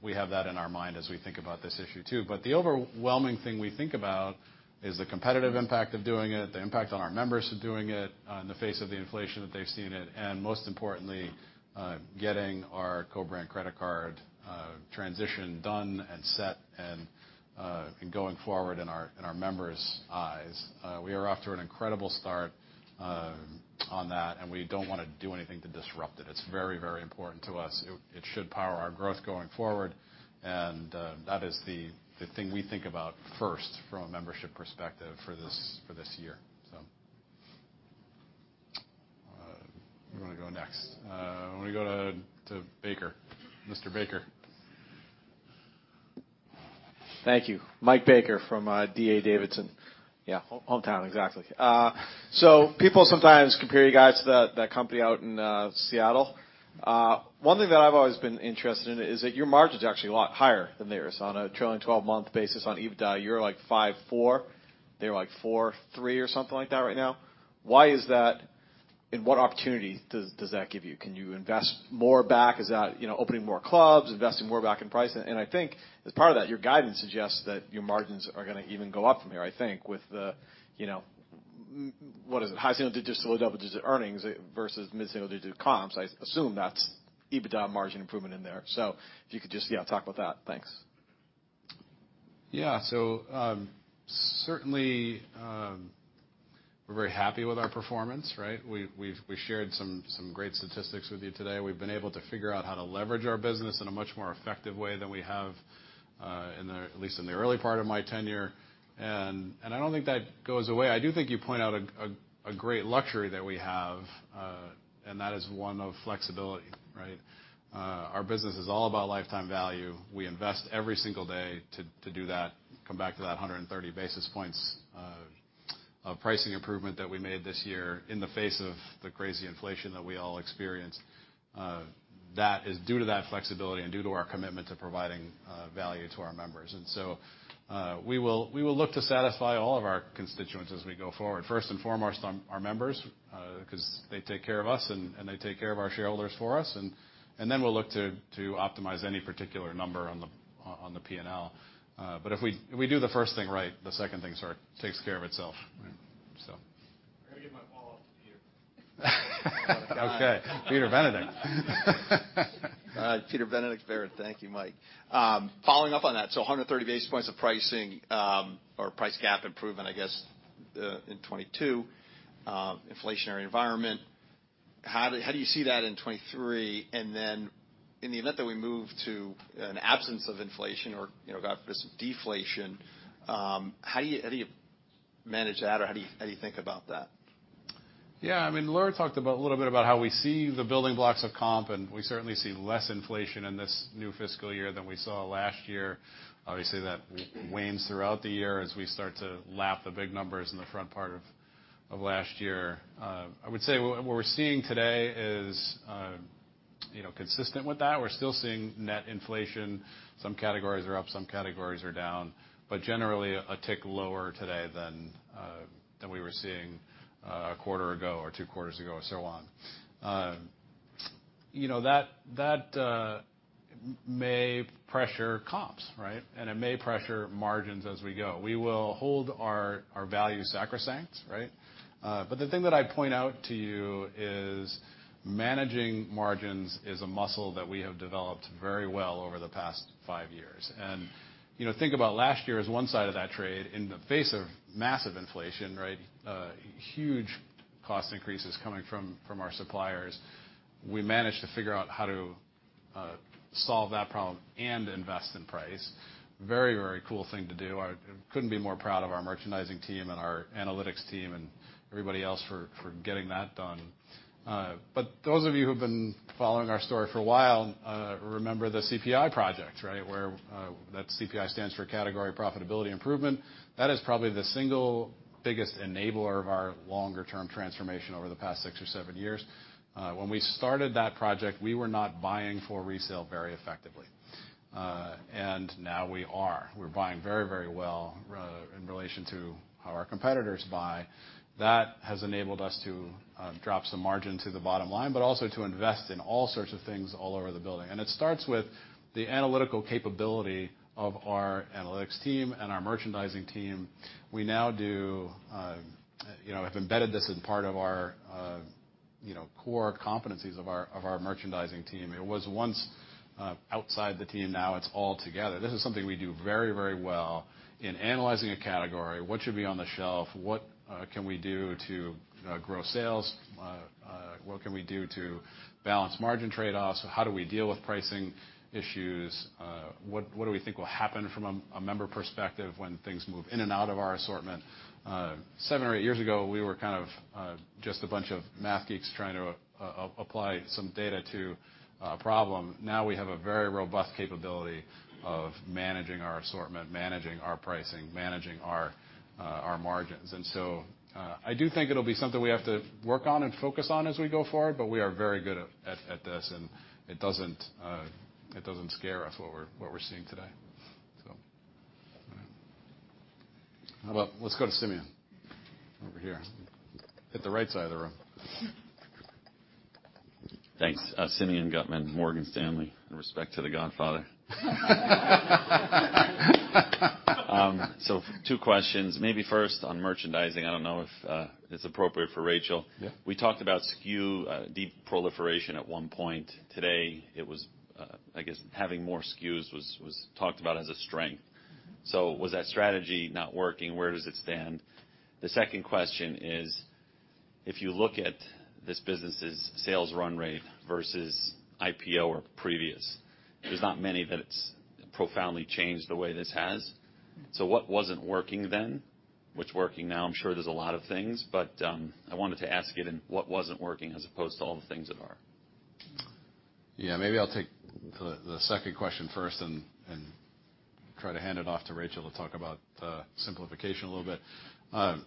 We have that in our mind as we think about this issue too. The overwhelming thing we think about is the competitive impact of doing it, the impact on our members of doing it, in the face of the inflation that they've seen it, and most importantly, getting co-brand credit card transition done and set and going forward in our members' eyes. We are off to an incredible start on that, and we don't wanna do anything to disrupt it. It's very important to us. It should power our growth going forward, and that is the thing we think about first from a membership perspective for this year. Where do you wanna go next? I wanna go to Baker. Mr. Baker. Thank you. Michael Baker from D.A. Davidson. Yeah. Hometown, exactly. People sometimes compare you guys to that company out in Seattle. One thing that I've always been interested in is that your margin's actually a lot higher than theirs. On a trailing 12-month basis on EBITDA, you're like 5.4%. They're like 4.3% or something like that right now. Why is that, what opportunity does that give you? Can you invest more back? Is that, you know, opening more clubs, investing more back in price? I think as part of that, your guidance suggests that your margins are gonna even go up from here, I think, with the, you know, what is it? High single-digit to low double-digit earnings versus mid-single-digit comps. I assume that's EBITDA margin improvement in there. If you could just, yeah, talk about that. Thanks. Certainly, we're very happy with our performance, right? We've shared some great statistics with you today. We've been able to figure out how to leverage our business in a much more effective way than we have, at least in the early part of my tenure. I don't think that goes away. I do think you point out a great luxury that we have, that is one of flexibility, right? Our business is all about lifetime value. We invest every single day to do that, come back to that 130 basis points of pricing improvement that we made this year in the face of the crazy inflation that we all experienced. That is due to that flexibility and due to our commitment to providing value to our members. we will look to satisfy all of our constituents as we go forward. First and foremost, our members, 'cause they take care of us, and they take care of our shareholders for us. Then we'll look to optimize any particular number on the P&L. But if we do the first thing right, the second thing sort of takes care of itself. I'm gonna give my follow-up to Peter. Okay. Peter Benedict. All right, Peter Benedict, Baird. Thank you, Mike. Following up on that, 130 basis points of pricing or price gap improvement, I guess, in 2022, inflationary environment. How do you see that in 2023? In the event that we move to an absence of inflation or, you know, God forbid, some deflation, how do you manage that, or how do you think about that? Yeah. I mean, Laura talked about a little bit about how we see the building blocks of comp. We certainly see less inflation in this new fiscal year than we saw last year. Obviously, that wanes throughout the year as we start to lap the big numbers in the front part of last year. I would say what we're seeing today is, you know, consistent with that. We're still seeing net inflation. Some categories are up, some categories are down. Generally a tick lower today than we were seeing a quarter ago or 2 quarters ago and so on. You know, that may pressure comps, right? It may pressure margins as we go. We will hold our value sacrosanct, right? The thing that I'd point out to you is managing margins is a muscle that we have developed very well over the past five years. You know, think about last year as one side of that trade. In the face of massive inflation, right, huge cost increases coming from our suppliers, we managed to figure out how to solve that problem and invest in price. Very cool thing to do. I couldn't be more proud of our merchandising team and our analytics team and everybody else for getting that done. Those of you who've been following our story for a while, remember the CPI project, right? Where that CPI stands for Category Profitability Improvement. That is probably the single biggest enabler of our longer-term transformation over the past six or seven years. When we started that project, we were not buying for resale very effectively. Now we are. We're buying very, very well in relation to how our competitors buy. That has enabled us to drop some margin to the bottom line, but also to invest in all sorts of things all over the building. It starts with the analytical capability of our analytics team and our merchandising team. We now do, you know, have embedded this in part of our, you know, core competencies of our merchandising team. It was once outside the team, now it's all together. This is something we do very, very well in analyzing a category. What should be on the shelf? What can we do to grow sales? What can we do to balance margin trade-offs? How do we deal with pricing issues? What do we think will happen from a member perspective when things move in and out of our assortment? Seven or eight years ago, we were kind of just a bunch of math geeks trying to apply some data to a problem. Now we have a very robust capability of managing our assortment, managing our pricing, managing our margins. I do think it'll be something we have to work on and focus on as we go forward, but we are very good at this, and it doesn't scare us what we're seeing today. How about let's go to Simeon over here. Hit the right side of the room. Thanks. Simeon Gutman, Morgan Stanley, in respect to The Godfather. Two questions, maybe first on merchandising, I don't know if, it's appropriate for Rachael. Yeah. We talked about SKU de-proliferation at one point. Today, it was, I guess having more SKUs was talked about as a strength. Was that strategy not working? Where does it stand? The second question is, if you look at this business' sales run rate versus IPO or previous, there's not many that it's profoundly changed the way this has. What wasn't working then? What's working now? I'm sure there's a lot of things, but, I wanted to ask it in what wasn't working as opposed to all the things that are. Yeah, maybe I'll take the second question first and try to hand it off to Rachael Vegas to talk about simplification a little bit. I'm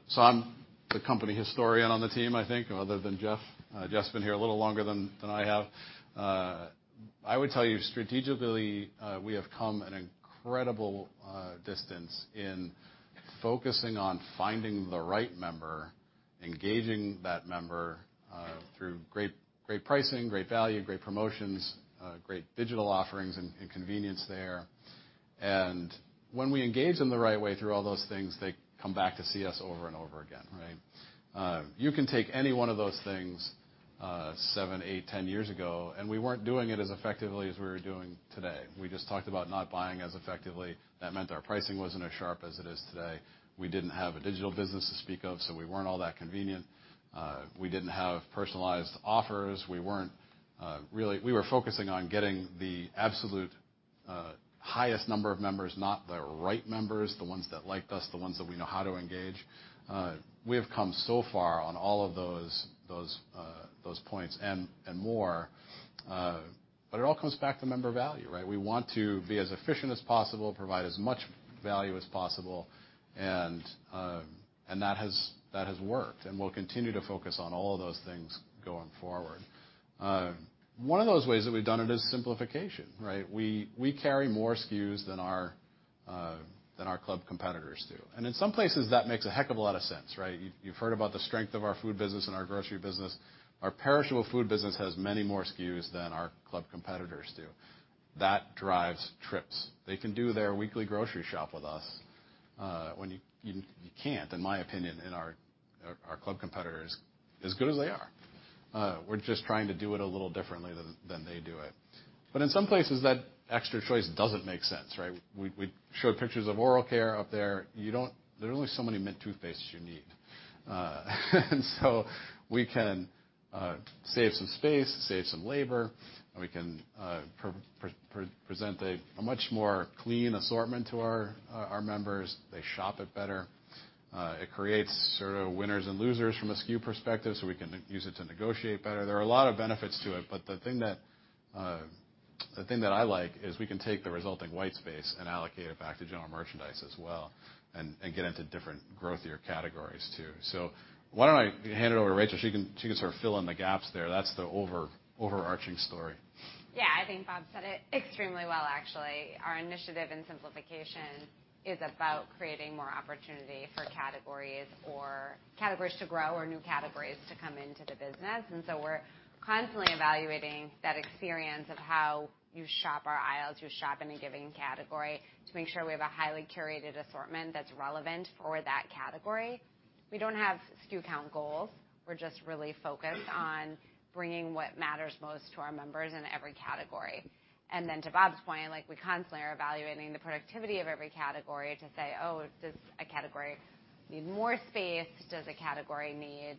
the company historian on the team, I think, other than Jeff Desroches. Jeff Desroches's been here a little longer than I have. I would tell you strategically, we have come an incredible distance in focusing on finding the right member, engaging that member through great pricing, great value, great promotions, great digital offerings and convenience there. When we engage them the right way through all those things, they come back to see us over and over again, right? You can take any one of those things, seven, eight, 10 years ago, and we weren't doing it as effectively as we were doing today. We just talked about not buying as effectively. That meant our pricing wasn't as sharp as it is today. We didn't have a digital business to speak of. We weren't all that convenient. We didn't have personalized offers. We weren't focusing on getting the absolute highest number of members, not the right members, the ones that liked us, the ones that we know how to engage. We have come so far on all of those points and more, but it all comes back to member value, right? We want to be as efficient as possible, provide as much value as possible, and that has worked, and we'll continue to focus on all of those things going forward. One of those ways that we've done it is simplification, right? We carry more SKUs than our club competitors do. In some places, that makes a heck of a lot of sense, right? You've heard about the strength of our food business and our grocery business. Our perishable food business has many more SKUs than our club competitors do. That drives trips. They can do their weekly grocery shop with us, when you can't, in my opinion, in our club competitors, as good as they are. We're just trying to do it a little differently than they do it. In some places, that extra choice doesn't make sense, right? We showed pictures of oral care up there. You don't. There are only so many mint toothpastes you need. We can save some space, save some labor, and we can present a much more clean assortment to our members. They shop it better. It creates sort of winners and losers from a SKU perspective, so we can use it to negotiate better. There are a lot of benefits to it, but the thing that I like is we can take the resulting white space and allocate it back to general merchandise as well and get into different growthier categories too. Why don't I hand it over to Rachael? She can sort of fill in the gaps there. That's the overarching story. Yeah. I think Bob said it extremely well, actually. Our initiative in simplification is about creating more opportunity for categories or categories to grow or new categories to come into the business. We're constantly evaluating that experience of how you shop our aisles, you shop in a given category to make sure we have a highly curated assortment that's relevant for that category. We don't have SKU count goals. We're just really focused on bringing what matters most to our members in every category. Then to Bob's point, like, we constantly are evaluating the productivity of every category to say, "Oh, does this category need more space? Does a category need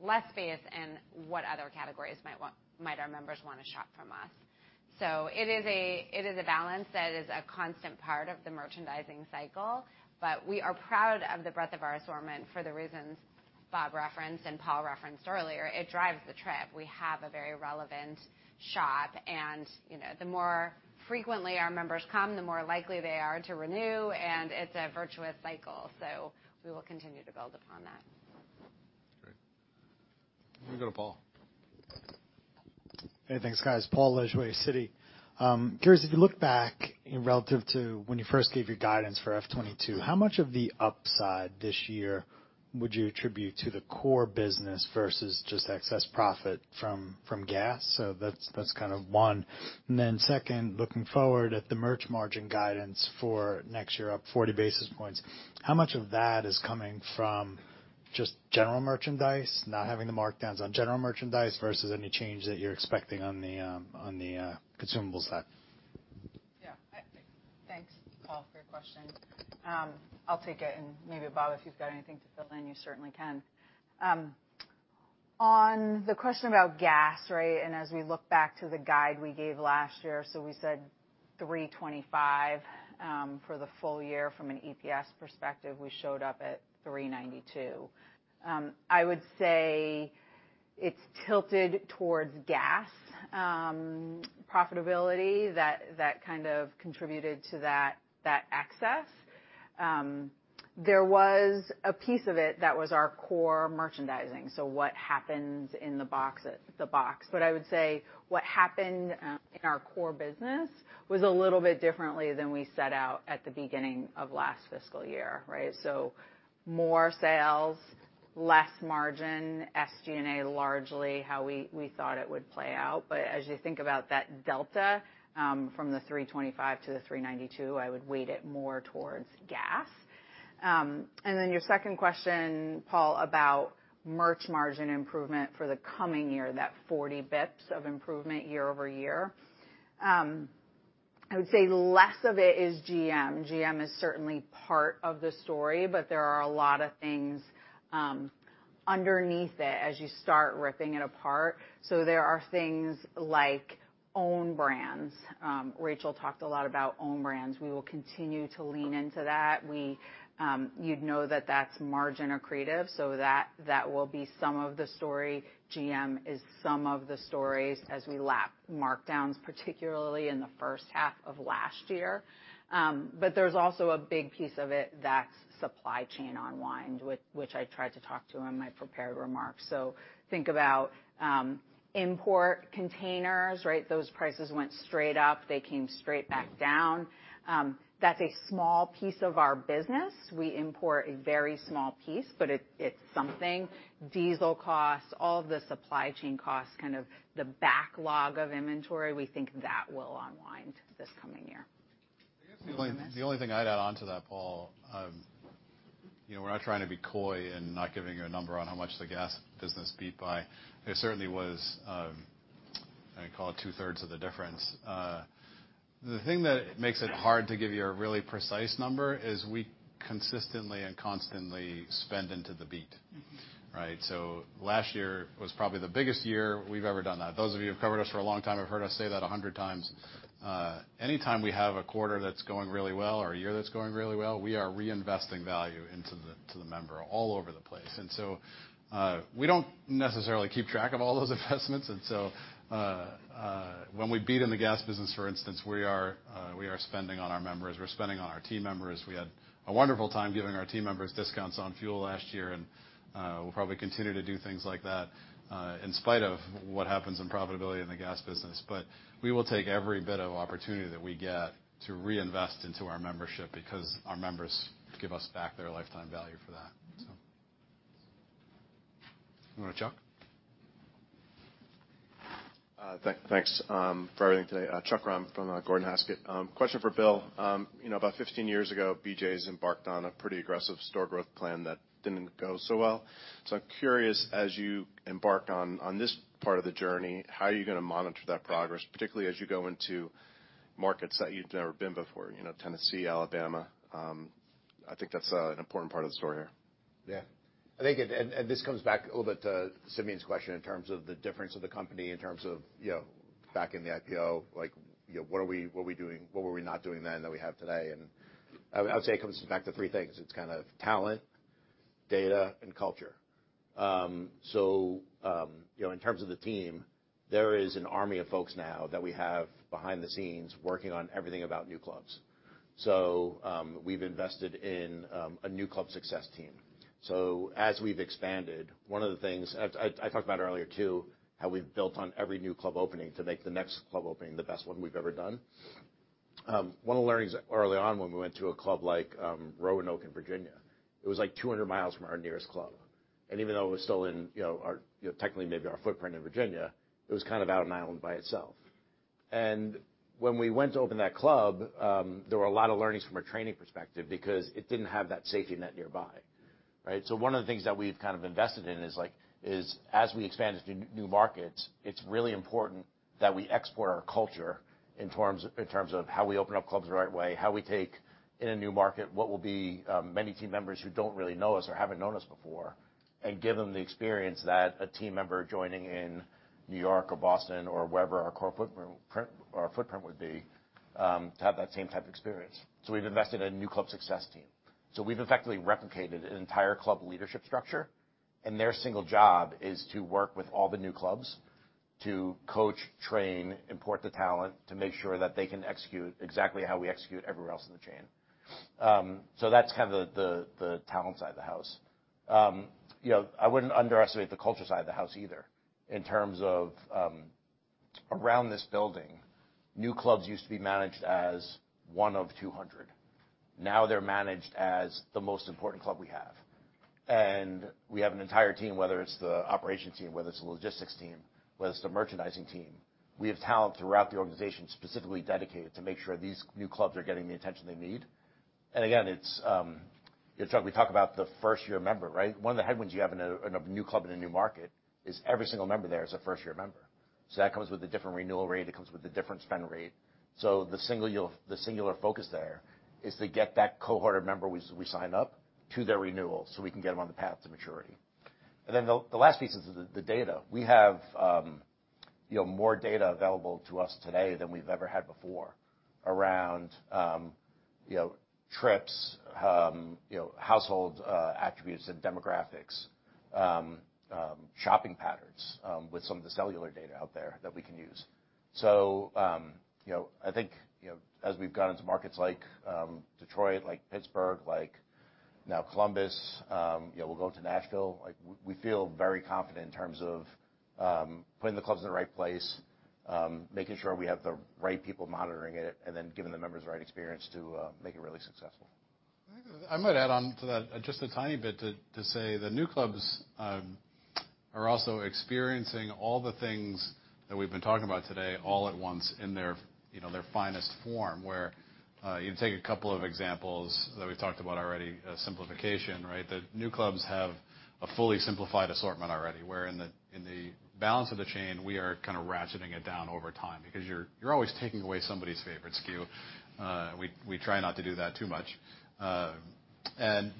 less space? What other categories might our members want to shop from us? It is a balance that is a constant part of the merchandising cycle, but we are proud of the breadth of our assortment for the reasons. Bob referenced and Paul referenced earlier, it drives the trip. We have a very relevant shop and, you know, the more frequently our members come, the more likely they are to renew, and it's a virtuous cycle. We will continue to build upon that. Great. Let me go to Paul. Hey, thanks, guys. Paul Lejuez, Citi. Curious, if you look back relative to when you first gave your guidance for F22, how much of the upside this year would you attribute to the core business versus just excess profit from gas? That's kind of one. Second, looking forward at the merch margin guidance for next year, up 40 basis points, how much of that is coming from just general merchandise, not having the markdowns on general merchandise versus any change that you're expecting on the on the consumable side? Yeah. Thanks, Paul, for your question. I'll take it, and maybe, Bob, if you've got anything to fill in, you certainly can. On the question about gas, right, and as we look back to the guide we gave last year, we said $3.25 for the full year from an EPS perspective, we showed up at $3.92. I would say it's tilted towards gas profitability that kind of contributed to that excess. There was a piece of it that was our core merchandising. What happens in the box. I would say what happened in our core business was a little bit differently than we set out at the beginning of last fiscal year, right? More sales, less margin, SG&A, largely how we thought it would play out. As you think about that delta, from the 325 to the 392, I would weight it more towards gas. Your second question, Paul, about merch margin improvement for the coming year, that 40 basis points of improvement year-over-year. I would say less of it is GM. GM is certainly part of the story, but there are a lot of things underneath it as you start ripping it apart. There are things like Own Brands. Rachael talked a lot about Own Brands. We will continue to lean into that. We, you'd know that that's margin accretive, that will be some of the story. GM is some of the stories as we lap markdowns, particularly in the first half of last year. There's also a big piece of it that's supply chain unwind, which I tried to talk to in my prepared remarks. Think about import containers, right? Those prices went straight up, they came straight back down. That's a small piece of our business. We import a very small piece, but it's something. Diesel costs, all of the supply chain costs, kind of the backlog of inventory, we think that will unwind this coming year. The only thing I'd add on to that, Paul, you know, we're not trying to be coy and not giving you a number on how much the gas business beat by. It certainly was, I call it 2/3 of the difference. The thing that makes it hard to give you a really precise number is we consistently and constantly spend into the beat, right? Last year was probably the biggest year we've ever done that. Those of you who've covered us for a long time have heard us say that 100 times. Anytime we have a quarter that's going really well or a year that's going really well, we are reinvesting value into the Member all over the place. We don't necessarily keep track of all those investments. When we beat in the gas business, for instance, we are spending on our members, we're spending on our team members. We had a wonderful time giving our team members discounts on fuel last year, and we'll probably continue to do things like that in spite of what happens in profitability in the gas business. We will take every bit of opportunity that we get to reinvest into our membership because our members give us back their lifetime value for that, so. You wanna Chuck? Thanks for everything today. Chuck Grom from Gordon Haskett. Question for Bill. You know, about 15 years ago, BJ's embarked on a pretty aggressive store growth plan that didn't go so well. I'm curious, as you embark on this part of the journey, how are you gonna monitor that progress, particularly as you go into markets that you've never been before, you know, Tennessee, Alabama? I think that's an important part of the story here. Yeah. I think this comes back a little bit to Simeon's question in terms of the difference of the company, in terms of, you know, back in the IPO, like, you know, what are we doing, what were we not doing then that we have today. I would say it comes back to three things. It's kind of talent, data, and culture. You know, in terms of the team, there is an army of folks now that we have behind the scenes working on everything about new clubs. We've invested in a new club success team. As we've expanded, one of the things I talked about earlier, too, how we've built on every new club opening to make the next club opening the best one we've ever done. One of the learnings early on when we went to a club like Roanoke in Virginia, it was like 200 miles from our nearest club. Even though it was still in, you know, our, you know, technically maybe our footprint in Virginia, it was kind of out an island by itself. When we went to open that club, there were a lot of learnings from a training perspective because it didn't have that safety net nearby, right? One of the things that we've kind of invested in is, like, is as we expand into new markets, it's really important that we export our culture in terms of how we open up clubs the right way, how we take in a new market, what will be many team members who don't really know us or haven't known us before, and give them the experience that a team member joining in New York or Boston or wherever our core footprint or our footprint would be. To have that same type of experience. We've invested in a new club success team. We've effectively replicated an entire club leadership structure, and their single job is to work with all the new clubs to coach, train, import the talent to make sure that they can execute exactly how we execute everywhere else in the chain. So that's kind of the talent side of the house. You know, I wouldn't underestimate the culture side of the house either in terms of, around this building, new clubs used to be managed as 1 of 200. Now they're managed as the most important club we have. We have an entire team, whether it's the operations team, whether it's the logistics team, whether it's the merchandising team, we have talent throughout the organization specifically dedicated to make sure these new clubs are getting the attention they need. Again, it's, you know, Chuck, we talk about the first-year member, right? One of the headwinds you have in a, in a new club in a new market is every single member there is a first-year member. That comes with a different renewal rate. It comes with a different spend rate. The singular focus there is to get that cohort of member we sign up to their renewal, so we can get them on the path to maturity. The last piece is the data. We have, you know, more data available to us today than we've ever had before around, you know, trips, you know, household attributes and demographics, shopping patterns, with some of the cellular data out there that we can use. You know, I think, you know, as we've gone into markets like, Detroit, like Pittsburgh, like now Columbus, you know, we'll go to Nashville, like, we feel very confident in terms of, putting the clubs in the right place, making sure we have the right people monitoring it, and then giving the members the right experience to, make it really successful. I might add on to that just a tiny bit to say the new clubs are also experiencing all the things that we've been talking about today all at once in their, you know, their finest form, where you can take a couple of examples that we've talked about already, simplification, right? The new clubs have a fully simplified assortment already, where in the balance of the chain, we are kind of ratcheting it down over time because you're always taking away somebody's favorite SKU. We try not to do that too much.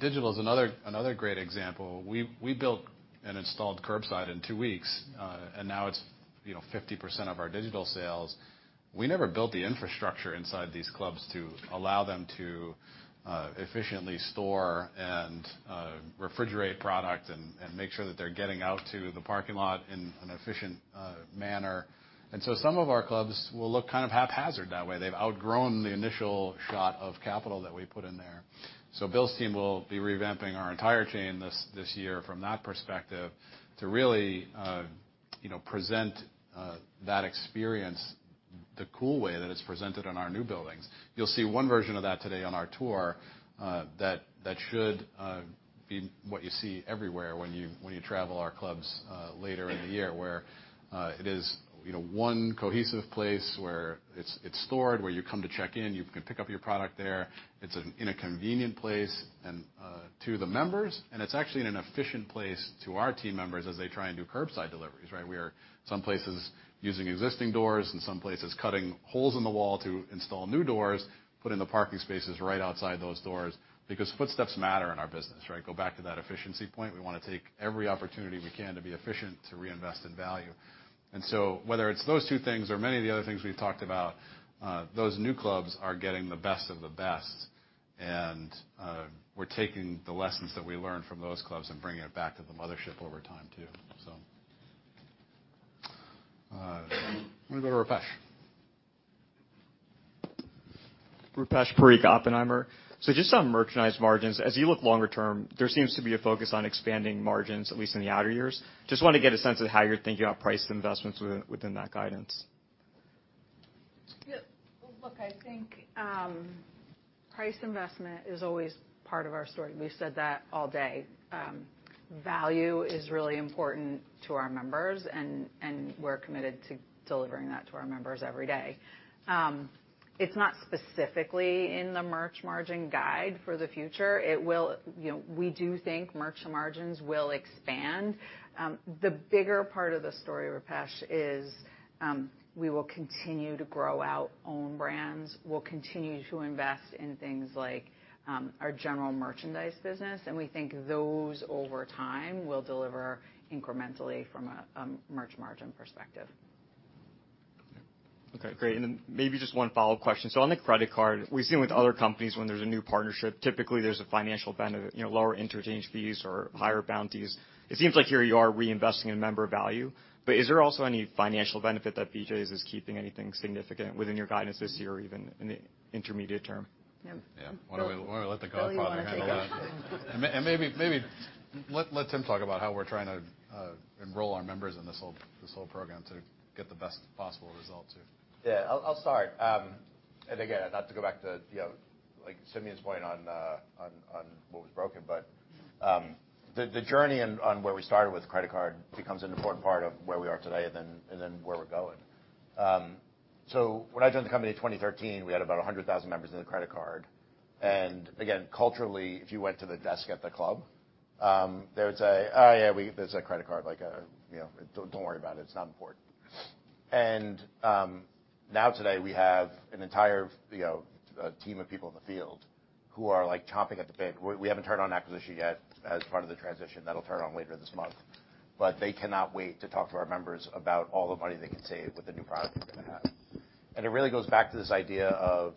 Digital is another great example. We built and installed curbside in two weeks, and now it's, you know, 50% of our digital sales. We never built the infrastructure inside these clubs to allow them to efficiently store and refrigerate product and make sure that they're getting out to the parking lot in an efficient manner. So some of our clubs will look kind of haphazard that way. They've outgrown the initial shot of capital that we put in there. Bill's team will be revamping our entire chain this year from that perspective to really, you know, present that experience the cool way that it's presented in our new buildings. You'll see one version of that today on our tour, that should be what you see everywhere when you travel our clubs later in the year, where it is, you know, one cohesive place where it's stored, where you come to check in, you can pick up your product there. It's in a convenient place to the members, and it's actually in an efficient place to our team members as they try and do curbside deliveries, right? We are some places using existing doors, in some places, cutting holes in the wall to install new doors, putting the parking spaces right outside those doors because footsteps matter in our business, right? Go back to that efficiency point. We wanna take every opportunity we can to be efficient, to reinvest in value. Whether it's those two things or many of the other things we've talked about, those new clubs are getting the best of the best. We're taking the lessons that we learned from those clubs and bringing it back to the mothership over time too. I'm gonna go to Rupesh. Rupesh Parikh, Oppenheimer. Just on merchandise margins, as you look longer term, there seems to be a focus on expanding margins, at least in the outer years. Just wanted to get a sense of how you're thinking about price investments within that guidance. Look, I think price investment is always part of our story. We've said that all day. Value is really important to our members and we're committed to delivering that to our members every day. It's not specifically in the merch margin guide for the future. You know, we do think merch margins will expand. The bigger part of the story, Rupesh, is we will continue to grow our own brands. We'll continue to invest in things like our general merchandise business, and we think those over time will deliver incrementally from a merch margin perspective. Okay. Great. Then maybe just one follow-up question. On the credit card, we've seen with other companies when there's a new partnership, typically there's a financial benefit, you know, lower interchange fees or higher bounties. It seems like here you are reinvesting in member value, is there also any financial benefit that BJ's is keeping anything significant within your guidance this year or even in the intermediate term? Yeah. Yeah. Why don't we let The Godfather handle that? Bill, you want to take that? Maybe let Tim talk about how we're trying to enroll our members in this whole program to get the best possible result too. Yeah, I'll start. Again, not to go back to, you know, like Simeon's point on what was broken, but the journey on where we started with credit card becomes an important part of where we are today and then where we're going. When I joined the company in 2013, we had about 100,000 members in the credit card. Again, culturally, if you went to the desk at the club, they would say, "Oh, yeah, there's a credit card," like, you know, "Don't, don't worry about it. It's not important." Now today, we have an entire, you know, team of people in the field who are, like, chomping at the bit. We haven't turned on acquisition yet as part of the transition. That'll turn on later this month. They cannot wait to talk to our members about all the money they can save with the new product we're gonna have. It really goes back to this idea of,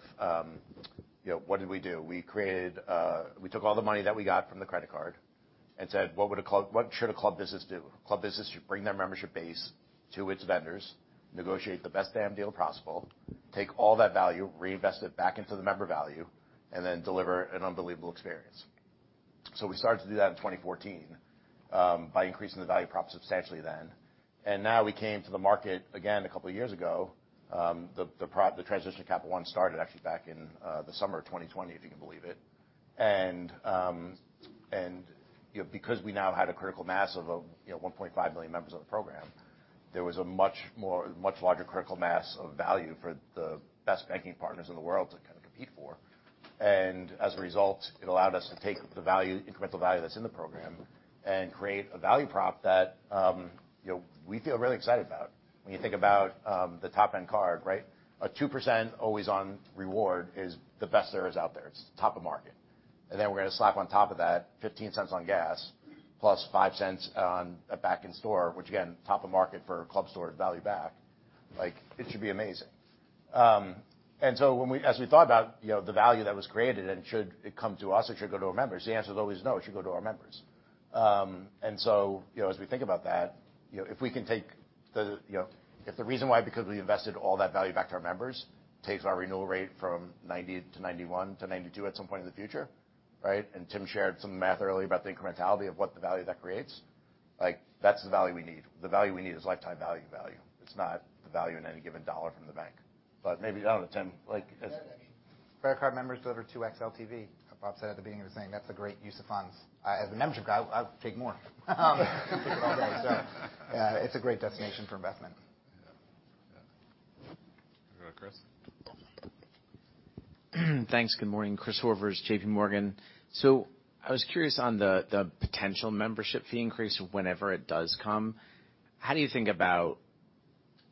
you know, what did we do? We took all the money that we got from the credit card and said, "What should a club business do?" Club business should bring their membership base to its vendors, negotiate the best damn deal possible, take all that value, reinvest it back into the member value, and then deliver an unbelievable experience. We started to do that in 2014 by increasing the value prop substantially then. Now we came to the market again a couple of years ago, the transition to Capital One started actually back in the summer of 2020, if you can believe it. You know, because we now had a critical mass of, you know, 1.5 million members of the program, there was a much more, much larger critical mass of value for the best banking partners in the world to kind of compete for. As a result, it allowed us to take the value, incremental value that's in the program and create a value prop that, you know, we feel really excited about. When you think about the top-end card, right? A 2% always on reward is the best there is out there. It's top of market. We're gonna slap on top of that $0.15 on gas plus $0.05 on a back-end store, which again, top of market for club store value back. Like, it should be amazing. As we thought about, you know, the value that was created and should it come to us or should go to our members, the answer is always no, it should go to our members. You know, as we think about that, you know, if we can take the, you know, if the reason why, because we invested all that value back to our members, takes our renewal rate from 90 to 91 to 92 at some point in the future, right? Tim shared some math earlier about the incrementality of what the value that creates. Like, that's the value we need. The value we need is lifetime value. It's not the value in any given dollar from the bank. Maybe, I don't know, Tim, like... credit card members deliver 2x LTV. Like Bob said at the beginning of the saying, that's a great use of funds. As a membership guy, I would take more. Take it all day. It's a great destination for investment. Yeah. Yeah. Chris. Thanks. Good morning, Chris Horvers, JPMorgan. I was curious on the potential membership fee increase whenever it does come, how do you think about,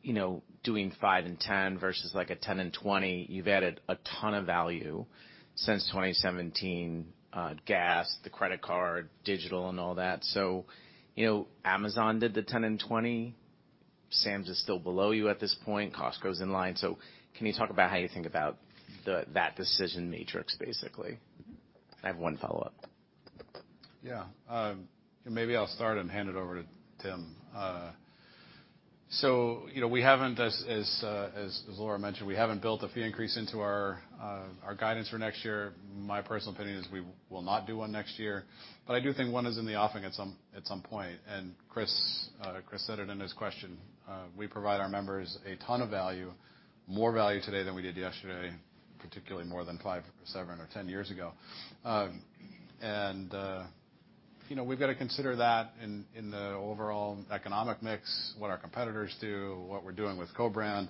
you know, doing $5 and $10 versus like a $10 and $20? You've added a ton of value since 2017, gas, the credit card, digital and all that. You know, Amazon did the $10 and $20. Sam's is still below you at this point. Costco is in line. Can you talk about how you think about that decision matrix, basically? I have one follow-up. Yeah. Maybe I'll start and hand it over to Tim. You know, we haven't as Laura mentioned, we haven't built a fee increase into our guidance for next year. My personal opinion is we will not do one next year, but I do think one is in the offing at some point. Chris said it in his question, we provide our members a ton of value, more value today than we did yesterday, particularly more than 5 or 7 or 10 years ago. You know, we've got to consider that in the overall economic mix, what our competitors do, what we're doing with co-brand.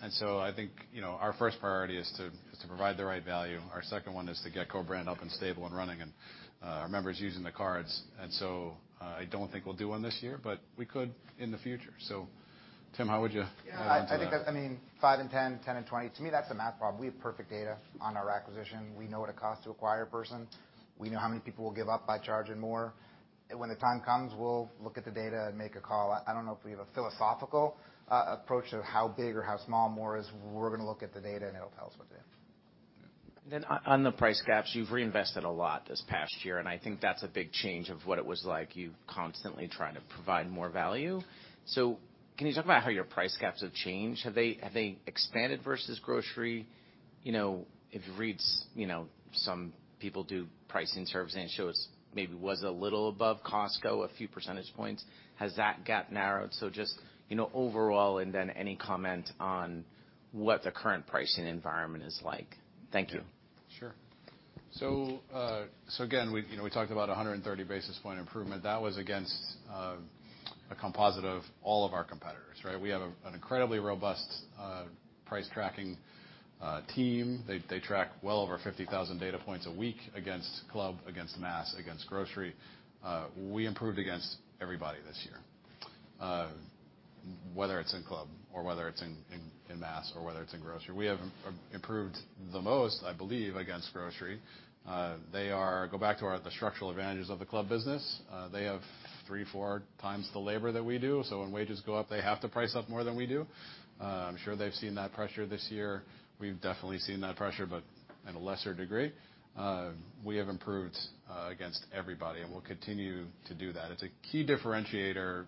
I think, you know, our first priority is to provide the right value. Our second one is to get co-brand up and stable and running and, our members using the cards. I don't think we'll do one this year, but we could in the future. Tim, how would you add on to that? Yeah, I think that's, I mean, 5 and 10 and 20. To me, that's a math problem. We have perfect data on our acquisition. We know what it costs to acquire a person. We know how many people will give up by charging more. When the time comes, we'll look at the data and make a call. I don't know if we have a philosophical approach to how big or how small more is. We're gonna look at the data and it'll tell us what to do. On the price gaps, you've reinvested a lot this past year, and I think that's a big change of what it was like, you constantly trying to provide more value. Can you talk about how your price gaps have changed? Have they expanded versus grocery? You know, if it reads, you know, some people do pricing surveys and it shows maybe was a little above Costco, a few percentage points. Has that gap narrowed? Just, you know, overall, and then any comment on what the current pricing environment is like. Thank you. Sure. Again, we, you know, we talked about 130 basis point improvement. That was against a composite of all of our competitors, right? We have an incredibly robust price tracking team. They track well over 50,000 data points a week against club, against mass, against grocery. We improved against everybody this year, whether it's in club or whether it's in mass or whether it's in grocery. We have improved the most, I believe, against grocery. They are the structural advantages of the club business. They have 3x-4x the labor that we do. When wages go up, they have to price up more than we do. I'm sure they've seen that pressure this year. We've definitely seen that pressure, but at a lesser degree. We have improved against everybody, and we'll continue to do that. It's a key differentiator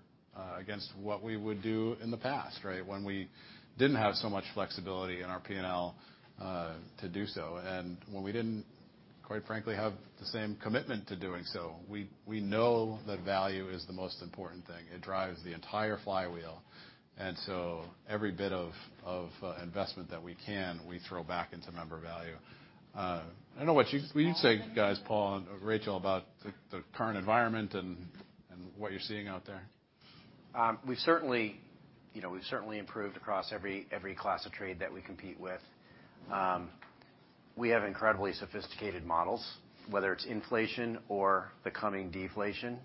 against what we would do in the past, right? When we didn't have so much flexibility in our P&L to do so. When we didn't, quite frankly, have the same commitment to doing so. We know that value is the most important thing. It drives the entire flywheel. Every bit of investment that we can, we throw back into member value. I don't know what you will you say, guys, Paul and Rachael, about the current environment and what you're seeing out there? We've certainly, you know, improved across every class of trade that we compete with. We have incredibly sophisticated models, whether it's inflation or the coming deflation,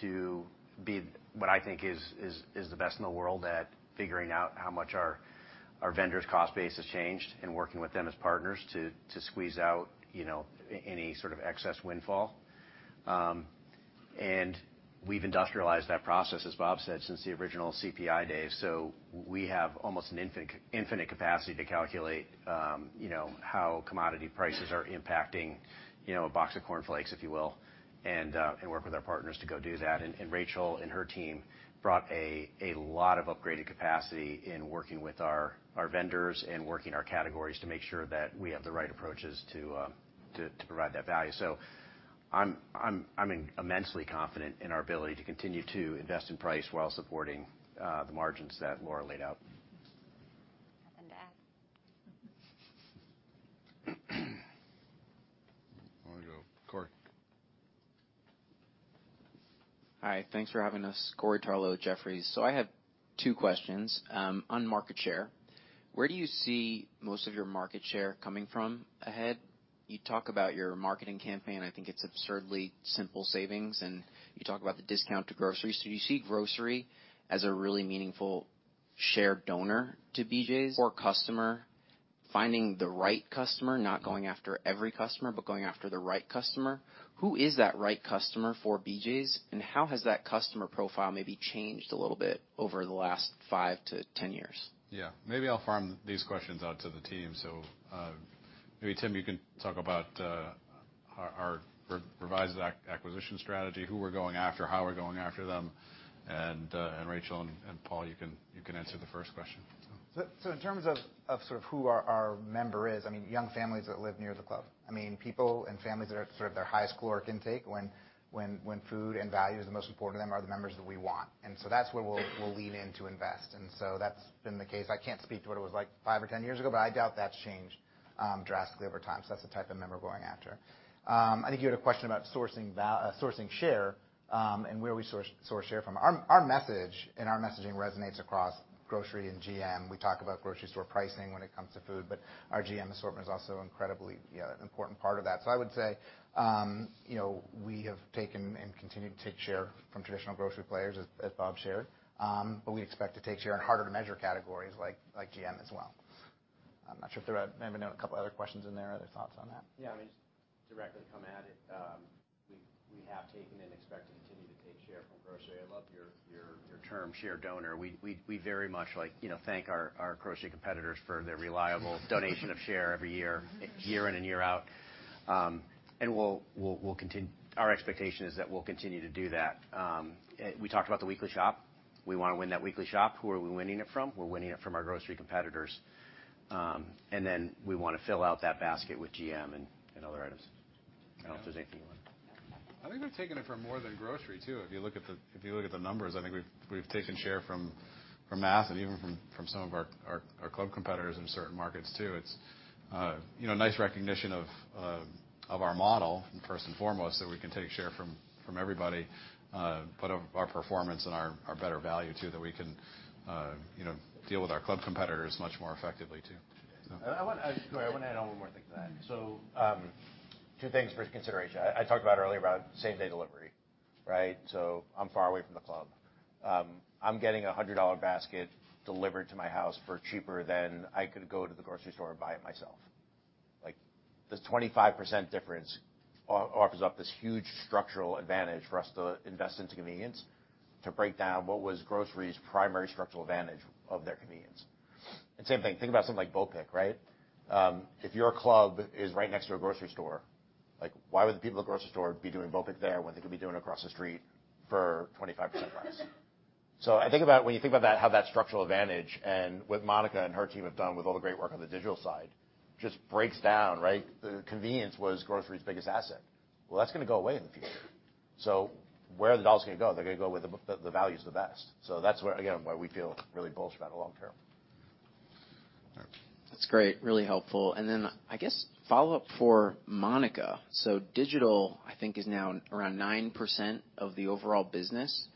to be what I think is the best in the world at figuring out how much our vendors' cost base has changed and working with them as partners to squeeze out, you know, any sort of excess windfall. We've industrialized that process, as Bob said, since the original CPI days. We have almost an infinite capacity to calculate, you know, how commodity prices are impacting, you know, a box of cornflakes, if you will, and work with our partners to go do that. Rachael and her team brought a lot of upgraded capacity in working with our vendors and working our categories to make sure that we have the right approaches to provide that value. I'm immensely confident in our ability to continue to invest in price while supporting the margins that Laura laid out. Nothing to add. I wanna go Corey. Hi. Thanks for having us. Corey Tarlowe, Jefferies. I have 2 questions. On market share, where do you see most of your market share coming from ahead? You talk about your marketing campaign, I think it's Absurdly Simple Savings, and you talk about the discount to grocery. Do you see grocery as a really meaningful share donor to BJ's? Core customer, finding the right customer, not going after every customer, but going after the right customer. Who is that right customer for BJ's, and how has that customer profile maybe changed a little bit over the last 5-10 years? Yeah. Maybe I'll farm these questions out to the team. Maybe Tim, you can talk about our revised acquisition strategy, who we're going after, how we're going after them, and Rachael and Paul, you can answer the first question. In terms of sort of who our member is, I mean, young families that live near the club. I mean, people and families that are sort of their highest caloric intake when food and value is the most important to them are the members that we want. That's where we'll lean in to invest. That's been the case. I can't speak to what it was like 5 or 10 years ago, but I doubt that's changed drastically over time. That's the type of member we're going after. I think you had a question about sourcing share and where we source share from. Our message and our messaging resonates across grocery and GM. We talk about grocery store pricing when it comes to food, but our GM assortment is also incredibly, you know, an important part of that. I would say, you know, we have taken and continue to take share from traditional grocery players, as Bob shared. We expect to take share on harder to measure categories like GM as well. I'm not sure if there are maybe a couple other questions in there, other thoughts on that. Yeah, I mean, just directly come at it. We have taken and expect to continue to take share from grocery. I love your term share donor. We very much like, you know, thank our grocery competitors for their reliable donation of share every year in and year out. Our expectation is that we'll continue to do that. We talked about the weekly shop. We wanna win that weekly shop. Who are we winning it from? We're winning it from our grocery competitors. Then we wanna fill out that basket with GM and other items. I don't know if there's anything you wanna... I think we've taken it from more than grocery too. If you look at the numbers, I think we've taken share from mass and even from some of our club competitors in certain markets too. It's, you know, nice recognition of our model first and foremost, that we can take share from everybody, but of our performance and our better value too, that we can, you know, deal with our club competitors much more effectively too. Actually, go ahead. I wanna add on one more thing to that. Two things for consideration. I talked about earlier about same-day delivery, right? I'm far away from the club. I'm getting a $100 basket delivered to my house for cheaper than I could go to the grocery store and buy it myself. Like, this 25% difference offers up this huge structural advantage for us to invest into convenience to break down what was grocery's primary structural advantage of their convenience. Same thing, think about something like BOPIC, right? If your club is right next to a grocery store, like, why would the people at the grocery store be doing BOPIC there when they could be doing it across the street for 25% price? I think about when you think about that, how that structural advantage and what Monica and her team have done with all the great work on the digital side, just breaks down, right? The convenience was grocery's biggest asset. Well, that's gonna go away in the future. Where are the dollars gonna go? They're gonna go where the value's the best. That's where, again, why we feel really bullish about it long term. That's great. Really helpful. I guess follow-up for Monica. Digital, I think, is now around 9% of the overall business.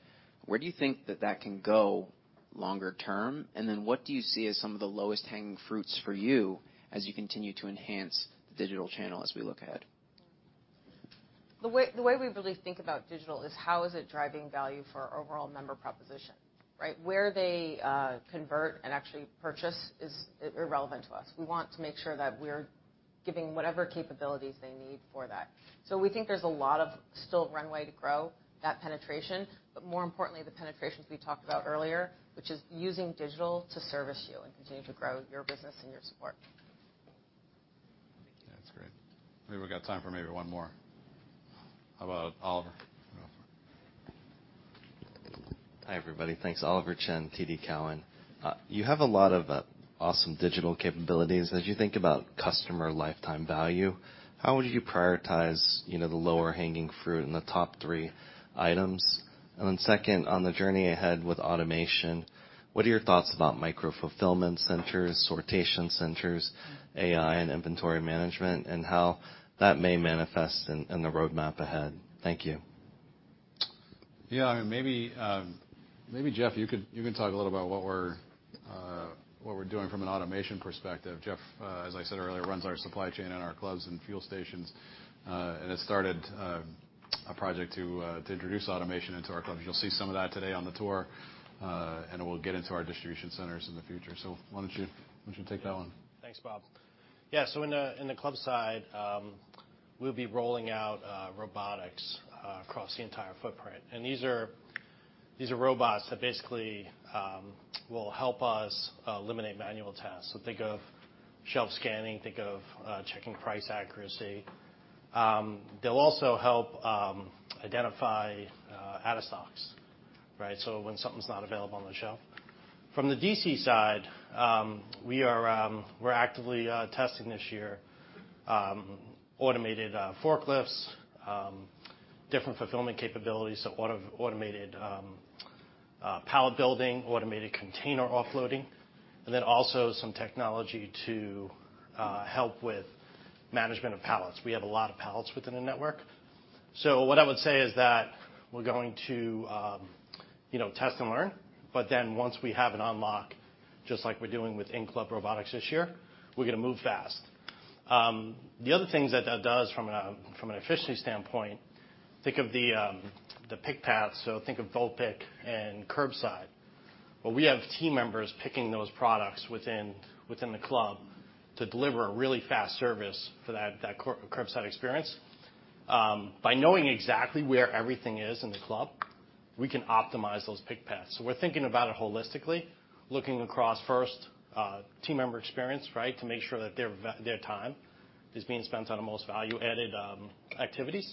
Where do you think that that can go longer term? What do you see as some of the lowest hanging fruits for you as you continue to enhance the digital channel as we look ahead? The way we really think about digital is how is it driving value for our overall member proposition, right? Where they convert and actually purchase is irrelevant to us. We want to make sure that we're giving whatever capabilities they need for that. We think there's a lot of still runway to grow that penetration, but more importantly, the penetrations we talked about earlier, which is using digital to service you and continue to grow your business and your support. That's great. I think we've got time for maybe one more. How about Oliver? Hi, everybody. Thanks. Oliver Chen, TD Cowen. You have a lot of awesome digital capabilities. As you think about customer lifetime value, how would you prioritize, you know, the lower hanging fruit and the top 3 items? Second, on the journey ahead with automation, what are your thoughts about micro fulfillment centers, sortation centers, AI, and inventory management, and how that may manifest in the roadmap ahead? Thank you. Yeah. Maybe, maybe, Jeff, you could, you can talk a little about what we're doing from an automation perspective. Jeff, as I said earlier, runs our supply chain and our clubs and fuel stations, and has started a project to introduce automation into our clubs. You'll see some of that today on the tour, and it will get into our distribution centers in the future. Why don't you take that one? Thanks, Bob. Yeah. In the club side, we'll be rolling out robotics across the entire footprint. These are robots that basically will help us eliminate manual tasks. Think of shelf scanning, think of checking price accuracy. They'll also help identify out of stocks, right? When something's not available on the shelf. From the DC side, we are actively testing this year automated forklifts, different fulfillment capabilities, so automated pallet building, automated container offloading, and then also some technology to help with management of pallets. We have a lot of pallets within the network. What I would say is that we're going to, you know, test and learn, once we have an unlock, just like we're doing with in-club robotics this year, we're going to move fast. The other things that that does from an efficiency standpoint, think of the pick path, think of BOPIC and curbside. We have team members picking those products within the club to deliver a really fast service for that curbside experience. By knowing exactly where everything is in the club, we can optimize those pick paths. We're thinking about it holistically, looking across first, team member experience, right, to make sure that their time is being spent on the most value-added activities.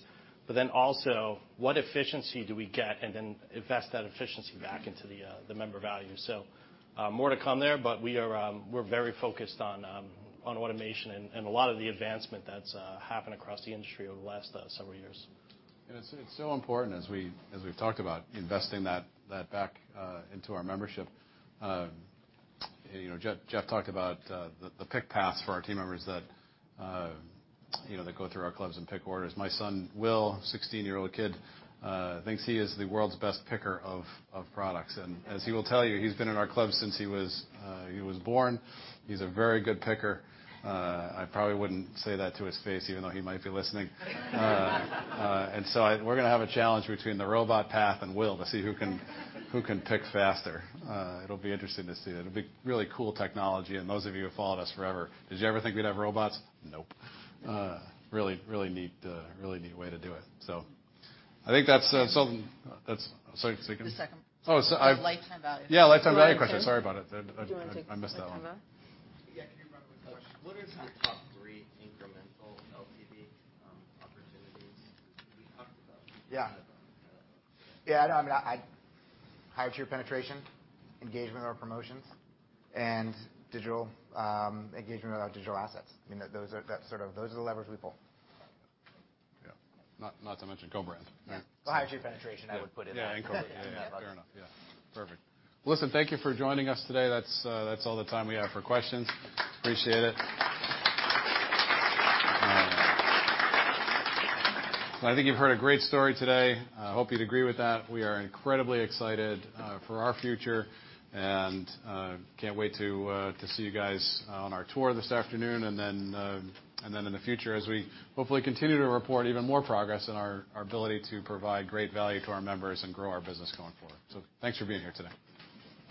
What efficiency do we get and then invest that efficiency back into the member value. More to come there, but we are, we're very focused on automation and a lot of the advancement that's happened across the industry over the last several years. It's so important as we've talked about investing that back into our membership. You know, Jeff talked about the pick paths for our team members that, you know, go through our clubs and pick orders. My son, Will, 16-year-old kid, thinks he is the world's best picker of products. As he will tell you, he's been in our club since he was born. He's a very good picker. I probably wouldn't say that to his face, even though he might be listening. We're gonna have a challenge between the robot path and Will to see who can pick faster. It'll be interesting to see that. It'll be really cool technology. Those of you who followed us forever, did you ever think we'd have robots? Nope. Really, really neat, really neat way to do it. I think that's. Sorry, say again. The second one. Oh. Lifetime value. Yeah, lifetime value question. Sorry about it. I missed that one. Do you wanna take the lifetime value? Yeah, can you run with the question? What is your top 3 incremental LTV opportunities that you talked about? Yeah. Yeah, no, I mean, higher tier penetration, engagement or promotions, and digital engagement with our digital assets. I mean, that's sort of those are the levers we pull. Yeah. Not to mention co-brand, right? The higher tier penetration, I would put in that. Yeah, and co-brand. Yeah. Fair enough. Yeah. Perfect. Listen, thank you for joining us today. That's all the time we have for questions. Appreciate it. I think you've heard a great story today. I hope you'd agree with that. We are incredibly excited for our future and can't wait to see you guys on our tour this afternoon, and then in the future as we hopefully continue to report even more progress in our ability to provide great value to our members and grow our business going forward. Thanks for being here today.